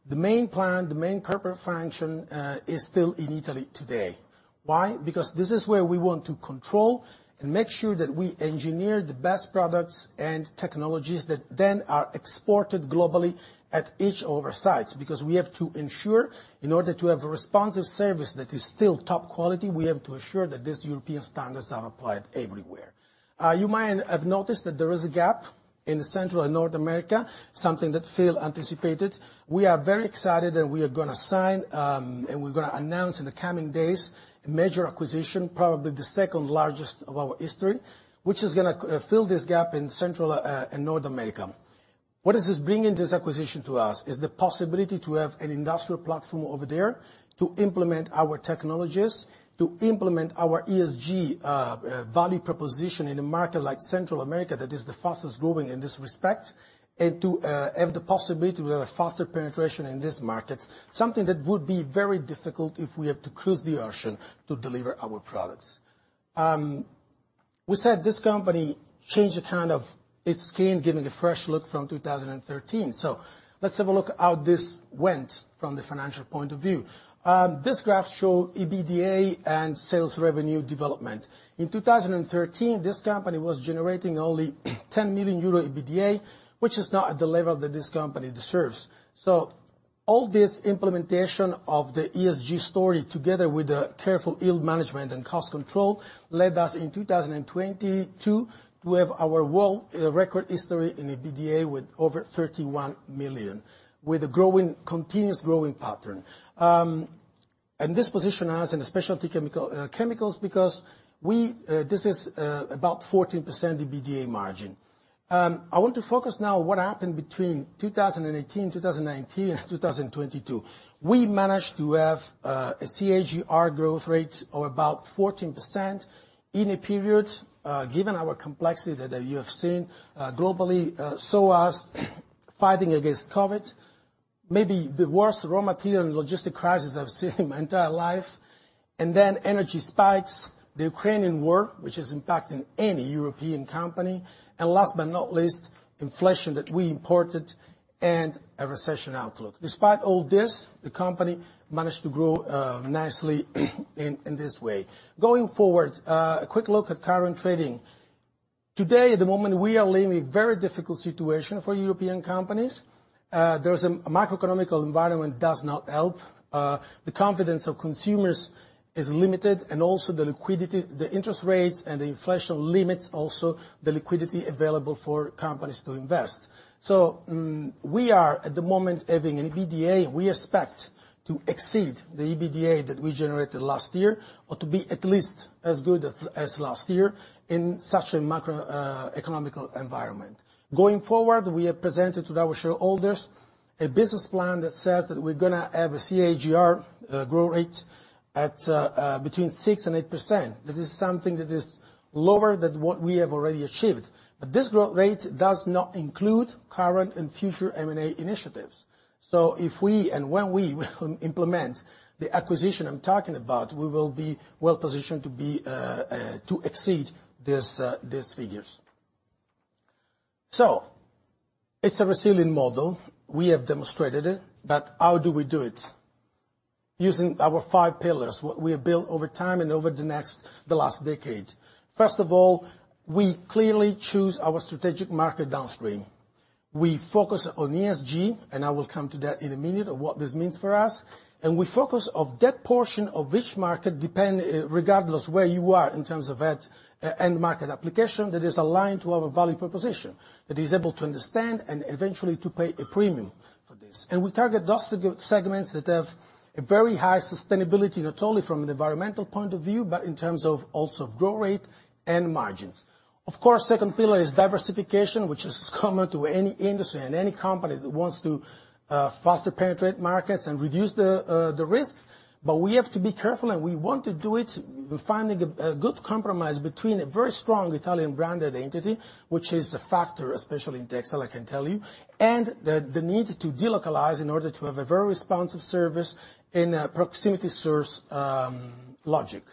the main plant, the main corporate function, is still in Italy today. Why? Because this is where we want to control and make sure that we engineer the best products and technologies, that then are exported globally at each of our sites. Because we have to ensure, in order to have a responsive service that is still top quality, we have to assure that these European standards are applied everywhere. You might have noticed that there is a gap in Central and North America, something that Phil anticipated. We are very excited, and we are gonna sign, and we're gonna announce in the coming days, a major acquisition, probably the second largest of our history, which is gonna fill this gap in Central and North America. What is this bringing, this acquisition, to us? Is the possibility to have an industrial platform over there to implement our technologies, to implement our ESG value proposition in a market like Central America, that is the fastest growing in this respect, and to have the possibility to have a faster penetration in this market, something that would be very difficult if we have to cross the ocean to deliver our products. We said this company changed the kind of its skin, giving a fresh look from 2013. So let's have a look how this went from the financial point of view. This graph show EBITDA and sales revenue development. In 2013, this company was generating only 10 million euro EBITDA, which is not at the level that this company deserves. So all this implementation of the ESG story, together with the careful yield management and cost control, led us, in 2022, to have our world record history in EBITDA with over 31 million, with a growing, continuous growing pattern. This positions us in a specialty chemical chemicals, because we... This is about 14% EBITDA margin. I want to focus now on what happened between 2018, 2019, and 2022. We managed to have a CAGR growth rate of about 14% in a period, given our complexity that, that you have seen, globally, so as fighting against COVID, maybe the worst raw material and logistic crisis I've seen in my entire life, and then energy spikes, the Ukrainian war, which is impacting any European company, and last but not least, inflation that we imported and a recession outlook. Despite all this, the company managed to grow nicely, in, in this way. Going forward, a quick look at current trading. Today, at the moment, we are living a very difficult situation for European companies. There is a... Macroeconomic environment does not help. The confidence of consumers is limited, and also the liquidity, the interest rates, and the inflation limits also the liquidity available for companies to invest. So, we are, at the moment, having an EBITDA; we expect to exceed the EBITDA that we generated last year, or to be at least as good as last year, in such a macroeconomic environment. Going forward, we have presented to our shareholders a business plan that says that we're gonna have a CAGR growth rate at between 6% and 8%. That is something that is lower than what we have already achieved, but this growth rate does not include current and future M&A initiatives. So if we and when we implement the acquisition I'm talking about, we will be well positioned to exceed these figures. So it's a resilient model. We have demonstrated it, but how do we do it? Using our five pillars, what we have built over time and over the next, the last decade. First of all, we clearly choose our strategic market downstream. We focus on ESG, and I will come to that in a minute, of what this means for us, and we focus of that portion of which market depend, regardless where you are in terms of end, end market application, that is aligned to our value proposition, that is able to understand and eventually to pay a premium for this. And we target those segments that have a very high sustainability, not only from an environmental point of view, but in terms of also growth rate and margins. Of course, second pillar is diversification, which is common to any industry and any company that wants to faster penetrate markets and reduce the risk, but we have to be careful, and we want to do it finding a good compromise between a very strong Italian branded entity, which is a factor, especially in textile, I can tell you, and the need to delocalize in order to have a very responsive service in a proximity source logic.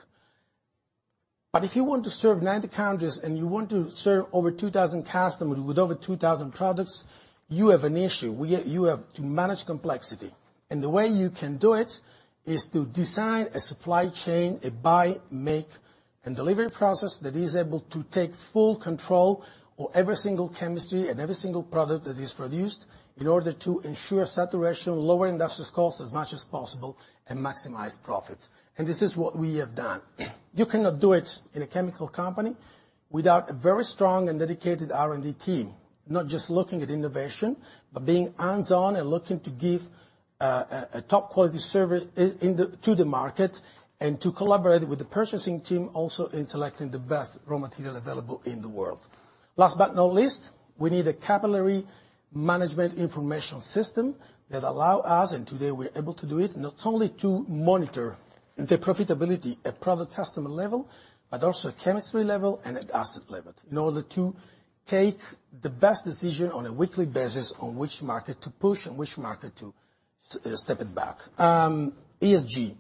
But if you want to serve 90 countries, and you want to serve over 2,000 customers with over 2,000 products, you have an issue. We... You have to manage complexity, and the way you can do it is to design a supply chain, a buy, make, and delivery process that is able to take full control of every single chemistry and every single product that is produced in order to ensure saturation, lower industrial costs as much as possible, and maximize profit, and this is what we have done. You cannot do it in a chemical company without a very strong and dedicated R&D team. Not just looking at innovation, but being hands-on and looking to give a top-quality service to the market, and to collaborate with the purchasing team also in selecting the best raw material available in the world. Last but not least, we need a capillary management information system that allow us, and today we're able to do it, not only to monitor the profitability at product/customer level, but also chemistry level and at asset level, in order to take the best decision on a weekly basis on which market to push and which market to step it back. ESG.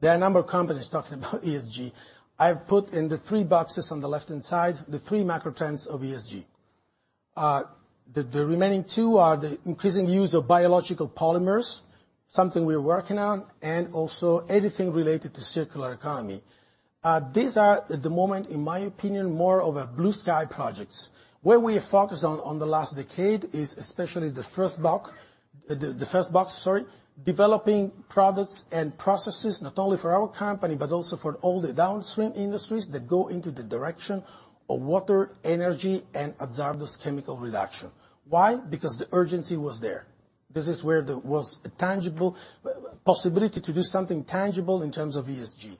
There are a number of companies talking about ESG. I've put in the three boxes on the left-hand side the three macro trends of ESG. The remaining two are the increasing use of biological polymers, something we are working on, and also anything related to circular economy. These are, at the moment, in my opinion, more of a blue sky projects. Where we are focused on in the last decade is especially the first box, sorry, developing products and processes, not only for our company, but also for all the downstream industries that go into the direction of water, energy, and hazardous chemical reduction. Why? Because the urgency was there. This is where there was a tangible possibility to do something tangible in terms of ESG.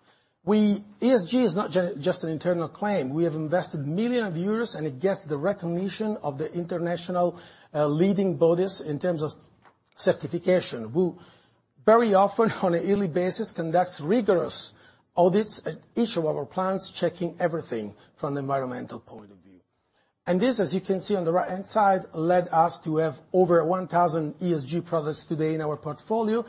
ESG is not just an internal claim. We have invested millions of euros, and it gets the recognition of the international leading bodies in terms of certification, who very often, on a yearly basis, conducts rigorous audits at each of our plants, checking everything from the environmental point of view. This, as you can see on the right-hand side, led us to have over 1,000 ESG products today in our portfolio,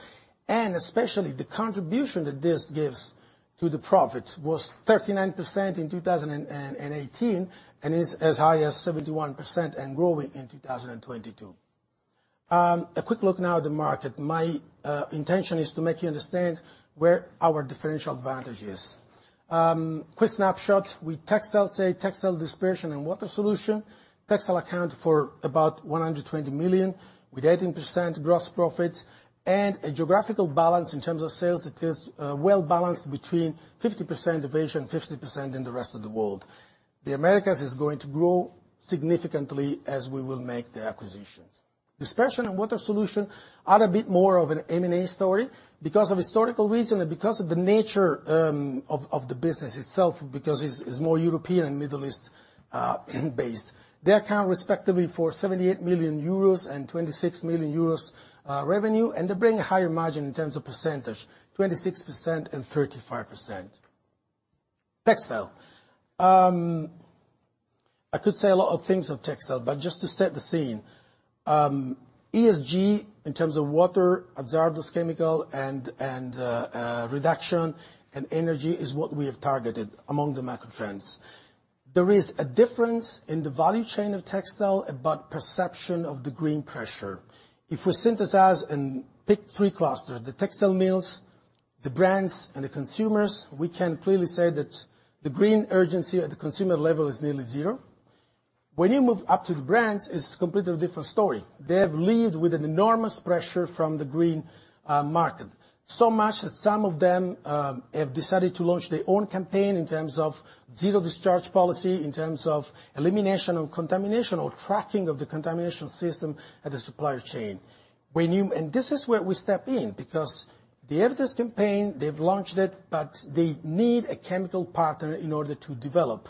and especially the contribution that this gives to the profit was 39% in 2018, and is as high as 71% and growing in 2022. A quick look now at the market. My intention is to make you understand where our differential advantage is. Quick snapshot, with textiles, say, textile dispersion and water solution. Textile account for about 120 million, with 18% gross profit and a geographical balance in terms of sales, it is well-balanced between 50% of Asia and 50% in the rest of the world. The Americas is going to grow significantly as we will make the acquisitions. Dispersion and water solution are a bit more of an M&A story because of historical reason and because of the nature of the business itself, because it's more European and Middle East based. They account, respectively, for 78 million euros and 26 million euros revenue, and they bring a higher margin in terms of percentage, 26% and 35%. Textile. I could say a lot of things of textile, but just to set the scene, ESG, in terms of water, hazardous chemical, and reduction and energy is what we have targeted among the macro trends. There is a difference in the value chain of textile, but perception of the green pressure. If we synthesize and pick three clusters, the textile mills, the brands, and the consumers, we can clearly say that the green urgency at the consumer level is nearly zero. When you move up to the brands, it's a completely different story. They have lived with an enormous pressure from the green market. So much that some of them have decided to launch their own campaign in terms of zero discharge policy, in terms of elimination of contamination or tracking of the contamination system at the supplier chain. And this is where we step in, because the evidence campaign, they've launched it, but they need a chemical partner in order to develop.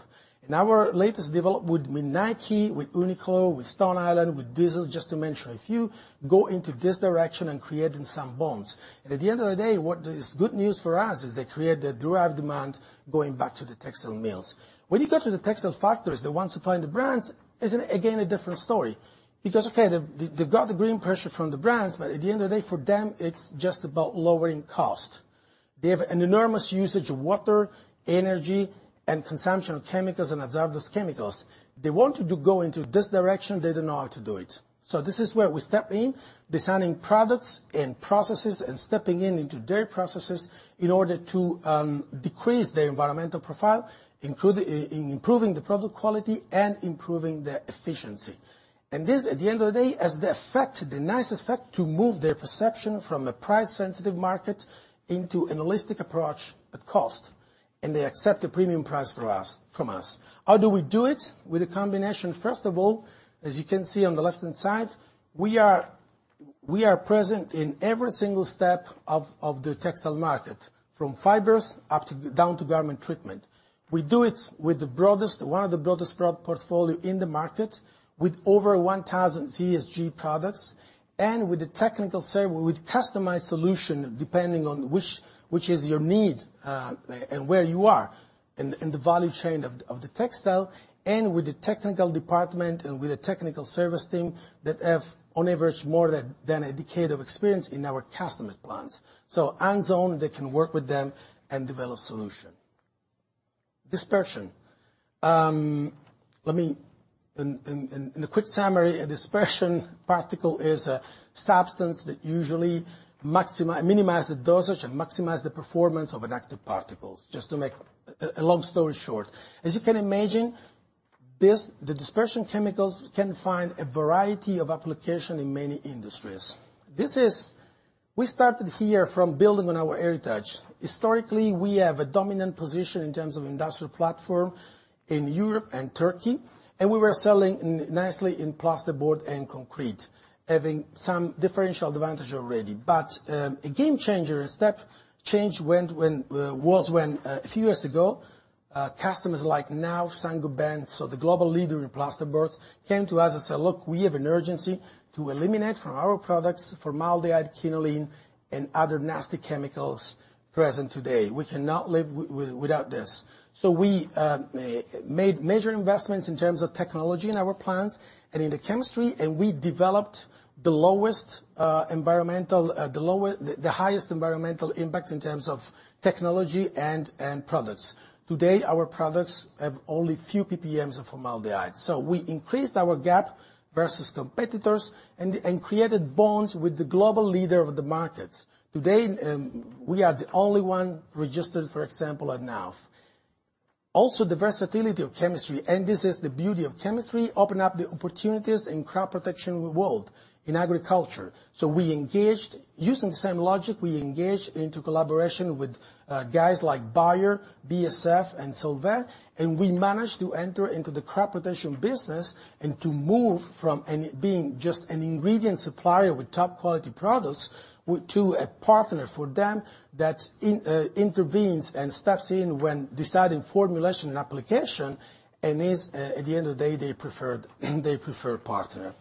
And our latest developments with Nike, with Uniqlo, with Stone Island, with Diesel, just to mention a few, go into this direction and creating some bonds. At the end of the day, what is good news for us is they create the derived demand going back to the textile mills. When you go to the textile factories, the ones supplying the brands, is again, a different story. Because, okay, they've got the green pressure from the brands, but at the end of the day, for them, it's just about lowering cost. They have an enormous usage of water, energy, and consumption of chemicals and hazardous chemicals. They wanted to go into this direction, they didn't know how to do it. So this is where we step in, designing products and processes and stepping in into their processes in order to decrease their environmental profile, including improving the product quality and improving the efficiency. This, at the end of the day, has the effect, the nice effect, to move their perception from a price-sensitive market into an holistic approach at cost, and they accept a premium price through us, from us. How do we do it? With a combination. First of all, as you can see on the left-hand side, we are present in every single step of the textile market, from fibers up to down to garment treatment. We do it with the broadest, one of the broadest broad portfolio in the market, with over 1,000 ESG products, and with the technical service, with customized solution, depending on which, which is your need, and where you are in the, in the value chain of the, of the textile, and with the technical department and with a technical service team that have on average more than a decade of experience in our customer plans. So hands-on, they can work with them and develop solution. Dispersion. In a quick summary, a dispersion particle is a substance that usually maximize, minimize the dosage and maximize the performance of an active particles, just to make a long story short. As you can imagine, this, the dispersion chemicals can find a variety of application in many industries. This is... We started here from building on our heritage. Historically, we have a dominant position in terms of industrial platform in Europe and Turkey, and we were selling nicely in plasterboard and concrete, having some differential advantage already. But a game changer, a step change, was when, a few years ago, customers like Nike, Saint-Gobain, so the global leader in plasterboards, came to us and said, "Look, we have an urgency to eliminate from our products formaldehyde, quinoline, and other nasty chemicals present today. We cannot live without this." So we made major investments in terms of technology in our plants and in the chemistry, and we developed the lowest environmental, the highest environmental impact in terms of technology and products. Today, our products have only few PPMs of formaldehyde. So we increased our gap versus competitors and created bonds with the global leader of the markets. Today, we are the only one registered, for example, at NAF. Also, the versatility of chemistry, and this is the beauty of chemistry, open up the opportunities in crop protection world, in agriculture. So we engaged, using the same logic, we engaged into collaboration with guys like Bayer, BASF, and Solvay, and we managed to enter into the crop protection business and to move from being just an ingredient supplier with top-quality products to a partner for them that intervenes and steps in when deciding formulation and application, and is, at the end of the day, their preferred their preferred partner.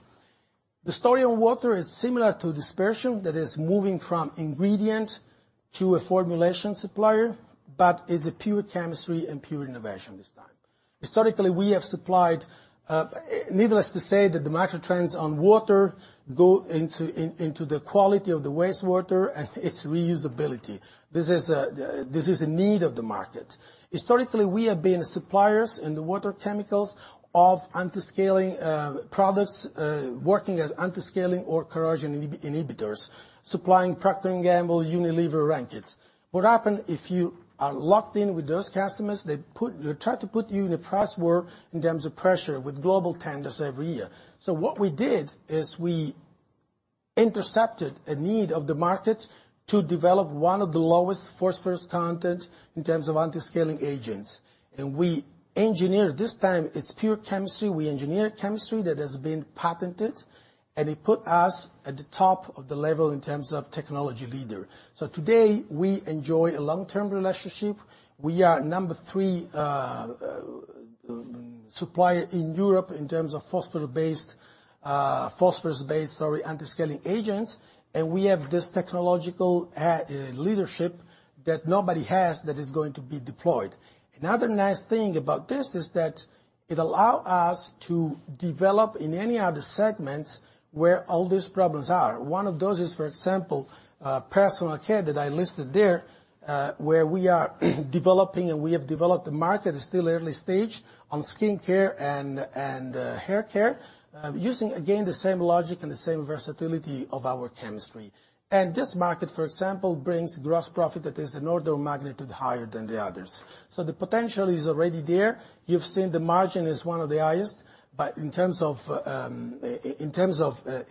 The story on water is similar to dispersion, that is, moving from ingredient to a formulation supplier, but is a pure chemistry and pure innovation this time. Historically, we have supplied, needless to say, that the macro trends on water go into, in, into the quality of the wastewater and its reusability. This is, this is a need of the market. Historically, we have been suppliers in the water chemicals of anti-scaling, products, working as anti-scaling or corrosion inhibitors, supplying Procter & Gamble, Unilever, Reckitt. What happen if you are locked in with those customers, they try to put you in a price war in terms of pressure with global tenders every year. So what we did is we intercepted a need of the market to develop one of the lowest phosphorus content in terms of anti-scaling agents, and we engineered... This time, it's pure chemistry. We engineered chemistry that has been patented, and it put us at the top of the level in terms of technology leader. So today, we enjoy a long-term relationship. We are number 3 supplier in Europe in terms of phosphate-based, phosphorus-based, sorry, anti-scaling agents, and we have this technological leadership that nobody has that is going to be deployed. Another nice thing about this is that it allow us to develop in any other segments where all these problems are. One of those is, for example, personal care that I listed there, where we are developing, and we have developed a market, it's still early stage, on skin care and hair care, using again, the same logic and the same versatility of our chemistry. This market, for example, brings gross profit that is an order of magnitude higher than the others. So the potential is already there. You've seen the margin is one of the highest, but in terms of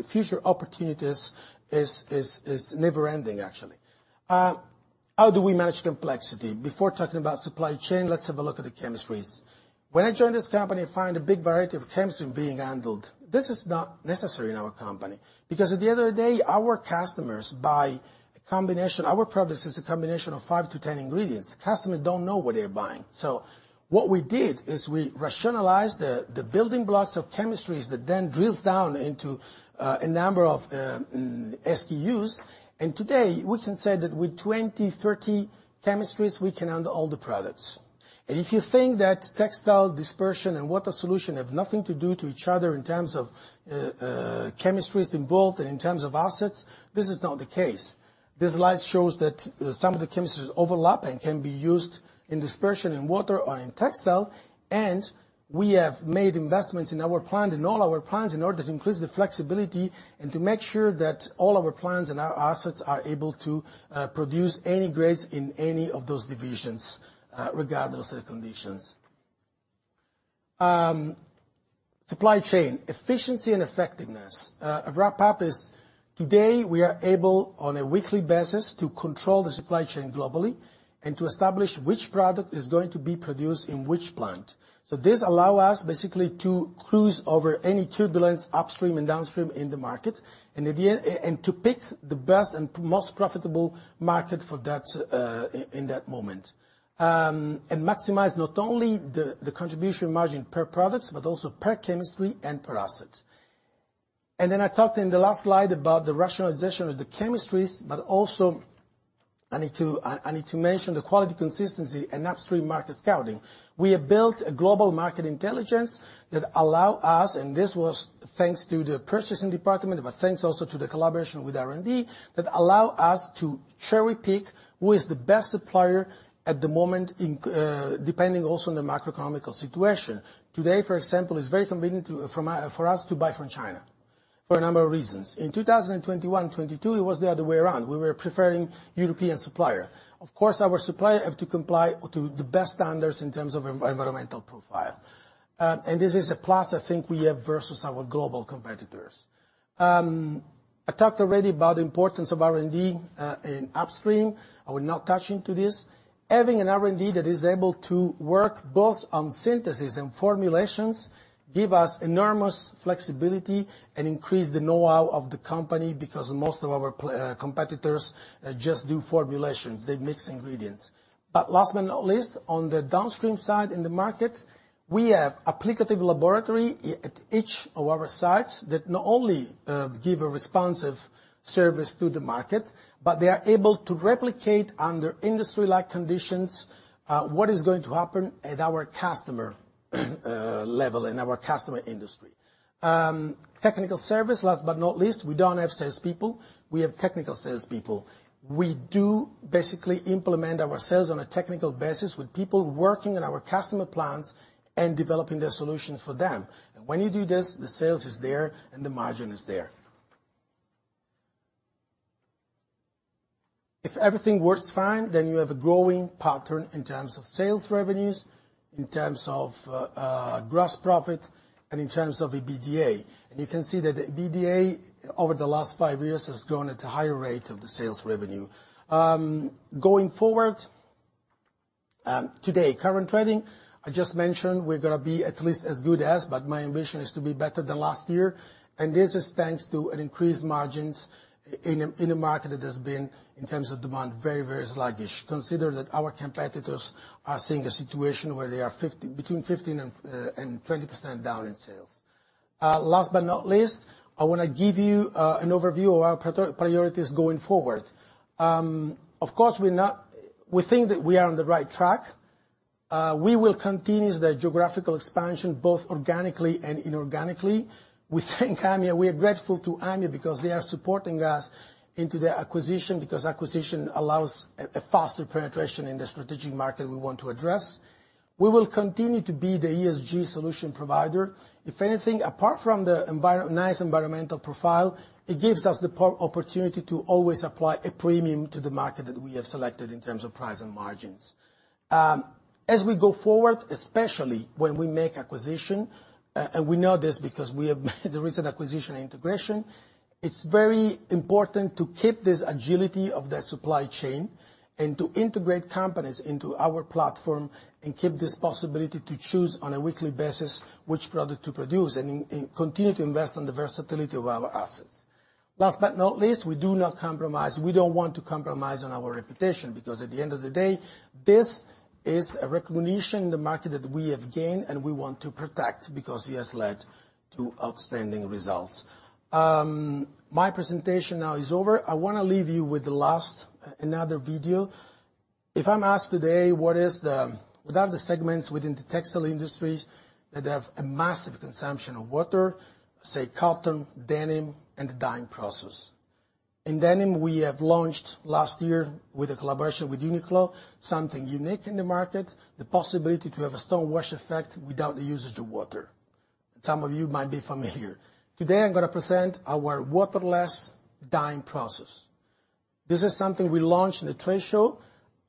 future opportunities, is never ending, actually. How do we manage complexity? Before talking about supply chain, let's have a look at the chemistries. When I joined this company, I find a big variety of chemistry being handled. This is not necessary in our company, because at the end of the day, our customers buy a combination. Our products is a combination of 5-10 ingredients. Customers don't know what they're buying. So what we did is we rationalized the building blocks of chemistries that then drills down into a number of SKUs. Today, we can say that with 20, 30 chemistries, we can handle all the products. And if you think that textile, dispersion, and water solution have nothing to do to each other in terms of, chemistries involved and in terms of assets, this is not the case. This slide shows that some of the chemistries overlap and can be used in dispersion, in water, or in textile, and we have made investments in our plant, in all our plants, in order to increase the flexibility and to make sure that all our plants and our assets are able to produce any grades in any of those divisions, regardless of the conditions. Supply chain, efficiency and effectiveness. A wrap-up is, today we are able, on a weekly basis, to control the supply chain globally and to establish which product is going to be produced in which plant. So this allow us basically to cruise over any turbulence upstream and downstream in the market, and at the end, and to pick the best and most profitable market for that, in that moment. And maximize not only the, the contribution margin per products, but also per chemistry and per asset. And then I talked in the last slide about the rationalization of the chemistries, but also I need to mention the quality, consistency, and upstream market scouting. We have built a global market intelligence that allow us, and this was thanks to the purchasing department, but thanks also to the collaboration with R&D, that allow us to cherry-pick who is the best supplier at the moment in, depending also on the macroeconomic situation. Today, for example, it's very convenient to, for us to buy from China for a number of reasons. In 2021, 2022, it was the other way around. We were preferring European supplier. Of course, our supplier have to comply to the best standards in terms of environmental profile, and this is a plus I think we have versus our global competitors. I talked already about the importance of R&D in upstream. I will not touch into this. Having an R&D that is able to work both on synthesis and formulations give us enormous flexibility and increase the know-how of the company, because most of our competitors just do formulation. They mix ingredients. But last but not least, on the downstream side in the market, we have applicative laboratory at each of our sites that not only give a responsive service to the market, but they are able to replicate under industry-like conditions what is going to happen at our customer level, in our customer industry. Technical service, last but not least, we don't have salespeople. We have technical salespeople. We do basically implement our sales on a technical basis with people working in our customer plants and developing their solutions for them. And when you do this, the sales is there, and the margin is there. If everything works fine, then you have a growing pattern in terms of sales revenues, in terms of gross profit, and in terms of EBITDA. You can see that EBITDA, over the last five years, has grown at a higher rate than the sales revenue. Going forward, today, current trading, I just mentioned we're gonna be at least as good as, but my ambition is to be better than last year, and this is thanks to increased margins in a market that has been, in terms of demand, very, very sluggish. Consider that our competitors are seeing a situation where they are between 15% and 20% down in sales. Last but not least, I want to give you an overview of our priorities going forward. Of course, we're not—we think that we are on the right track. We will continue the geographical expansion, both organically and inorganically. We thank Aimia. We are grateful to Aimia because they are supporting us into the acquisition, because acquisition allows a faster penetration in the strategic market we want to address. We will continue to be the ESG solution provider. If anything, apart from the environmental profile, it gives us the opportunity to always apply a premium to the market that we have selected in terms of price and margins. As we go forward, especially when we make acquisition, and we know this because we have made the recent acquisition and integration, it's very important to keep this agility of the supply chain and to integrate companies into our platform and keep this possibility to choose on a weekly basis which product to produce, and continue to invest on the versatility of our assets. Last but not least, we do not compromise. We don't want to compromise on our reputation, because at the end of the day, this is a recognition in the market that we have gained and we want to protect, because it has led to outstanding results. My presentation now is over. I want to leave you with another video. If I'm asked today, what is the... What are the segments within the textile industries that have a massive consumption of water? Say, cotton, denim, and the dyeing process. In denim, we have launched last year with a collaboration with Uniqlo, something unique in the market, the possibility to have a stone wash effect without the usage of water. Some of you might be familiar. Today, I'm going to present our waterless dyeing process. This is something we launched in a trade show.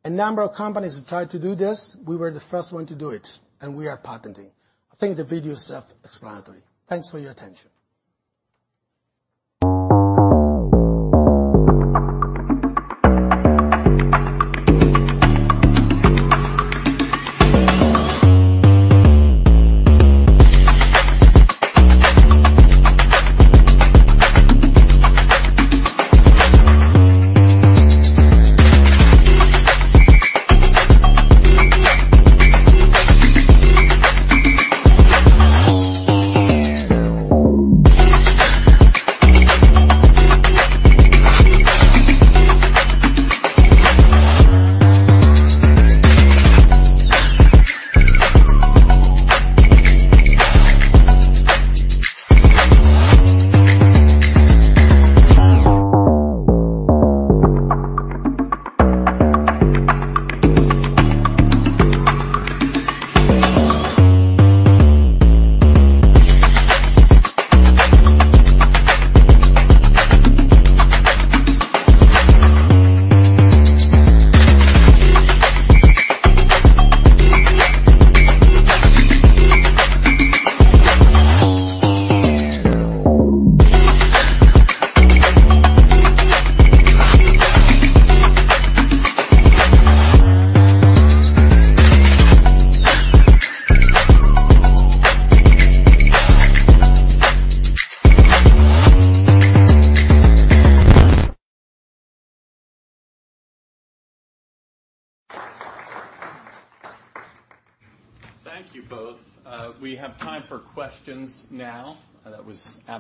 A number of companies have tried to do this. We were the first one to do it, and we are patenting. I think the video is self-explanatory. Thanks for your attention.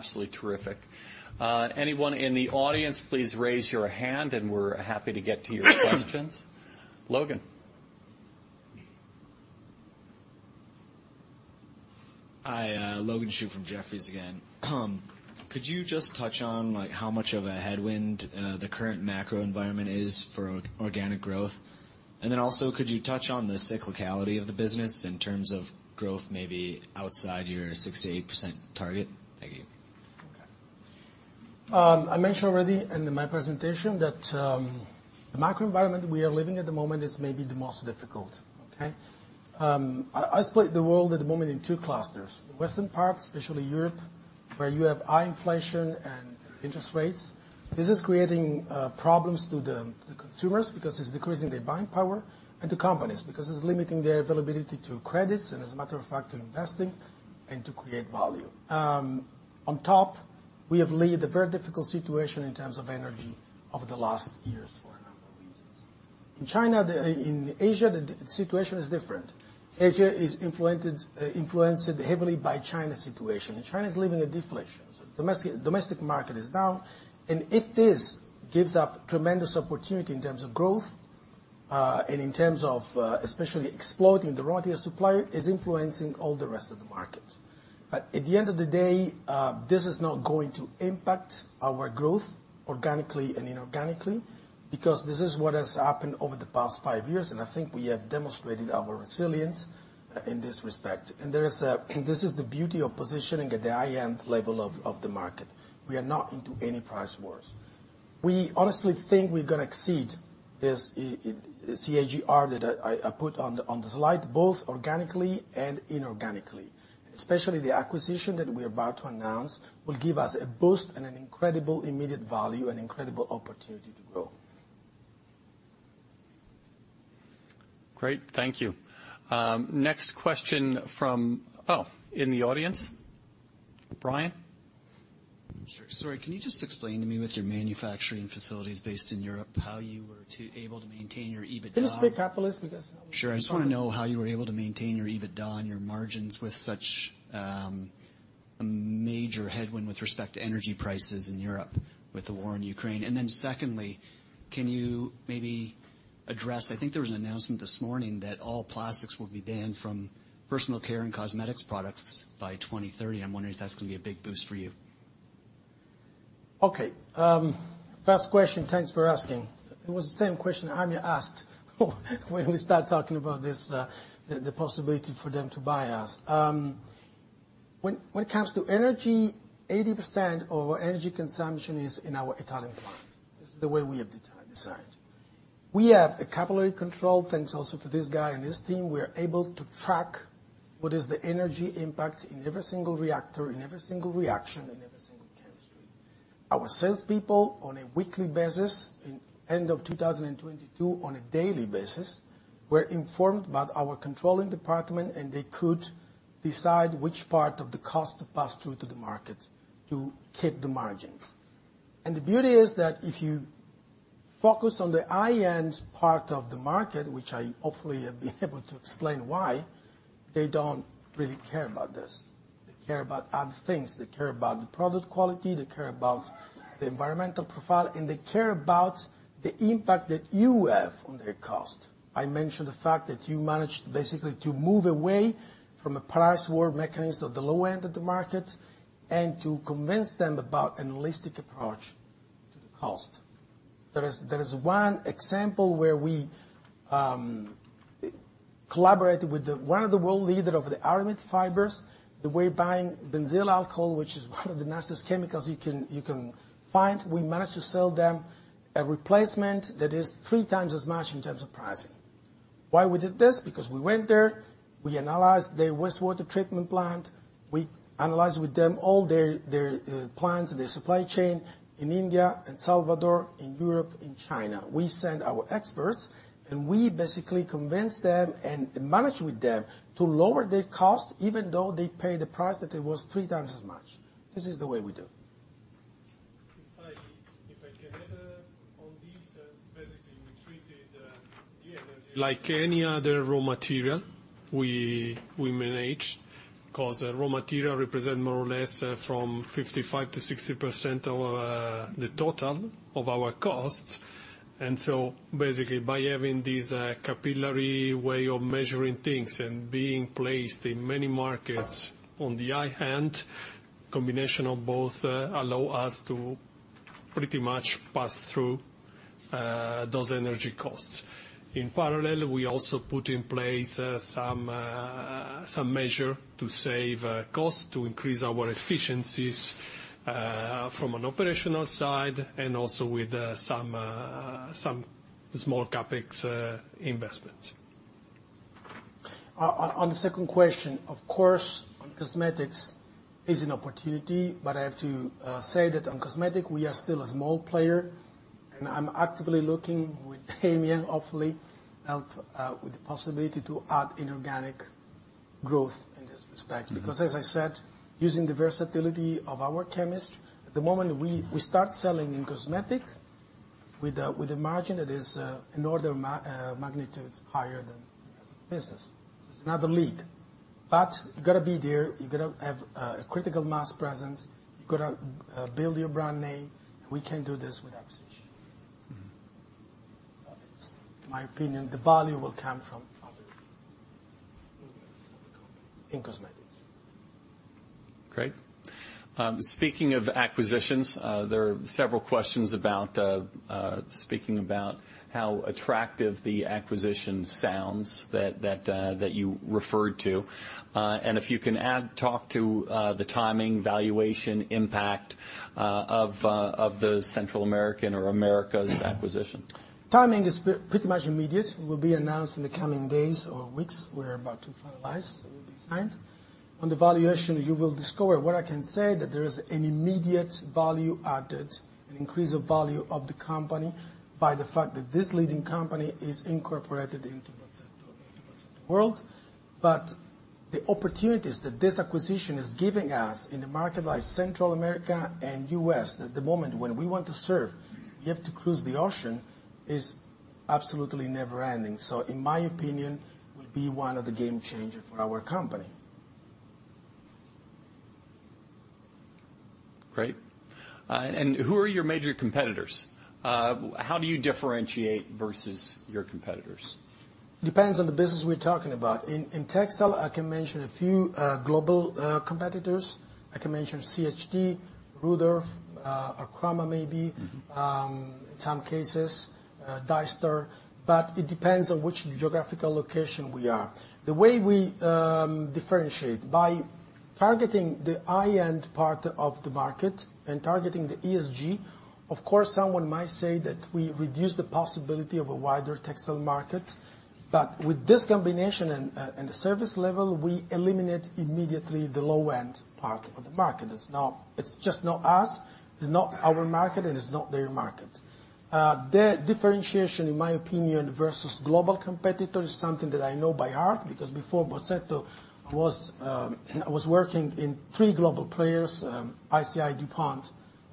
Thank you both. We have time for questions now. That was absolutely terrific. Anyone in the audience, please raise your hand, and we're happy to get to your questions. Logan? Hi, Logan Schuh from Jefferies again. Could you just touch on, like, how much of a headwind the current macro environment is for or-organic growth? And then also, could you touch on the cyclicality of the business in terms of growth, maybe outside your 6%-8% target? Thank you. Okay. I mentioned already in my presentation that, the macro environment we are living at the moment is maybe the most difficult, okay? I, I split the world at the moment in two clusters. Western part, especially Europe, where you have high inflation and interest rates. This is creating, problems to the, the consumers because it's decreasing their buying power, and to companies, because it's limiting their availability to credits and, as a matter of fact, investing and to create volume. On top, we have laid a very difficult situation in terms of energy over the last years for a number of reasons. In China, the... In Asia, the situation is different. Asia is influenced, influenced heavily by China's situation, and China is living a deflation. Domestic market is down, and if this gives up tremendous opportunity in terms of growth, and in terms of, especially exploiting the raw material supplier, is influencing all the rest of the market. But at the end of the day, this is not going to impact our growth organically and inorganically, because this is what has happened over the past five years, and I think we have demonstrated our resilience in this respect. There is a... This is the beauty of positioning at the high-end level of, of the market. We are not into any price wars.... We honestly think we're gonna exceed this, CAGR that I, I put on the, on the slide, both organically and inorganically, especially the acquisition that we're about to announce will give us a boost and an incredible immediate value and incredible opportunity to grow. Great, thank you. Next question from— Oh, in the audience. Brian? Sure. Sorry, can you just explain to me, with your manufacturing facilities based in Europe, how you were able to maintain your EBITDA? Can you speak up, please, because- Sure. I just wanna know how you were able to maintain your EBITDA and your margins with such, a major headwind with respect to energy prices in Europe with the war in Ukraine? And then secondly, can you maybe address... I think there was an announcement this morning that all plastics will be banned from personal care and cosmetics products by 2030, and I'm wondering if that's gonna be a big boost for you. Okay, first question, thanks for asking. It was the same question Aimia asked when we start talking about this, the possibility for them to buy us. When it comes to energy, 80% of our energy consumption is in our Italian plant. This is the way we have designed. We have a capillary control, thanks also to this guy and his team. We are able to track what is the energy impact in every single reactor, in every single reaction, in every single chemistry. Our salespeople, on a weekly basis, in end of 2022, on a daily basis, were informed by our controlling department, and they could decide which part of the cost to pass through to the market to keep the margins. The beauty is that if you focus on the high-end part of the market, which I hopefully have been able to explain why, they don't really care about this. They care about other things. They care about the product quality, they care about the environmental profile, and they care about the impact that you have on their cost. I mentioned the fact that you managed basically to move away from a price war mechanism at the low end of the market and to convince them about a holistic approach to the cost. There is one example where we collaborated with the one of the world leader of the aramid fibers. They were buying benzyl alcohol, which is one of the nicest chemicals you can find. We managed to sell them a replacement that is three times as much in terms of pricing. Why we did this? Because we went there, we analyzed their wastewater treatment plant, we analyzed with them all their plants and their supply chain in India, in Salvador, in Europe, in China. We sent our experts, and we basically convinced them and managed with them to lower their cost, even though they paid the price that it was three times as much. This is the way we do. If I can add on this, basically, we treated the energy like any other raw material we manage, 'cause raw material represent more or less from 55%-60% of the total of our costs. So basically, by having this capillary way of measuring things and being placed in many markets on the high end, combination of both allow us to pretty much pass through those energy costs. In parallel, we also put in place some measures to save cost, to increase our efficiencies from an operational side and also with some small CapEx investments. On, on the second question, of course, on cosmetics is an opportunity, but I have to say that on cosmetic, we are still a small player, and I'm actively looking with Damian, hopefully, help with the possibility to add inorganic growth in this respect. Mm-hmm. Because, as I said, using the versatility of our chemistry, at the moment, we start selling in cosmetics with a margin that is in order of magnitude higher than business. It's not the league, but you've got to be there. You've got to have a critical mass presence. You've got to build your brand name. We can do this with acquisitions. Mm-hmm. So it's, in my opinion, the value will come from other... in cosmetics. Great. Speaking of acquisitions, there are several questions about speaking about how attractive the acquisition sounds, that you referred to. And if you can add talk to the timing, valuation, impact of the Central American or Americas acquisition. Timing is pretty much immediate, will be announced in the coming days or weeks. We're about to finalize, it will be signed. On the valuation, you will discover. What I can say, that there is an immediate value added, an increase of value of the company, by the fact that this leading company is incorporated into the world. But the opportunities that this acquisition is giving us in a market like Central America and U.S., at the moment when we want to serve, you have to cruise the ocean, is absolutely never ending. So in my opinion, will be one of the game changer for our company. Great. Who are your major competitors? How do you differentiate versus your competitors? Depends on the business we're talking about. In textile, I can mention a few global competitors. I can mention CHT, Rudolf, Arkema maybe- Mm-hmm... in some cases, DyStar, but it depends on which geographical location we are. The way we differentiate, targeting the high-end part of the market and targeting the ESG, of course, someone might say that we reduce the possibility of a wider textile market, but with this combination and the service level, we eliminate immediately the low-end part of the market. It's not—it's just not us, it's not our market, and it's not their market. The differentiation, in my opinion, versus global competitors, is something that I know by heart, because before Bozzetto, I was working in three global players, ICI, DuPont,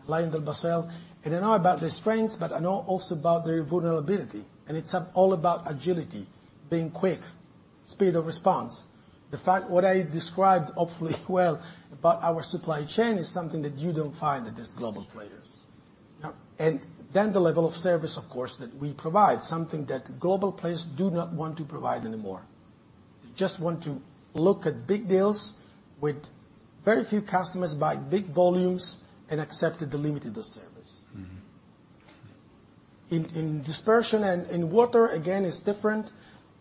LyondellBasell, and I know about their strengths, but I know also about their vulnerability, and it's all about agility, being quick, speed of response. What I described awfully well about our supply chain is something that you don't find at these global players. Now, and then the level of service, of course, that we provide, something that global players do not want to provide anymore. They just want to look at big deals with very few customers, buy big volumes, and accepted the limited service. Mm-hmm. In dispersion and in water, again, it's different.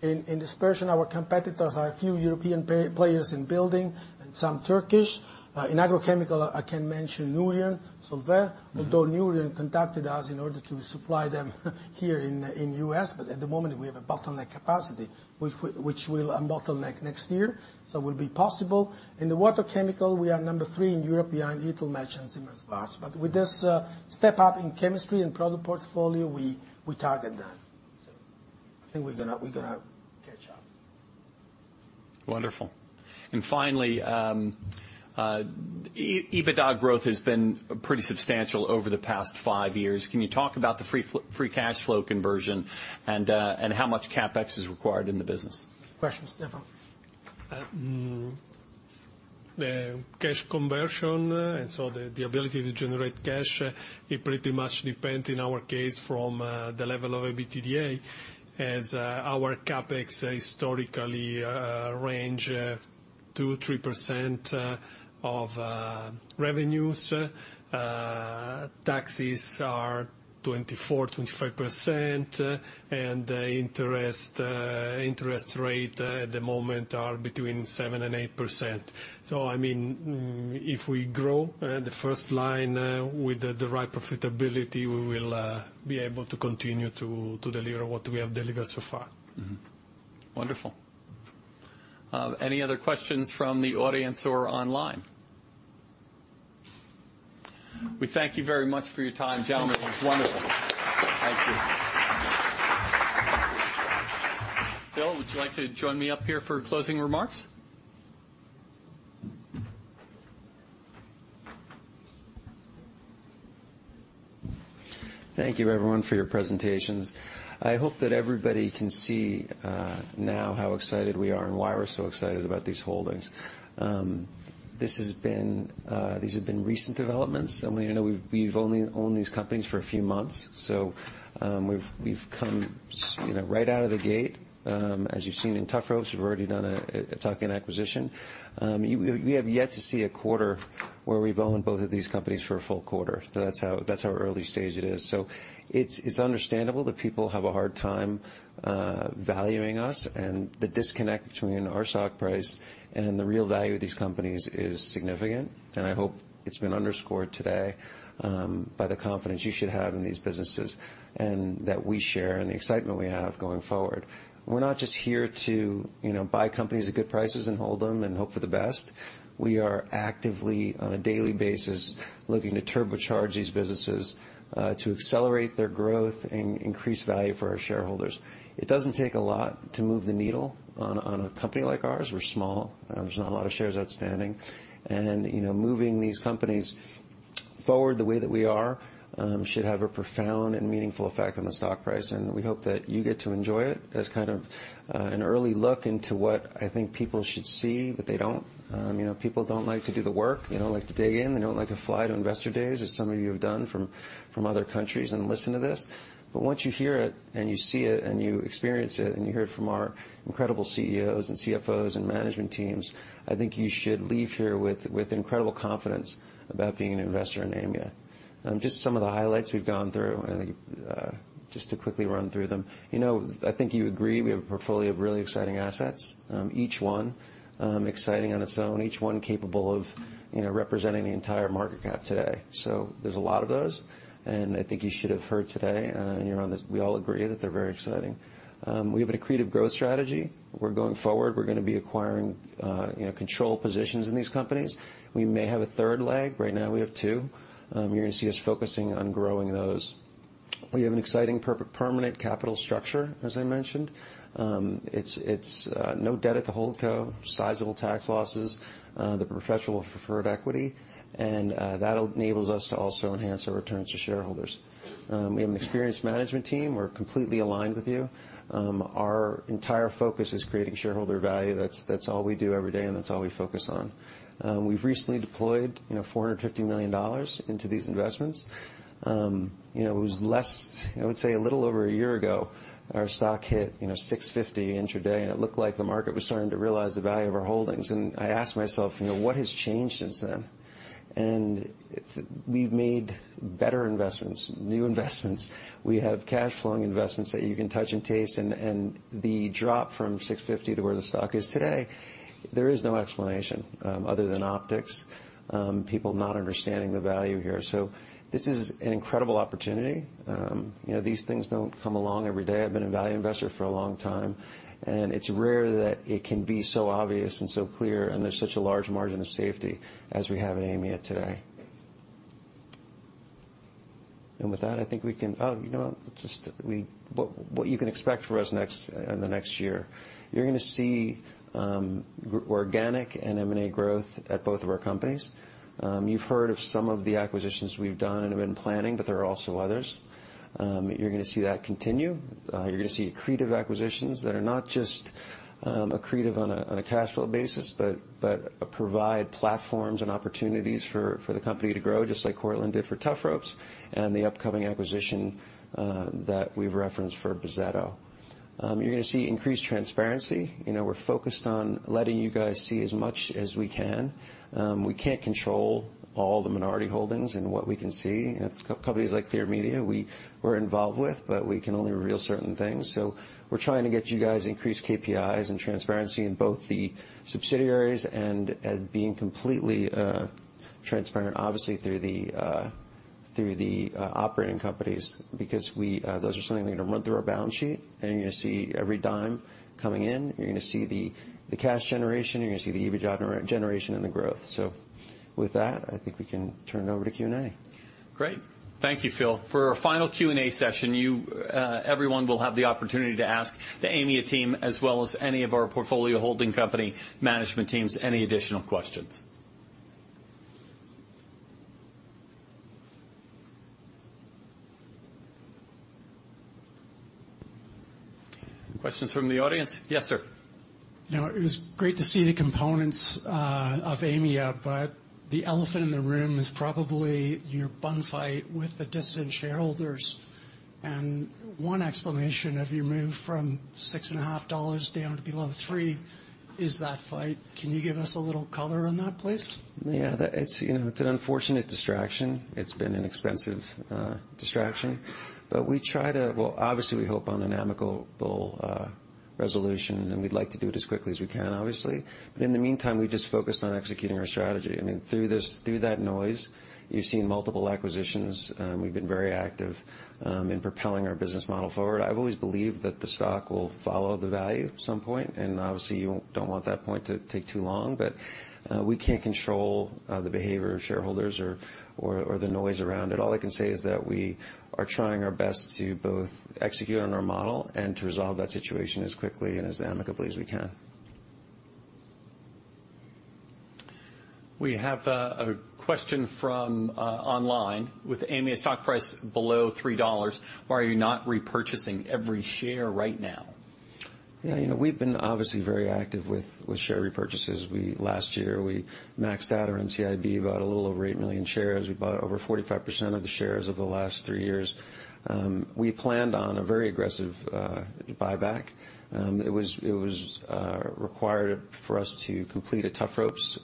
In dispersion, our competitors are a few European players in building and some Turkish. In agrochemical, I can mention Nouryon, Solvay, although Nouryon contacted us in order to supply them here in the U.S., but at the moment, we have a bottleneck capacity, which we'll unbottleneck next year, so it will be possible. In the water chemical, we are number three in Europe behind Italmatch and Solvay. But with this, step up in chemistry and product portfolio, we target that. So I think we're gonna catch up. Wonderful. And finally, EBITDA growth has been pretty substantial over the past five years. Can you talk about the free cash flow conversion and how much CapEx is required in the business? Questions, Stefano? The cash conversion, and so the ability to generate cash, it pretty much depend, in our case, from the level of EBITDA, as our CapEx historically range 2%-3% of revenues. Taxes are 24%-25%, and interest rate at the moment are between 7%-8%. So I mean, if we grow the first line with the right profitability, we will be able to continue to deliver what we have delivered so far. Mm-hmm. Wonderful. Any other questions from the audience or online? We thank you very much for your time, gentlemen. Wonderful. Thank you. Phil, would you like to join me up here for closing remarks? Thank you, everyone, for your presentations. I hope that everybody can see now how excited we are and why we're so excited about these holdings. These have been recent developments, and we know we've only owned these companies for a few months, so we've come, you know, right out of the gate. As you've seen in Tufropes, we've already done a tuck-in acquisition. We have yet to see a quarter where we've owned both of these companies for a full quarter. So that's how early stage it is. So it's, it's understandable that people have a hard time valuing us, and the disconnect between our stock price and the real value of these companies is significant, and I hope it's been underscored today by the confidence you should have in these businesses, and that we share, and the excitement we have going forward. We're not just here to, you know, buy companies at good prices and hold them and hope for the best. We are actively, on a daily basis, looking to turbocharge these businesses to accelerate their growth and increase value for our shareholders. It doesn't take a lot to move the needle on, on a company like ours. We're small. There's not a lot of shares outstanding. You know, moving these companies forward the way that we are should have a profound and meaningful effect on the stock price, and we hope that you get to enjoy it as kind of an early look into what I think people should see, but they don't. You know, people don't like to do the work. They don't like to dig in. They don't like to fly to investor days, as some of you have done from other countries and listen to this. But once you hear it and you see it and you experience it, and you hear it from our incredible CEOs and CFOs and management teams, I think you should leave here with incredible confidence about being an investor in Aimia. Just some of the highlights we've gone through, and just to quickly run through them, you know, I think you agree, we have a portfolio of really exciting assets, each one exciting on its own, each one capable of, you know, representing the entire market cap today. So there's a lot of those, and I think you should have heard today, and you're on this. We all agree that they're very exciting. We have an accretive growth strategy. We're going forward. We're gonna be acquiring, you know, control positions in these companies. We may have a third leg. Right now, we have two. You're gonna see us focusing on growing those. We have an exciting permanent capital structure, as I mentioned. It's no debt at the holdco, sizable tax losses, the professional preferred equity, and that enables us to also enhance our returns to shareholders. We have an experienced management team. We're completely aligned with you. Our entire focus is creating shareholder value. That's all we do every day, and that's all we focus on. We've recently deployed, you know, $450 million into these investments. You know, it was less, I would say, a little over a year ago, our stock hit, you know, $6.50 intraday, and it looked like the market was starting to realize the value of our holdings. And I asked myself: You know, what has changed since then? And we've made better investments, new investments. We have cash flowing investments that you can touch and taste, and the drop from 6.50 to where the stock is today, there is no explanation, other than optics, people not understanding the value here. So this is an incredible opportunity. You know, these things don't come along every day. I've been a value investor for a long time, and it's rare that it can be so obvious and so clear, and there's such a large margin of safety as we have at Aimia today. With that, I think we can, oh, you know what? Just what you can expect for us next, in the next year. You're gonna see, organic and M&A growth at both of our companies. You've heard of some of the acquisitions we've done and been planning, but there are also others. You're gonna see that continue. You're gonna see accretive acquisitions that are not just accretive on a cash flow basis, but provide platforms and opportunities for the company to grow, just like Cortland did for Tufropes and the upcoming acquisition that we've referenced for Bozzetto. You're gonna see increased transparency. You know, we're focused on letting you guys see as much as we can. We can't control all the minority holdings and what we can see. At companies like Clear Media, we're involved with, but we can only reveal certain things. So we're trying to get you guys increased KPIs and transparency in both the subsidiaries and as being completely transparent, obviously, through the operating companies. Because we... Those are something we're gonna run through our balance sheet, and you're gonna see every dime coming in. You're gonna see the cash generation, you're gonna see the EBITDA generation and the growth. So with that, I think we can turn it over to Q&A. Great. Thank you, Phil. For our final Q&A session, you, everyone will have the opportunity to ask the Aimia team, as well as any of our portfolio holding company management teams, any additional questions. Questions from the audience? Yes, sir. You know, it was great to see the components of Aimia, but the elephant in the room is probably your bun fight with the dissident shareholders. One explanation of your move from 6.5 dollars down to below 3 is that fight. Can you give us a little color on that, please? Yeah, it's, you know, it's an unfortunate distraction. It's been an expensive distraction, but we try to... Well, obviously, we hope on an amicable resolution, and we'd like to do it as quickly as we can, obviously. But in the meantime, we've just focused on executing our strategy. I mean, through this, through that noise, you've seen multiple acquisitions, and we've been very active in propelling our business model forward. I've always believed that the stock will follow the value at some point, and obviously, you don't want that point to take too long. But we can't control the behavior of shareholders or the noise around it. All I can say is that we are trying our best to both execute on our model and to resolve that situation as quickly and as amicably as we can. We have a question from online: With Aimia's stock price below 3 dollars, why are you not repurchasing every share right now? Yeah, you know, we've been obviously very active with share repurchases. We last year, we maxed out our NCIB, about a little over 8 million shares. We bought over 45% of the shares over the last 3 years. We planned on a very aggressive buyback. It was required for us to complete a Tufropes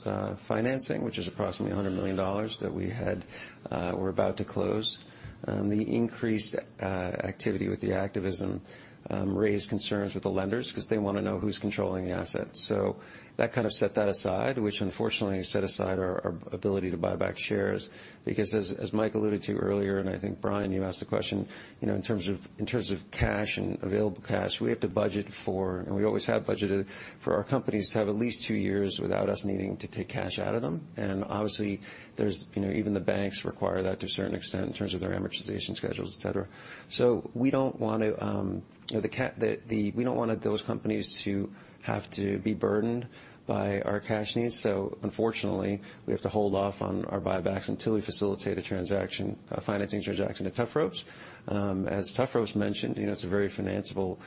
financing, which is approximately $100 million that we had were about to close. The increased activity with the activism raised concerns with the lenders because they wanna know who's controlling the asset. So that kind of set that aside, which unfortunately set aside our ability to buy back shares, because as Mike alluded to earlier, and I think, Brian, you asked the question, you know, in terms of cash and available cash, we have to budget for, and we always have budgeted, for our companies to have at least two years without us needing to take cash out of them. And obviously, there's, you know, even the banks require that to a certain extent in terms of their amortization schedules, et cetera. So we don't want to, you know, We don't want those companies to have to be burdened by our cash needs, so unfortunately, we have to hold off on our buybacks until we facilitate a transaction, financing transaction to Tufropes. As Tufropes mentioned, you know, it's a very financiable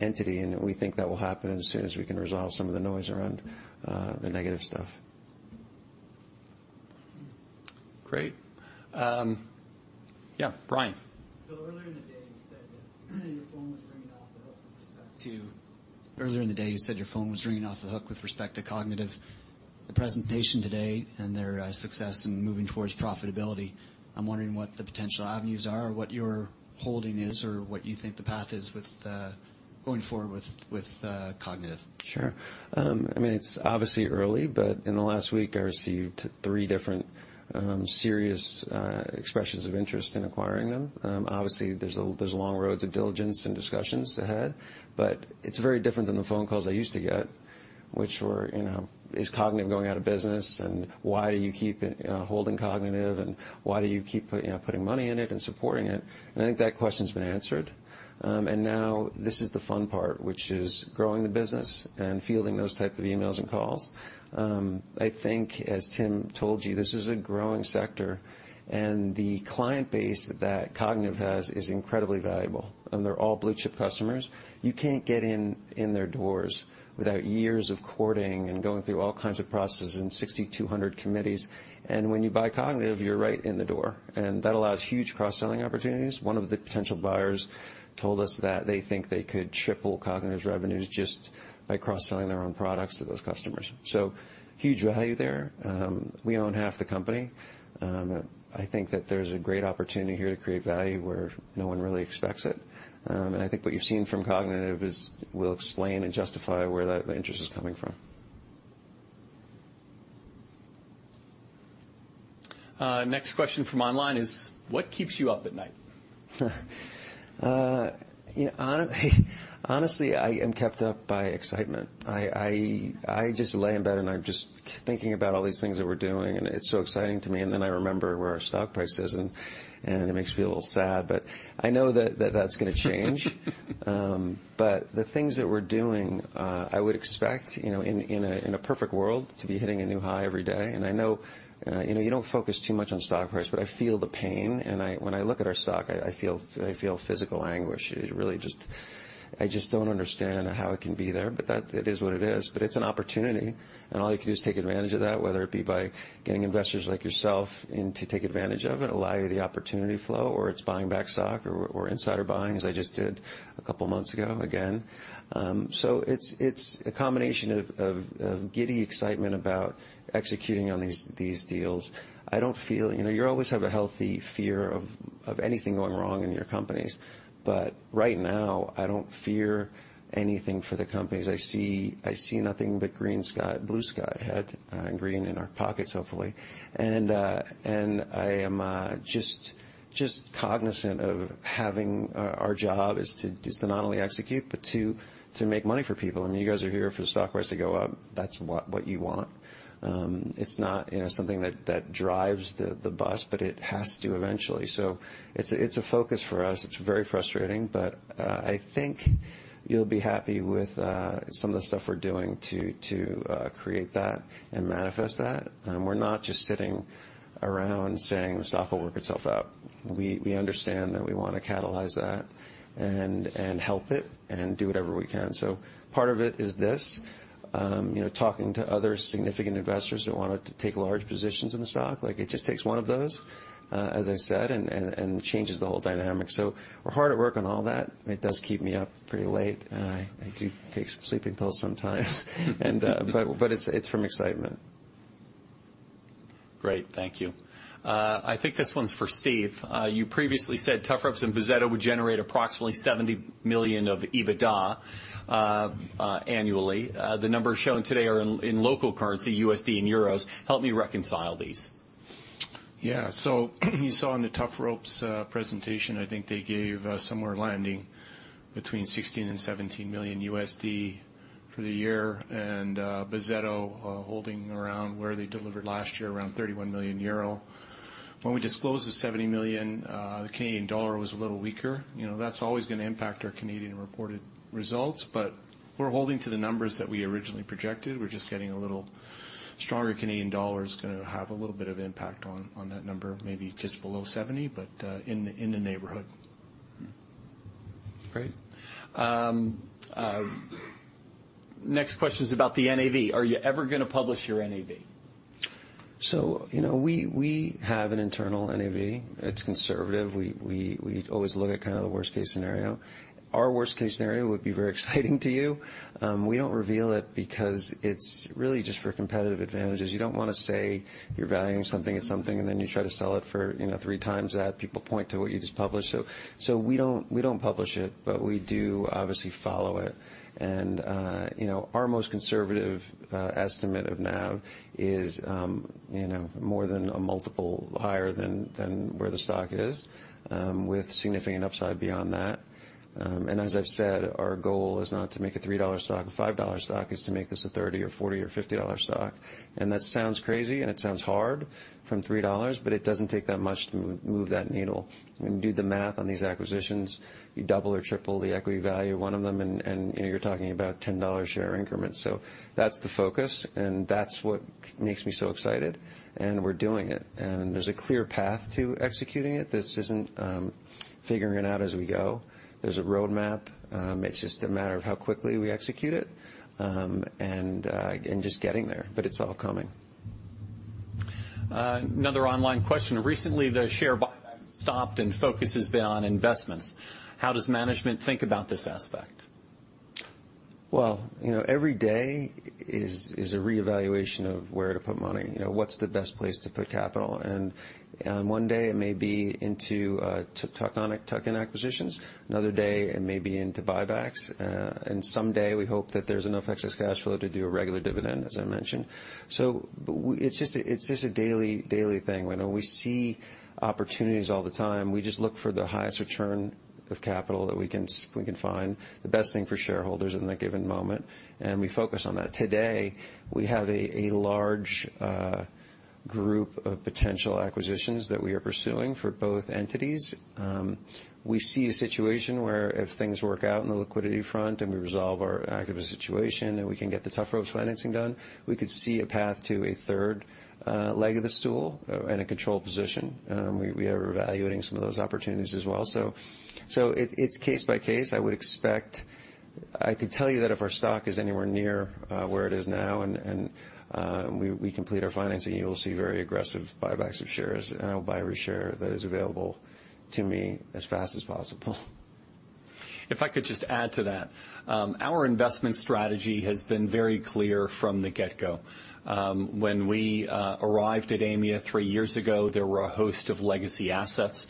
entity, and we think that will happen as soon as we can resolve some of the noise around the negative stuff. Great. Yeah, Brian? Earlier in the day, you said your phone was ringing off the hook with respect to Kognitiv. The presentation today and their success in moving towards profitability, I'm wondering what the potential avenues are, or what your holding is, or what you think the path is with going forward with Kognitiv? Sure. I mean, it's obviously early, but in the last week, I received three different serious expressions of interest in acquiring them. Obviously, there's a long roads of diligence and discussions ahead, but it's very different than the phone calls I used to get, which were, you know, "Is Kognitiv going out of business?" And, "Why do you keep holding Kognitiv?" And, "Why do you keep you know, putting money in it and supporting it?" And I think that question's been answered. And now this is the fun part, which is growing the business and fielding those type of emails and calls. I think, as Tim told you, this is a growing sector, and the client base that Kognitiv has is incredibly valuable, and they're all blue chip customers. You can't get in their doors without years of courting and going through all kinds of processes and 6,200 committees. And when you buy Kognitiv, you're right in the door, and that allows huge cross-selling opportunities. One of the potential buyers told us that they think they could triple Kognitiv's revenues just by cross-selling their own products to those customers. So huge value there. We own half the company. I think that there's a great opportunity here to create value where no one really expects it. And I think what you've seen from Kognitiv is, will explain and justify where that, the interest is coming from. Next question from online is: What keeps you up at night?... You know, honestly, honestly, I am kept up by excitement. I just lay in bed, and I'm just thinking about all these things that we're doing, and it's so exciting to me. And then I remember where our stock price is, and it makes me feel a little sad, but I know that that's gonna change. But the things that we're doing, I would expect, you know, in a perfect world, to be hitting a new high every day. And I know, you know, you don't focus too much on stock price, but I feel the pain, and when I look at our stock, I feel physical anguish. It really just... I just don't understand how it can be there, but that, it is what it is. But it's an opportunity, and all you can do is take advantage of that, whether it be by getting investors like yourself in to take advantage of it, allow you the opportunity flow, or it's buying back stock or, or insider buying, as I just did a couple months ago again. So it's a combination of giddy excitement about executing on these deals. I don't feel... You know, you always have a healthy fear of anything going wrong in your companies, but right now, I don't fear anything for the companies. I see, I see nothing but green sky, blue sky ahead, and green in our pockets, hopefully. And I am just cognizant of having... Our job is to not only execute, but to make money for people. I mean, you guys are here for the stock price to go up. That's what you want. It's not, you know, something that drives the bus, but it has to eventually. So it's a focus for us. It's very frustrating, but I think you'll be happy with some of the stuff we're doing to create that and manifest that. We're not just sitting around saying, "The stock will work itself out." We understand that we wanna catalyze that and help it and do whatever we can. So part of it is this, you know, talking to other significant investors that want to take large positions in the stock. Like, it just takes one of those, as I said, and changes the whole dynamic. So we're hard at work on all that. It does keep me up pretty late, and I do take some sleeping pills sometimes. But it's from excitement. Great. Thank you. I think this one's for Steve. You previously said Tufropes and Bozzetto would generate approximately $70 million of EBITDA annually. The numbers shown today are in local currency, USD, and euros. Help me reconcile these. Yeah. So you saw in the Tufropes presentation, I think they gave somewhere landing between $16 million-$17 million for the year, and Bozzetto holding around where they delivered last year, around 31 million euro. When we disclosed the 70 million, the Canadian dollar was a little weaker. You know, that's always gonna impact our Canadian reported results, but we're holding to the numbers that we originally projected. We're just getting a little stronger Canadian dollar is gonna have a little bit of impact on that number, maybe just below 70, but in the neighborhood. Great. Next question is about the NAV. Are you ever gonna publish your NAV? So, you know, we have an internal NAV. It's conservative. We always look at kind of the worst-case scenario. Our worst-case scenario would be very exciting to you. We don't reveal it because it's really just for competitive advantages. You don't wanna say you're valuing something at something, and then you try to sell it for, you know, 3 times that. People point to what you just published. So we don't publish it, but we do obviously follow it. And, you know, our most conservative estimate of NAV is, you know, more than a multiple higher than where the stock is, with significant upside beyond that. And as I've said, our goal is not to make a 3-dollar stock a 5-dollar stock, is to make this a 30- or 40- or 50-dollar stock. That sounds crazy, and it sounds hard from 3 dollars, but it doesn't take that much to move that needle. When you do the math on these acquisitions, you double or triple the equity value of one of them, and, you know, you're talking about 10-dollar share increments. So that's the focus, and that's what makes me so excited, and we're doing it. There's a clear path to executing it. This isn't figuring it out as we go. There's a roadmap. It's just a matter of how quickly we execute it, and just getting there, but it's all coming. Another online question: Recently, the share buyback stopped, and focus has been on investments. How does management think about this aspect? Well, you know, every day is a reevaluation of where to put money. You know, what's the best place to put capital? And one day it may be into to tuck-on, tuck-in acquisitions, another day it may be into buybacks, and someday we hope that there's enough excess cash flow to do a regular dividend, as I mentioned. So it's just a, it's just a daily thing. When we see opportunities all the time, we just look for the highest return of capital that we can find, the best thing for shareholders in a given moment, and we focus on that. Today, we have a large group of potential acquisitions that we are pursuing for both entities. We see a situation where if things work out in the liquidity front, and we resolve our activist situation, and we can get the Tufropes financing done, we could see a path to a third leg of the stool, and a control position. We are evaluating some of those opportunities as well. So it's case by case. I would expect... I could tell you that if our stock is anywhere near where it is now, and we complete our financing, you will see very aggressive buybacks of shares, and I will buy every share that is available to me as fast as possible. If I could just add to that, our investment strategy has been very clear from the get-go. When we arrived at Aimia three years ago, there were a host of legacy assets.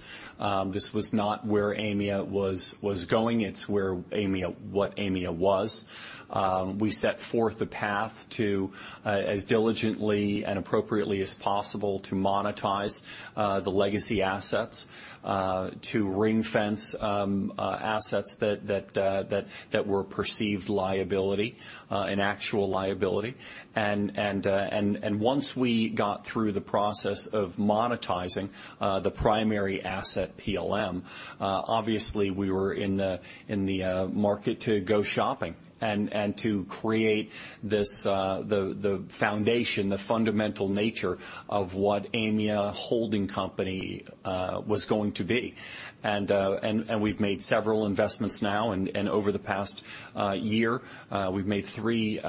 This was not where Aimia was going. It's where Aimia, what Aimia was. We set forth a path to, as diligently and appropriately as possible, to monetize the legacy assets, to ring-fence assets that were perceived liability and actual liability. Once we got through the process of monetizing the primary asset, PLM, obviously we were in the market to go shopping and to create this, the foundation, the fundamental nature of what Aimia Holding Company was going to be. And we've made several investments now, and over the past year, we've made three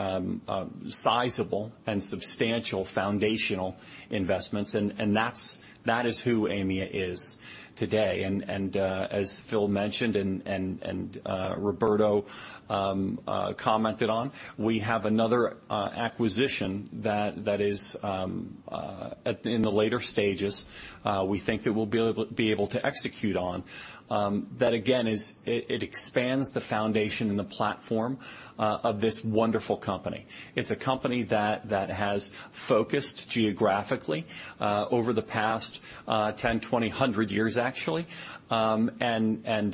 sizable and substantial foundational investments, and that's who Aimia is today. And as Phil mentioned, and Roberto commented on, we have another acquisition that is in the later stages, we think that we'll be able to execute on. That, again, is it, it expands the foundation and the platform of this wonderful company. It's a company that has focused geographically over the past 10, 20, 100 years, actually. And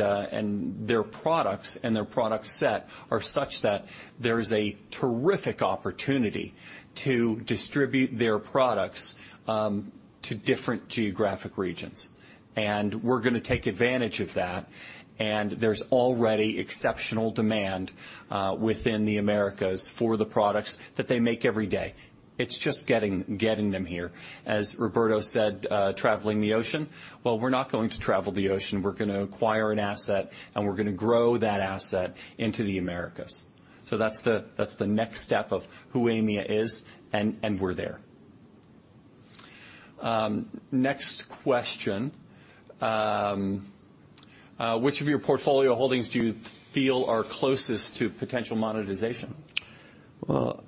their products and their product set are such that there is a terrific opportunity to distribute their products to different geographic regions. And we're gonna take advantage of that, and there's already exceptional demand within the Americas for the products that they make every day. It's just getting, getting them here. As Roberto said, traveling the ocean, well, we're not going to travel the ocean. We're gonna acquire an asset, and we're gonna grow that asset into the Americas. So that's the, that's the next step of who Aimia is, and, and we're there. Next question: Which of your portfolio holdings do you feel are closest to potential monetization? Well,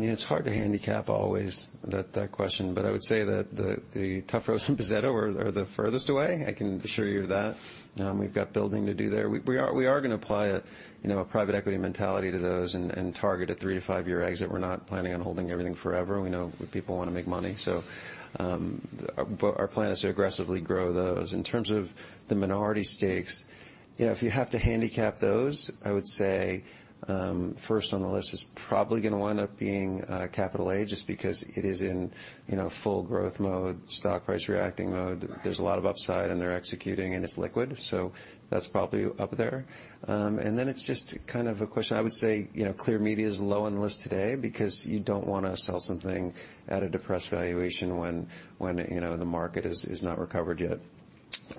it's hard to handicap always that, that question, but I would say that the, the Tufropes and Bozzetto are, are the furthest away, I can assure you of that. We've got building to do there. We, we are, we are gonna apply a, you know, a private equity mentality to those and, and target a 3-5-year exit. We're not planning on holding everything forever. We know people want to make money, so, but our plan is to aggressively grow those. In terms of the minority stakes, you know, if you have to handicap those, I would say, first on the list is probably gonna wind up being, Capital A, just because it is in, you know, full growth mode, stock price reacting mode. There's a lot of upside, and they're executing, and it's liquid, so that's probably up there. And then it's just kind of a question. I would say, you know, Clear Media is low on the list today because you don't want to sell something at a depressed valuation when, you know, the market is not recovered yet.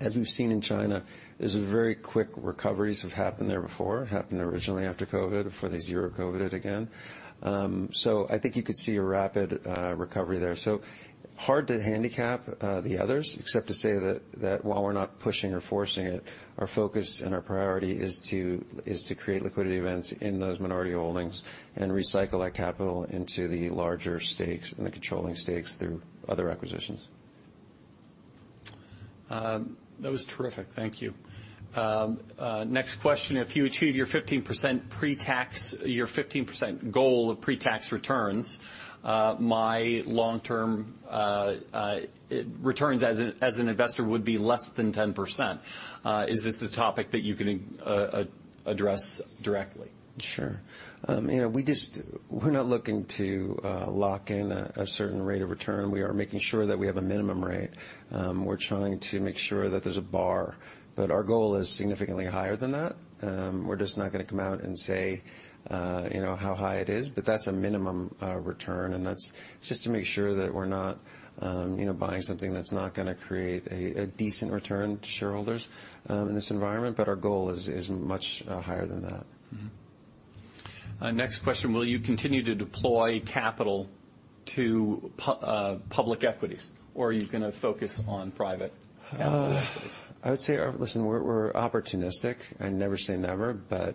As we've seen in China, there's a very quick recoveries have happened there before, happened originally after COVID, before the zero COVID again. So I think you could see a rapid recovery there. So hard to handicap the others, except to say that while we're not pushing or forcing it, our focus and our priority is to create liquidity events in those minority holdings and recycle that capital into the larger stakes and the controlling stakes through other acquisitions. That was terrific. Thank you. Next question: If you achieve your 15% pre-tax, your 15% goal of pre-tax returns, my long-term returns as an investor would be less than 10%. Is this a topic that you can address directly? Sure. You know, we just—we're not looking to lock in a certain rate of return. We are making sure that we have a minimum rate. We're trying to make sure that there's a bar, but our goal is significantly higher than that. We're just not gonna come out and say, you know, how high it is, but that's a minimum return, and that's just to make sure that we're not, you know, buying something that's not gonna create a decent return to shareholders, in this environment, but our goal is much higher than that. Next question: Will you continue to deploy capital to public equities, or are you gonna focus on private? I would say, listen, we're, we're opportunistic and never say never, but,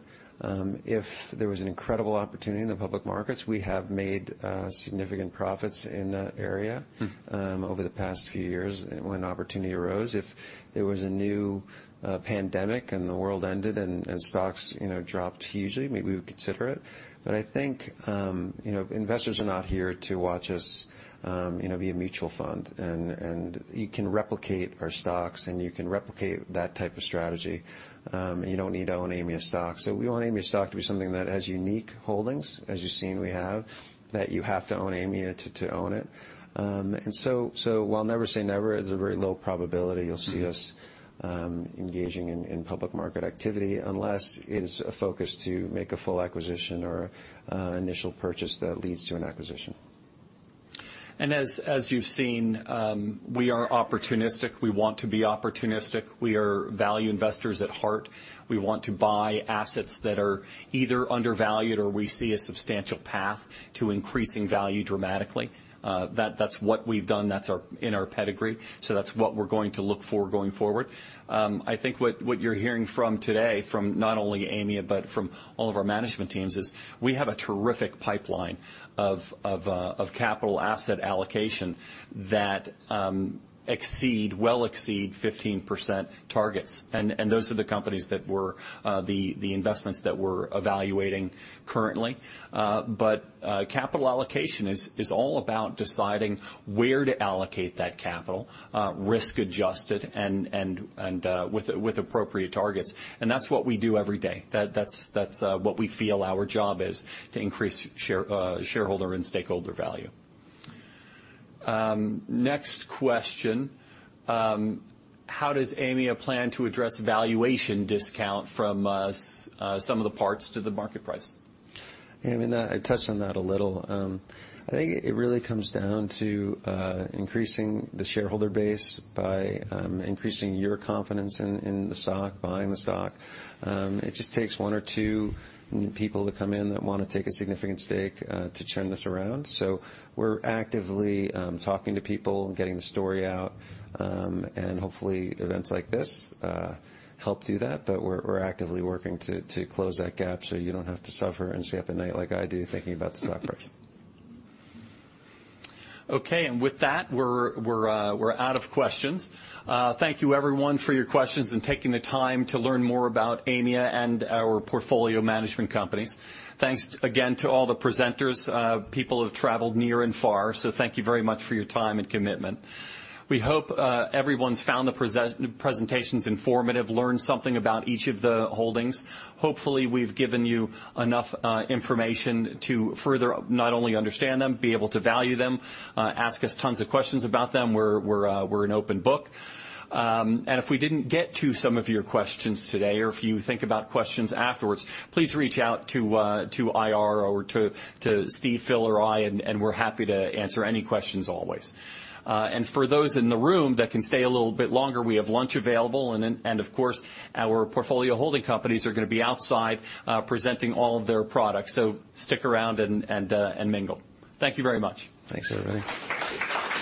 if there was an incredible opportunity in the public markets, we have made, significant profits in that area- Mm. Over the past few years when opportunity arose. If there was a new pandemic and the world ended and stocks, you know, dropped hugely, maybe we would consider it. But I think, you know, investors are not here to watch us, you know, be a mutual fund. And you can replicate our stocks, and you can replicate that type of strategy. You don't need to own Aimia stock. So we want Aimia stock to be something that has unique holdings, as you've seen we have, that you have to own Aimia to own it. And so while never say never, it's a very low probability you'll see us- Mm-hmm. Engaging in public market activity, unless it is a focus to make a full acquisition or initial purchase that leads to an acquisition. ... And as you've seen, we are opportunistic. We want to be opportunistic. We are value investors at heart. We want to buy assets that are either undervalued or we see a substantial path to increasing value dramatically. That, that's what we've done, that's our pedigree, so that's what we're going to look for going forward. I think what you're hearing from today, from not only Aimia, but from all of our management teams, is we have a terrific pipeline of capital asset allocation that exceed, well exceed 15% targets. And those are the companies, the investments that we're evaluating currently. But capital allocation is all about deciding where to allocate that capital, risk adjusted and with appropriate targets. And that's what we do every day. That's what we feel our job is, to increase shareholder and stakeholder value. Next question: How does Aimia plan to address valuation discount from sum of the parts to the market price? Yeah, I mean, I touched on that a little. I think it, it really comes down to increasing the shareholder base by increasing your confidence in, in the stock, buying the stock. It just takes one or two people to come in that wanna take a significant stake to turn this around. So we're actively talking to people and getting the story out, and hopefully, events like this help do that. But we're, we're actively working to, to close that gap so you don't have to suffer and stay up at night, like I do, thinking about the stock price. Okay. With that, we're out of questions. Thank you everyone for your questions and taking the time to learn more about Aimia and our portfolio management companies. Thanks again to all the presenters. People have traveled near and far, so thank you very much for your time and commitment. We hope everyone's found the presentations informative, learned something about each of the holdings. Hopefully, we've given you enough information to further not only understand them, be able to value them, ask us tons of questions about them. We're an open book. If we didn't get to some of your questions today, or if you think about questions afterwards, please reach out to IR or to Steve, Phil, or I, and we're happy to answer any questions always. And for those in the room that can stay a little bit longer, we have lunch available, and then, and of course, our portfolio holding companies are gonna be outside, presenting all of their products. So stick around and mingle. Thank you very much. Thanks, everybody.